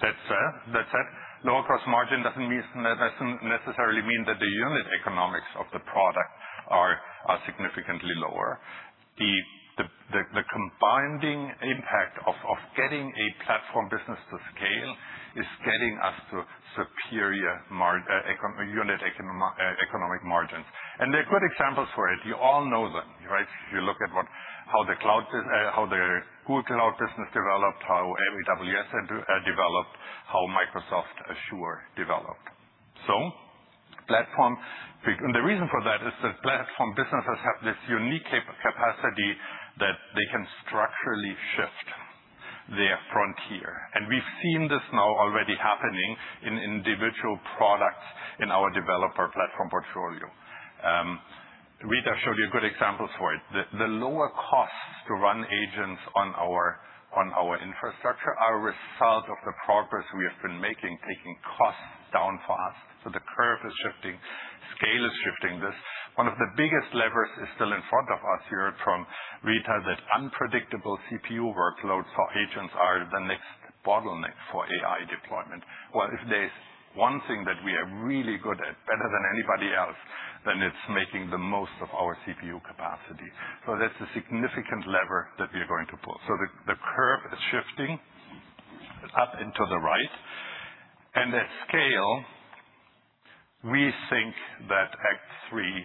That said, lower gross margin doesn't necessarily mean that the unit economics of the product are significantly lower. The combining impact of getting a platform business to scale is getting us to superior unit economic margins. There are good examples for it. You all know them, right? If you look at how the Google Cloud business developed, how AWS developed, how Microsoft Azure developed. The reason for that is that platform businesses have this unique capacity that they can structurally shift their frontier. We've seen this now already happening in individual products in our developer platform portfolio. Rita showed you good examples for it. The lower costs to run agents on our infrastructure are a result of the progress we have been making, taking costs down fast. The curve is shifting. Scale is shifting this. One of the biggest levers is still in front of us. You heard from Rita that unpredictable CPU workloads for agents are the next bottleneck for AI deployment. Well, if there's one thing that we are really good at, better than anybody else, then it's making the most of our CPU capacity. That's a significant lever that we are going to pull. The curve is shifting up and to the right. At scale, we think that Act Three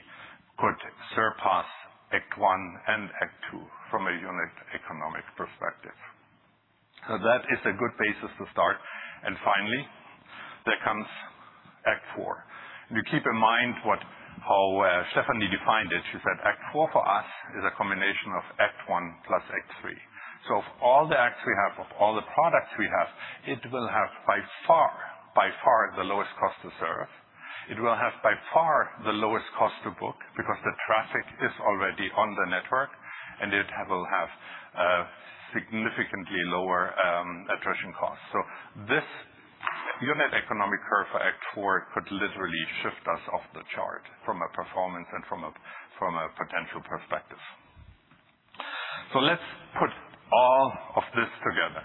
could surpass Act One and Act Two from a unit economic perspective. That is a good basis to start. Finally, there comes Act Four. You keep in mind how Stephanie defined it. She said Act Four for us is a combination of Act One plus Act Three. Of all the Acts we have, of all the products we have. It will have by far the lowest cost to serve. It will have by far the lowest cost to book because the traffic is already on the network, and it will have significantly lower attrition costs. This unit economic curve for Act Four could literally shift us off the chart from a performance and from a potential perspective. Let's put all of this together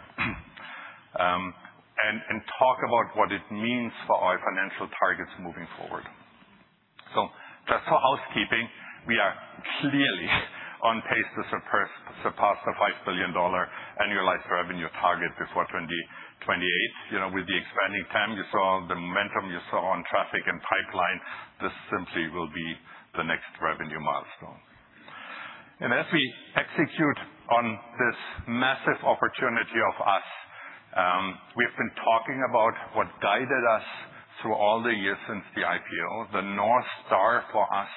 and talk about what it means for our financial targets moving forward. Just for housekeeping, we are clearly on pace to surpass the $5 billion annual run revenue target before 2028. With the expanding TAM you saw, the momentum you saw on traffic and pipeline, this simply will be the next revenue milestone. As we execute on this massive opportunity of us, we have been talking about what guided us through all the years since the IPO. The North Star for us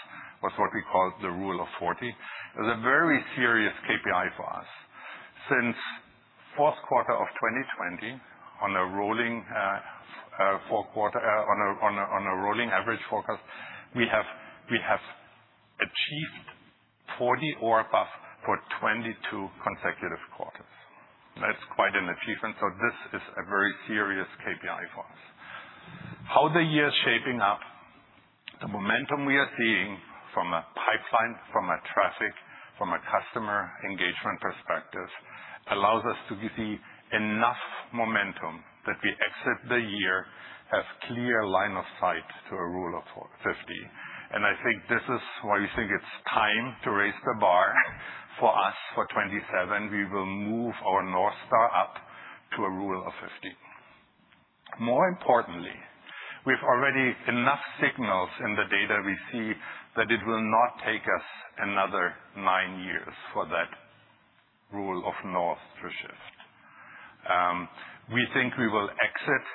was what we call the Rule of 40. It was a very serious KPI for us. Since fourth quarter of 2020 on a rolling average forecast, we have achieved 40 or above for 22 consecutive quarters. That's quite an achievement. This is a very serious KPI for us. How the year is shaping up, the momentum we are seeing from a pipeline, from a traffic, from a customer engagement perspective, allows us to see enough momentum that we exit the year as clear line of sight to a Rule of 50. I think this is why we think it's time to raise the bar for us for 2027. We will move our North Star up to a Rule of 50. More importantly, we've already enough signals in the data we see that it will not take us another nine years for that Rule of 50 to shift. We think we will exit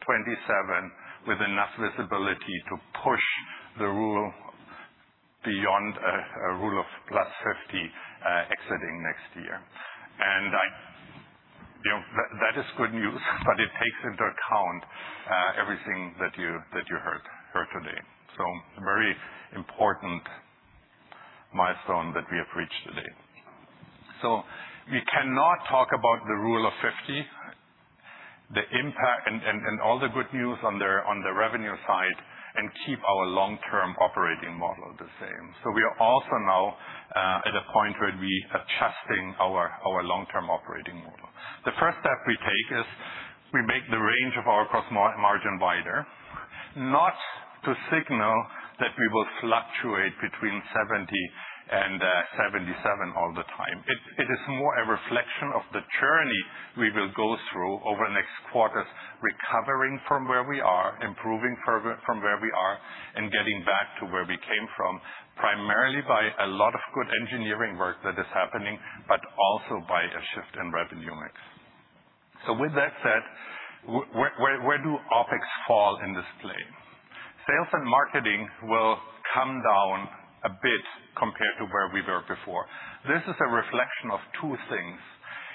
2027 with enough visibility to push the rule beyond a rule of +50 exiting next year. That is good news, but it takes into account everything that you heard today. A very important milestone that we have reached today. We cannot talk about the Rule of 50, the impact and all the good news on the revenue side and keep our long-term operating model the same. We are also now at a point where we're adjusting our long-term operating model. The first step we take is we make the range of our gross margin wider, not to signal that we will fluctuate between 70% and 77% all the time. It is more a reflection of the journey we will go through over the next quarters, recovering from where we are, improving further from where we are, and getting back to where we came from, primarily by a lot of good engineering work that is happening, but also by a shift in revenue mix. With that said, where do OpEx fall in this play? Sales and marketing will come down a bit compared to where we were before. This is a reflection of two things.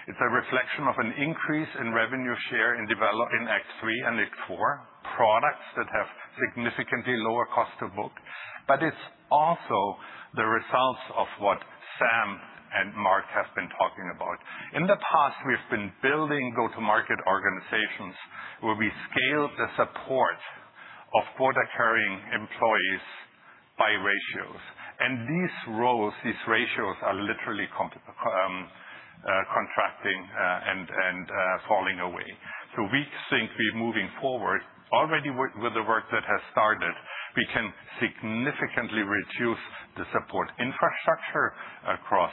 It's a reflection of an increase in revenue share in Act 3 and Act 4 products that have significantly lower cost to book. It's also the results of what Sam Rhea and Mark Anderson have been talking about. In the past, we've been building go-to-market organizations where we scaled the support of quota-carrying employees by ratios. These roles, these ratios are literally contracting and falling away. We think we're moving forward already with the work that has started. We can significantly reduce the support infrastructure across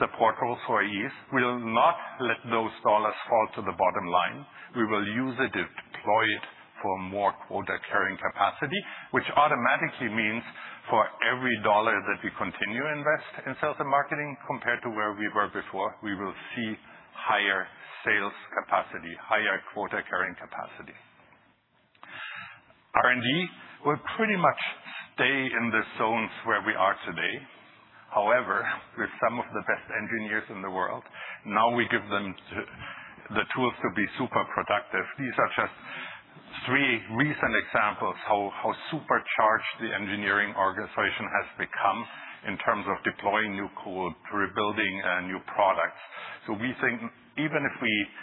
support roles for years. We will not let those dollars fall to the bottom line. We will use it, deploy it for more quota-carrying capacity, which automatically means for every dollar that we continue to invest in sales and marketing compared to where we were before, we will see higher sales capacity, higher quota-carrying capacity. R&D will pretty much stay in the zones where we are today. However, with some of the best engineers in the world, now we give them the tools to be super productive. These are just three recent examples how supercharged the engineering organization has become in terms of deploying new code, rebuilding new products. We think even if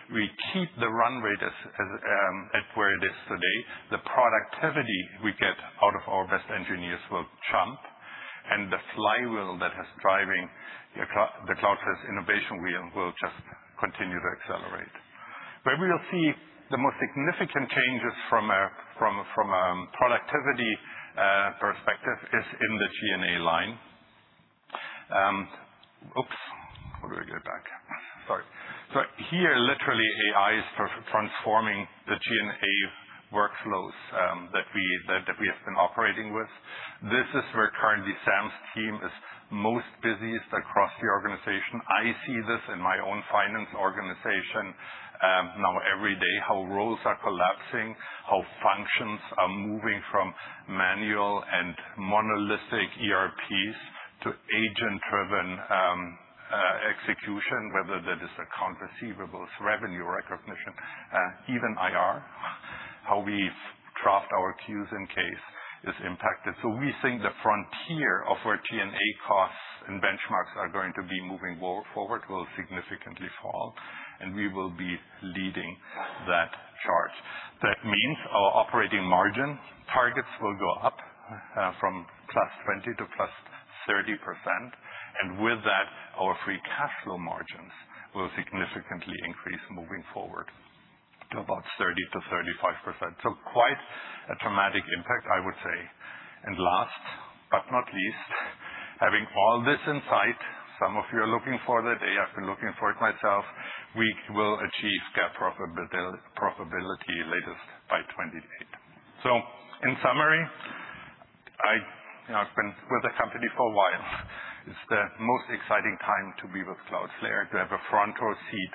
we keep the runway at where it is today, the productivity we get out of our best engineers will jump, and the flywheel that is driving the cloud-first innovation wheel will just continue to accelerate. Where we will see the most significant changes from a productivity perspective is in the G&A line. Oops, how do I get back? Sorry. Here, literally, AI is transforming the G&A workflows that we have been operating with. This is where currently Sam's team is most busiest across the organization. I see this in my own finance organization now every day, how roles are collapsing, how functions are moving from manual and monolithic ERPs to agent-driven execution, whether that is accounts receivables, revenue recognition, even IR, how we draft our Qs and Ks is impacted. We think the frontier of where G&A costs and benchmarks are going to be moving forward will significantly fall, and we will be leading that charge. That means our operating margin targets will go up from +20% to +30%, and with that, our free cash flow margins will significantly increase moving forward to about 30%-35%. Quite a dramatic impact, I would say. Last but not least, having all this in sight, some of you are looking for the day, I've been looking for it myself, we will achieve GAAP profitability latest by 2028. In summary, I've been with the company for a while. It's the most exciting time to be with Cloudflare, to have a front row seat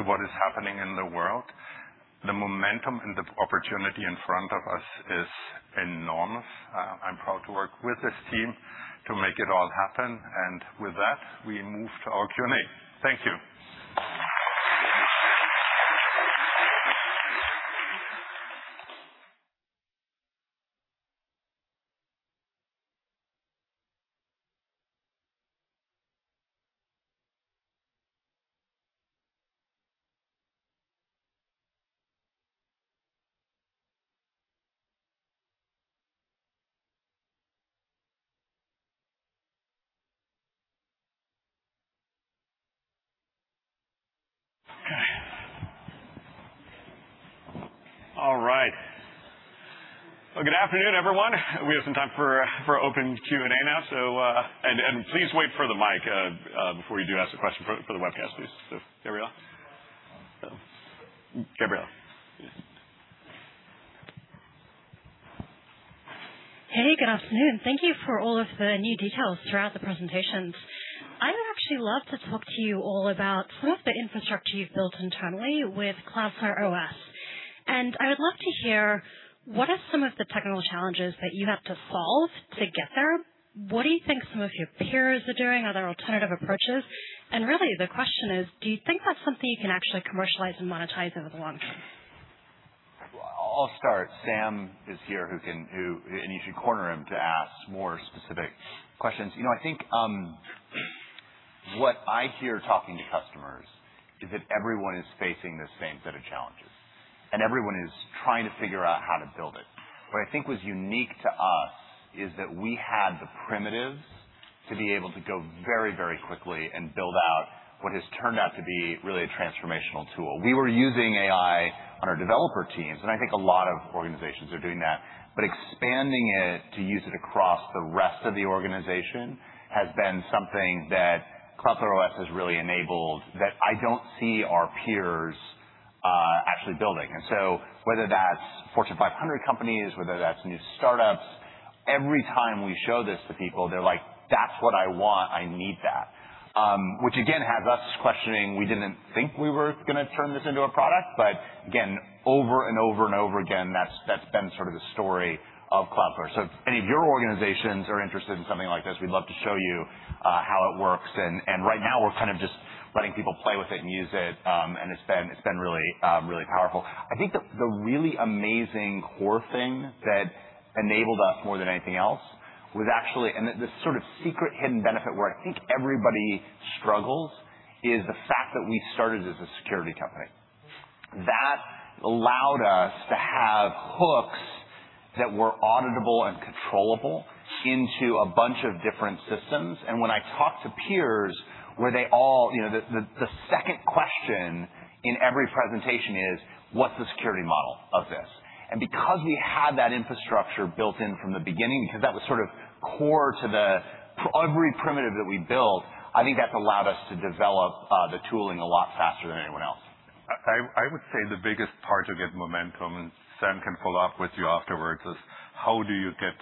to what is happening in the world. The momentum and the opportunity in front of us is enormous. I'm proud to work with this team to make it all happen. With that, we move to our Q&A. Thank you. All right. Well, good afternoon, everyone. We have some time for open Q&A now. Please wait for the mic before you do ask a question for the webcast, please. Gabrielle? Gabrielle. Hey, good afternoon. Thank you for all of the new details throughout the presentations. I would actually love to talk to you all about some of the infrastructure you've built internally with Cloudflare OS. I would love to hear what are some of the technical challenges that you have to solve to get there? What do you think some of your peers are doing? Are there alternative approaches? Really the question is, do you think that's something you can actually commercialize and monetize over the long term? I'll start. Sam is here, you should corner him to ask more specific questions. I think what I hear talking to customers is that everyone is facing the same set of challenges, everyone is trying to figure out how to build it. What I think was unique to us is that we had the primitives to be able to go very quickly and build out what has turned out to be really a transformational tool. We were using AI on our developer teams, I think a lot of organizations are doing that, but expanding it to use it across the rest of the organization has been something that Cloudflare OS has really enabled that I don't see our peers actually building. Whether that's Fortune 500 companies, whether that's new startups, every time we show this to people, they're like, "That's what I want. I need that." Which again, has us questioning, we didn't think we were going to turn this into a product, again, over and over again, that's been sort of the story of Cloudflare. If any of your organizations are interested in something like this, we'd love to show you how it works. Right now we're kind of just letting people play with it and use it. It's been really powerful. I think the really amazing core thing that enabled us more than anything else was actually and the sort of secret hidden benefit where I think everybody struggles is the fact that we started as a security company. That allowed us to have hooks that were auditable and controllable into a bunch of different systems. When I talk to peers, where the second question in every presentation is, what's the security model of this? Because we had that infrastructure built in from the beginning, because that was sort of core to every primitive that we built, I think that's allowed us to develop the tooling a lot faster than anyone else. I would say the biggest part to get momentum, Sam can follow up with you afterwards, is how do you get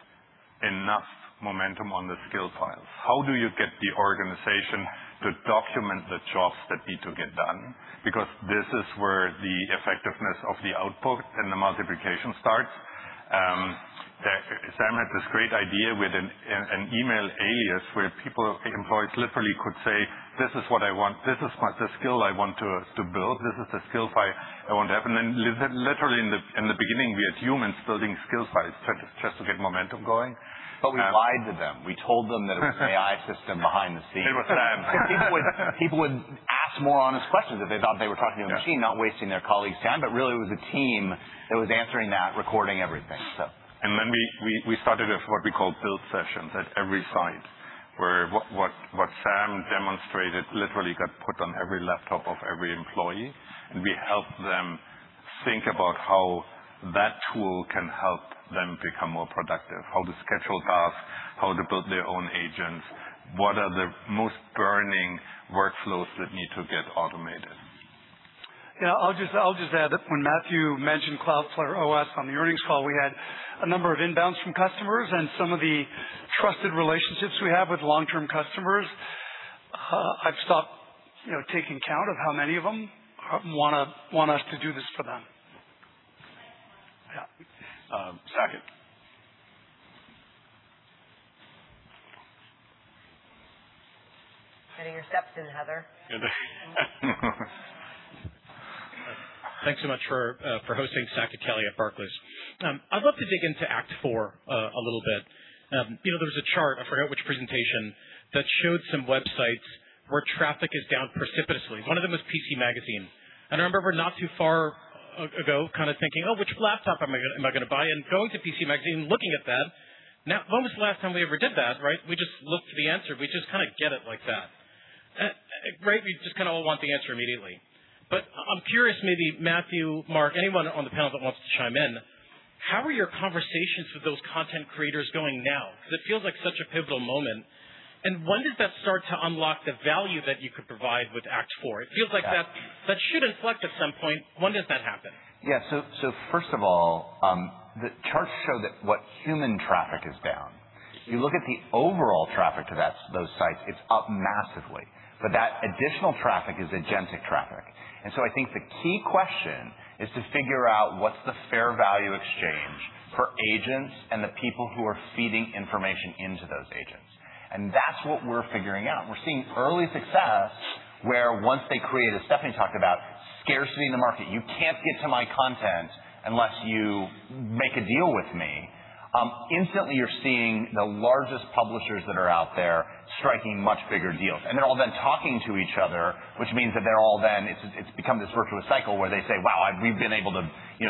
enough momentum on the skill files? How do you get the organization to document the jobs that need to get done? This is where the effectiveness of the output and the multiplication starts. Sam had this great idea with an email alias where employees literally could say, "This is what I want. This is the skill I want to build. This is the skill file I want to have." Literally in the beginning, we had humans building skill files just to get momentum going. We lied to them. We told them that it was an AI system behind the scenes. They were sad. People would ask more honest questions if they thought they were talking to a machine, not wasting their colleague's time, but really it was a team that was answering that, recording everything. We started what we call build sessions at every site, where what Sam demonstrated literally got put on every laptop of every employee, and we helped them think about how that tool can help them become more productive, how to schedule tasks, how to build their own agents, what are the most burning workflows that need to get automated. Yeah, I'll just add that when Matthew mentioned Cloudflare OS on the earnings call, we had a number of inbounds from customers and some of the trusted relationships we have with long-term customers. I've stopped taking count of how many of them want us to do this for them. Second. Getting your steps in, Heather. Thanks so much for hosting Saket Kalia at Barclays. I'd love to dig into Act 4 a little bit. There was a chart, I forget which presentation, that showed some websites where traffic is down precipitously. One of them was PC Magazine. I remember not too far ago, thinking, "Oh, which laptop am I going to buy?" Going to PC Magazine and looking at that. Now, when was the last time we ever did that, right? We just look for the answer. We just kind of get it like that. Right? We just all want the answer immediately. I'm curious, maybe Matthew, Mark, anyone on the panel that wants to chime in, how are your conversations with those content creators going now? Because it feels like such a pivotal moment. When does that start to unlock the value that you could provide with Act 4? It feels like that should inflect at some point. When does that happen? Yeah. First of all, the charts show that what human traffic is down. You look at the overall traffic to those sites, it's up massively. That additional traffic is agentic traffic. I think the key question is to figure out what's the fair value exchange for agents and the people who are feeding information into those agents. That's what we're figuring out. We're seeing early success where once they create, as Stephanie talked about, scarcity in the market. You can't get to my content unless you make a deal with me. Instantly, you're seeing the largest publishers that are out there striking much bigger deals. They're all then talking to each other, which means that it's become this virtuous cycle where they say, "Wow, we've been able to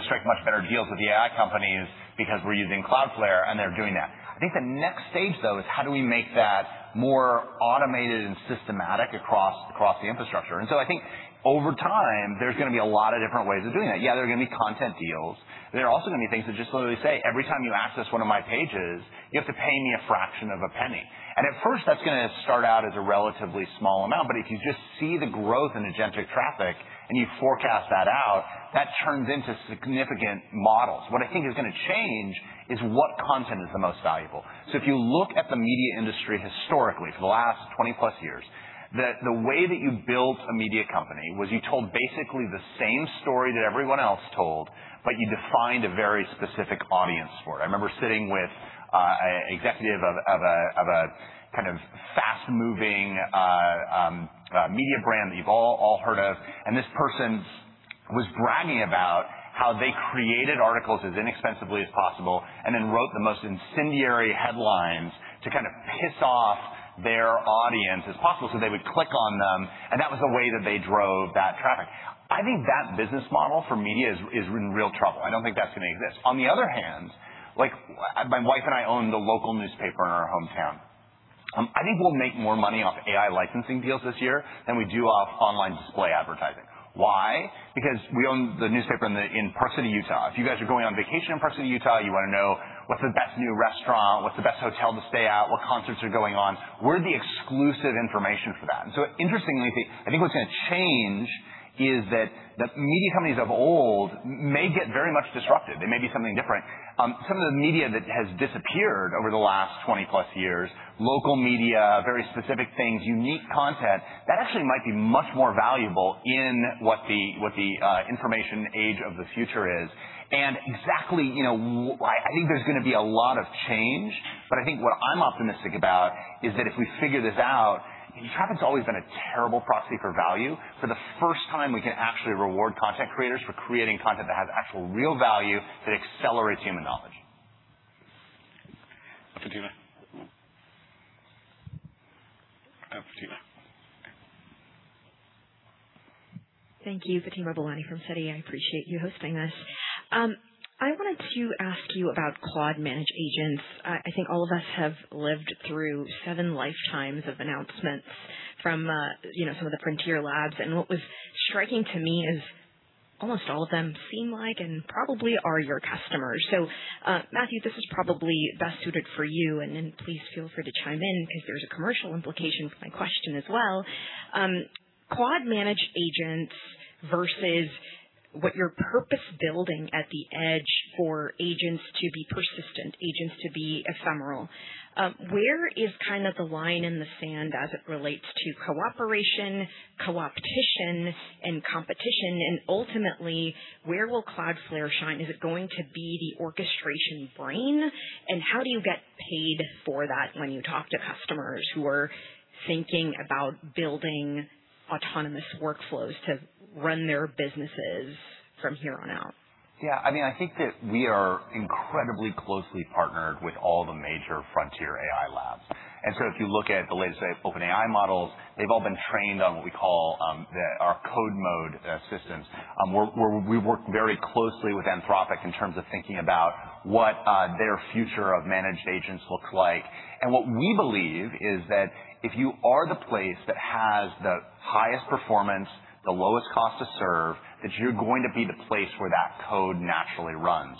strike much better deals with the AI companies because we're using Cloudflare," and they're doing that. I think the next stage, though, is how do we make that more automated and systematic across the infrastructure? I think over time, there's going to be a lot of different ways of doing that. Yeah, there are going to be content deals. There are also going to be things that just literally say, every time you access one of my pages, you have to pay me a fraction of a penny. At first, that's going to start out as a relatively small amount, but if you just see the growth in agentic traffic and you forecast that out, that turns into significant models. What I think is going to change is what content is the most valuable. If you look at the media industry historically, for the last 20-plus years, that the way that you built a media company was you told basically the same story that everyone else told, but you defined a very specific audience for it. I remember sitting with an executive of a kind of fast-moving media brand that you've all heard of, this person was bragging about how they created articles as inexpensively as possible and then wrote the most incendiary headlines to kind of piss off their audience as possible, so they would click on them, and that was a way that they drove that traffic. I think that business model for media is in real trouble. I don't think that's going to exist. On the other hand, my wife and I own the local newspaper in our hometown. I think we'll make more money off AI licensing deals this year than we do off online display advertising. Why? Because we own the newspaper in Park City, Utah. If you guys are going on vacation in Park City, Utah, you want to know what's the best new restaurant, what's the best hotel to stay at, what concerts are going on. We're the exclusive information for that. Interestingly, I think what's going to change is that the media companies of old may get very much disrupted. They may be something different. Some of the media that has disappeared over the last 20-plus years, local media, very specific things, unique content, that actually might be much more valuable in what the information age of the future is. Exactly, I think there's going to be a lot of change, but I think what I'm optimistic about is that if we figure this out, traffic's always been a terrible proxy for value. For the first time, we can actually reward content creators for creating content that has actual real value that accelerates human knowledge. Fatima. Fatima. Thank you. Fatima Boolani from Citi. I appreciate you hosting this. I wanted to ask you about Claude Managed Agents. I think all of us have lived through seven lifetimes of announcements from some of the frontier labs, and what was striking to me is almost all of them seem like and probably are your customers. Matthew, this is probably best suited for you, and then please feel free to chime in because there's a commercial implication for my question as well. Claude Managed Agents versus what you're purpose-building at the edge for agents to be persistent, agents to be ephemeral. Where is kind of the line in the sand as it relates to cooperation, co-optation, and competition? Ultimately, where will Cloudflare shine? Is it going to be the orchestration brain? How do you get paid for that when you talk to customers who are thinking about building autonomous workflows to run their businesses from here on out? Yeah. I think that we are incredibly closely partnered with all the major frontier AI labs. If you look at the latest, say, OpenAI models, they've all been trained on what we call our Code Mode assistance, where we work very closely with Anthropic in terms of thinking about what their future of managed agents looks like. What we believe is that if you are the place that has the highest performance, the lowest cost to serve. That you're going to be the place where that code naturally runs.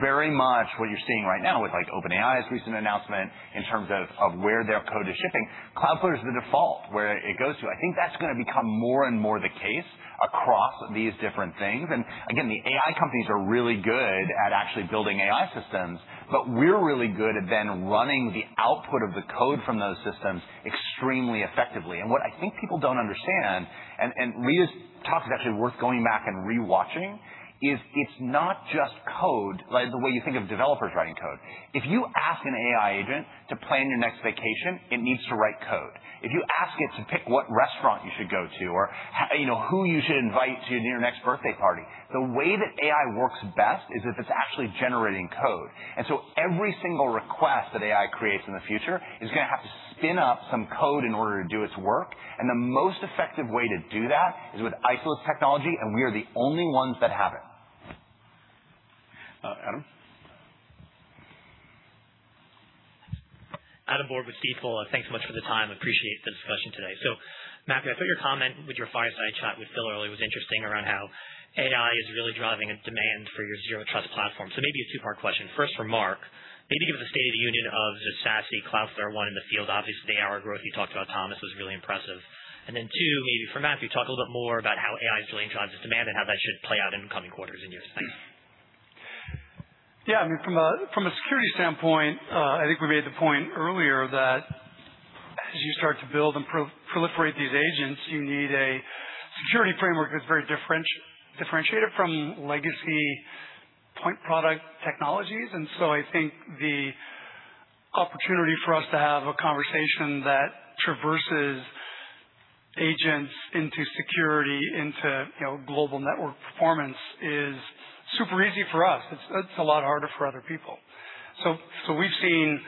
Very much what you're seeing right now with OpenAI's recent announcement in terms of where their code is shipping, Cloudflare is the default where it goes to. I think that's going to become more and more the case across these different things. Again, the AI companies are really good at actually building AI systems, but we're really good at then running the output of the code from those systems extremely effectively. What I think people don't understand, and Michelle's talk is actually worth going back and re-watching, is it's not just code the way you think of developers writing code. If you ask an AI agent to plan your next vacation, it needs to write code. If you ask it to pick what restaurant you should go to or who you should invite to your next birthday party, the way that AI works best is if it's actually generating code. Every single request that AI creates in the future is going to have to spin up some code in order to do its work, and the most effective way to do that is with isolate technology, and we are the only ones that have it. Adam. Adam Borg with Stifel. Thanks so much for the time. Appreciate the discussion today. Matthew, I thought your comment with your fireside chat with Phil earlier was interesting around how AI is really driving a demand for your Zero Trust platform. Maybe a two-part question. First for Mark, maybe give us a state of the union of just SASE Cloudflare One in the field. Obviously, the ARR growth you talked about, Thomas, was really impressive. Two, maybe for Matthew, talk a little bit more about how AI is really driving demand and how that should play out in the coming quarters in your space. From a security standpoint, I think we made the point earlier that as you start to build and proliferate these agents, you need a security framework that's very differentiated from legacy point product technologies. I think the opportunity for us to have a conversation that traverses agents into security, into global network performance is super easy for us. It's a lot harder for other people. We've seen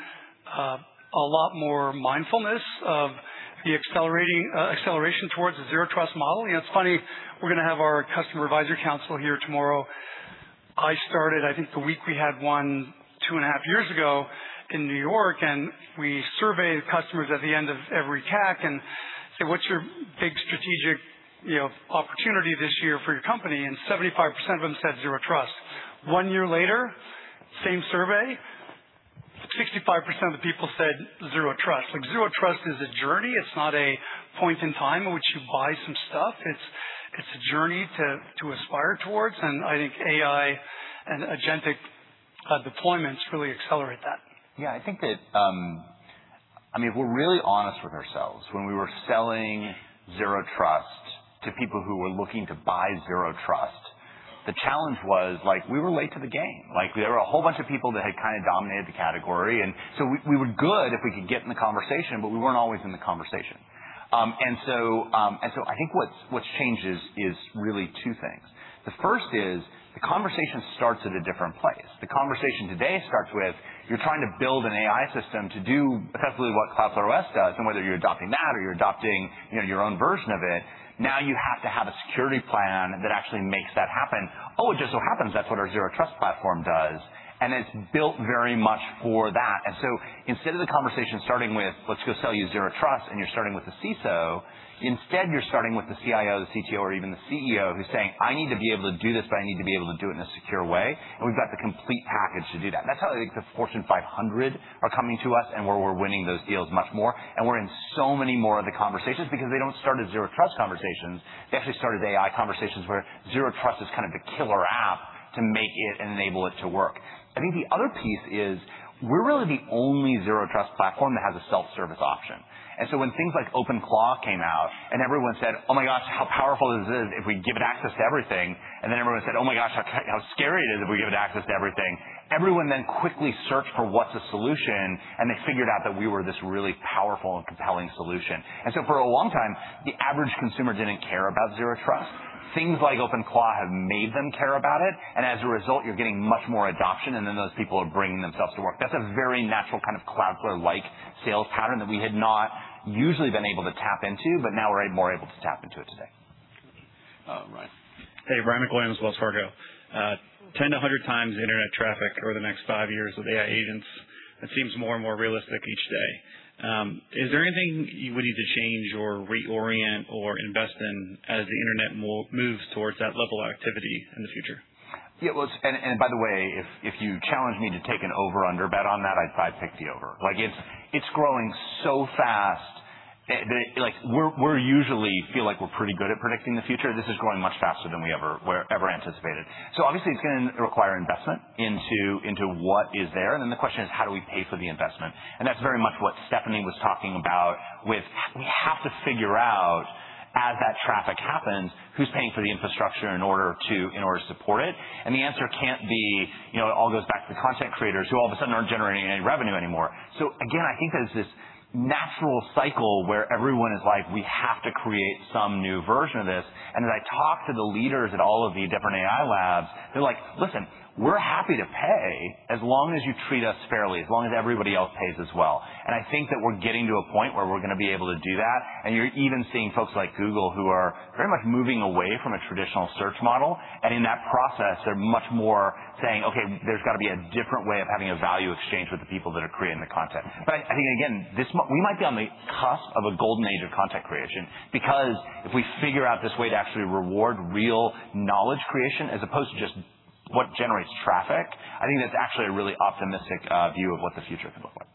a lot more mindfulness of the acceleration towards the Zero Trust model. It's funny, we're going to have our customer advisory council here tomorrow. I started, I think, the week we had one, two and a half years ago in New York, and we survey customers at the end of every CAC and say, "What's your big strategic opportunity this year for your company?" 75% of them said Zero Trust. One year later, same survey, 65% of the people said Zero Trust. Zero Trust is a journey. It's not a point in time in which you buy some stuff. It's a journey to aspire towards, and I think AI and agentic deployments really accelerate that. Yeah, if we're really honest with ourselves, when we were selling Zero Trust to people who were looking to buy Zero Trust, the challenge was we were late to the game. There were a whole bunch of people that had dominated the category. So we were good if we could get in the conversation, but we weren't always in the conversation. I think what's changed is really two things. The first is the conversation starts at a different place. The conversation today starts with you're trying to build an AI system to do effectively what Cloudflare OS does, and whether you're adopting that or you're adopting your own version of it, now you have to have a security plan that actually makes that happen. Oh, it just so happens that's what our Zero Trust platform does, and it's built very much for that. Instead of the conversation starting with, "Let's go sell you Zero Trust," and you're starting with the CISO, instead, you're starting with the CIO, the CTO, or even the CEO who's saying, "I need to be able to do this, but I need to be able to do it in a secure way." We've got the complete package to do that. That's how I think the Fortune 500 are coming to us, and where we're winning those deals much more. We're in so many more of the conversations because they don't start as Zero Trust conversations. They actually started AI conversations where Zero Trust is the killer app to make it and enable it to work. I think the other piece is we're really the only Zero Trust platform that has a self-service option. When things like OpenClaw came out everyone said, "Oh my gosh, how powerful is this if we give it access to everything," then everyone said, "Oh my gosh, how scary it is if we give it access to everything," everyone then quickly searched for what's a solution, they figured out that we were this really powerful and compelling solution. For a long time, the average consumer didn't care about Zero Trust. Things like OpenClaw have made them care about it, as a result, you're getting much more adoption, then those people are bringing themselves to work. That's a very natural Cloudflare-like sales pattern that we had not usually been able to tap into, but now we're more able to tap into it today. Ryan. Hey, Ryan Williams, Wells Fargo. 10 to 100 times internet traffic over the next five years with AI agents, it seems more and more realistic each day. Is there anything you would need to change or reorient or invest in as the internet moves towards that level of activity in the future? By the way, if you challenge me to take an over-under bet on that, I'd probably pick the over. It's growing so fast. We usually feel like we're pretty good at predicting the future. This is growing much faster than we ever anticipated. Obviously, it's going to require investment into what is there. Then the question is, how do we pay for the investment? That's very much what Stephanie was talking about with, we have to figure out as that traffic happens, who's paying for the infrastructure in order to support it. The answer can't be, it all goes back to the content creators who all of a sudden aren't generating any revenue anymore. Again, I think there's this natural cycle where everyone is like, "We have to create some new version of this." As I talk to the leaders at all of the different AI labs, they're like, "Listen, we're happy to pay as long as you treat us fairly, as long as everybody else pays as well." I think that we're getting to a point where we're going to be able to do that, you're even seeing folks like Google who are very much moving away from a traditional search model. In that process, they're much more saying, "Okay, there's got to be a different way of having a value exchange with the people that are creating the content." I think, again, we might be on the cusp of a golden age of content creation because if we figure out this way to actually reward real knowledge creation, as opposed to just what generates traffic. I think that's actually a really optimistic view of what the future can look like.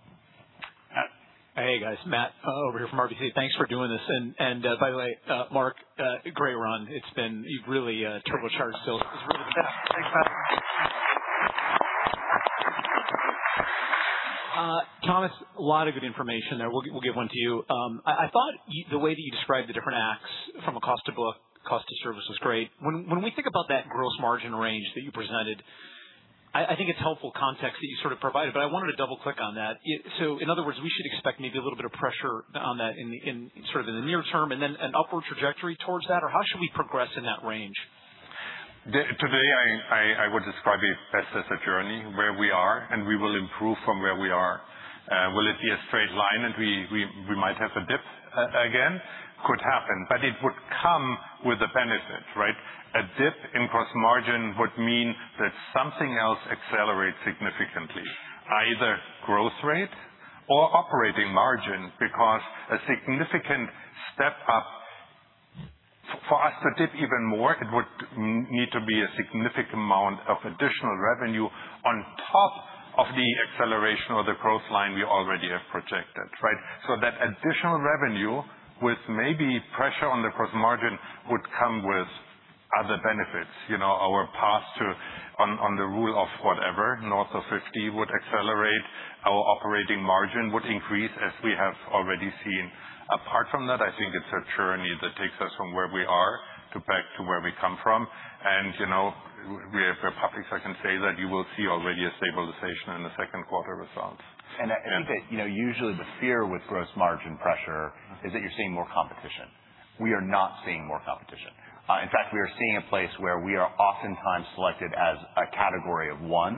Matt. Hey, guys. Matt over here from RBC. Thanks for doing this. By the way, Mark, great run. You've really turbocharged Phil. He's really the best. Thanks, Matt. Thomas, a lot of good information there. We'll give one to you. I thought the way that you described the different acts from a cost to book, cost to service was great. We think about that gross margin range that you presented, I think it's helpful context that you provided. I wanted to double-click on that. In other words, we should expect maybe a little bit of pressure on that in the near term, then an upward trajectory towards that? How should we progress in that range? Today, I would describe it best as a journey, where we are. We will improve from where we are. Will it be a straight line, we might have a dip again? Could happen, it would come with a benefit, right? A dip in gross margin would mean that something else accelerates significantly, either growth rate or operating margin, because a significant step up for us to dip even more, it would need to be a significant amount of additional revenue on top of the acceleration of the growth line we already have projected, right? That additional revenue with maybe pressure on the gross margin would come with other benefits. Our path to on the rule of whatever, north of 50, would accelerate. Our operating margin would increase, as we have already seen. Apart from that, I think it's a journey that takes us from where we are to back to where we come from. We're public, so I can say that you will see already a stabilization in the second quarter results. I think that usually the fear with gross margin pressure is that you're seeing more competition. We are not seeing more competition. In fact, we are seeing a place where we are oftentimes selected as a category of one,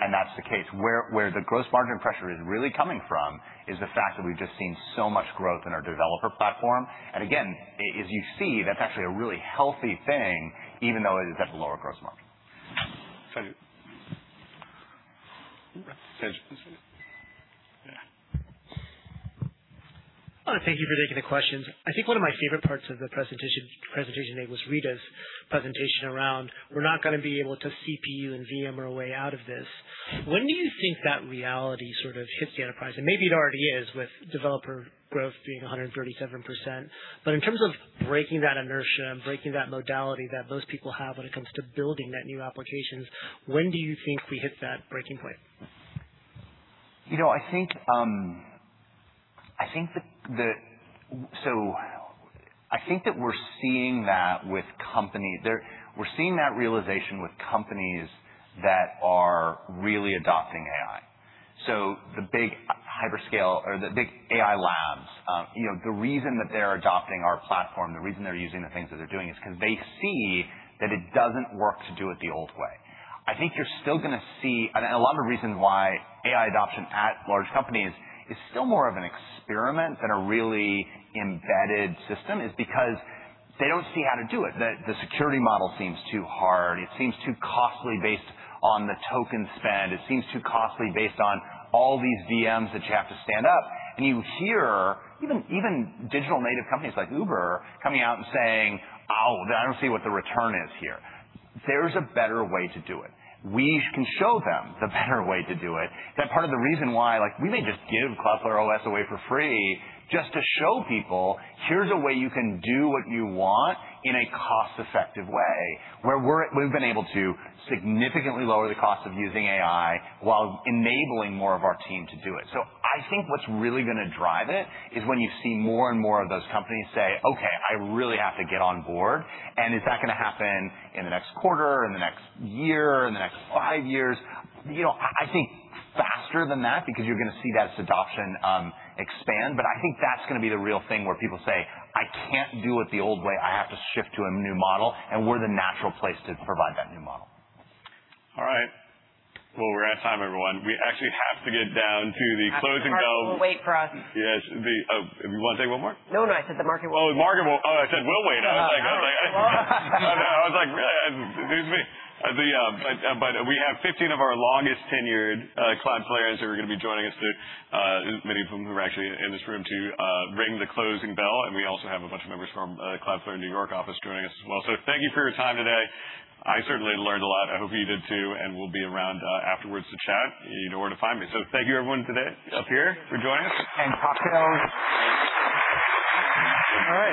and that's the case. Where the gross margin pressure is really coming from is the fact that we've just seen so much growth in our developer platform. Again, as you see, that's actually a really healthy thing, even though it is at the lower gross margin. Saiju. Thank you for taking the questions. I think one of my favorite parts of the presentation today was Rita's presentation around we're not going to be able to CPU and VM our way out of this. When do you think that reality sort of hits the enterprise? Maybe it already is with developer growth being 137%. In terms of breaking that inertia, breaking that modality that most people have when it comes to building net new applications, when do you think we hit that breaking point? I think that we're seeing that realization with companies that are really adopting AI. The big hyperscale or the big AI labs, the reason that they're adopting our platform, the reason they're using the things that they're doing is because they see that it doesn't work to do it the old way. I think you're still going to see a lot of the reason why AI adoption at large companies is still more of an experiment than a really embedded system is because they don't see how to do it. The security model seems too hard. It seems too costly based on the token spend. It seems too costly based on all these VMs that you have to stand up. You hear even digital native companies like Uber coming out and saying, "Oh, I don't see what the return is here." There's a better way to do it. We can show them the better way to do it. That part of the reason why we may just give Cloudflare OS away for free just to show people, here's a way you can do what you want in a cost-effective way, where we've been able to significantly lower the cost of using AI while enabling more of our team to do it. I think what's really going to drive it is when you see more and more of those companies say, "Okay, I really have to get on board." Is that going to happen in the next quarter, in the next year, in the next five years? I think faster than that because you're going to see this adoption expand. I think that's going to be the real thing where people say, "I can't do it the old way. I have to shift to a new model," and we're the natural place to provide that new model. All right. Well, we're out of time, everyone. We actually have to get down to the closing bell. The market will wait for us. Yes. You want to say one more? No, no. I said the market will wait. Oh, I thought you said will wait. I was like, "Really." We have 15 of our longest-tenured Cloudflarians who are going to be joining us too, many of whom who are actually in this room, to ring the closing bell. We also have a bunch of members from Cloudflare New York office joining us as well. Thank you for your time today. I certainly learned a lot. I hope you did too. We'll be around afterwards to chat. You know where to find me. Thank you everyone today up here for joining us. Cocktails. All right.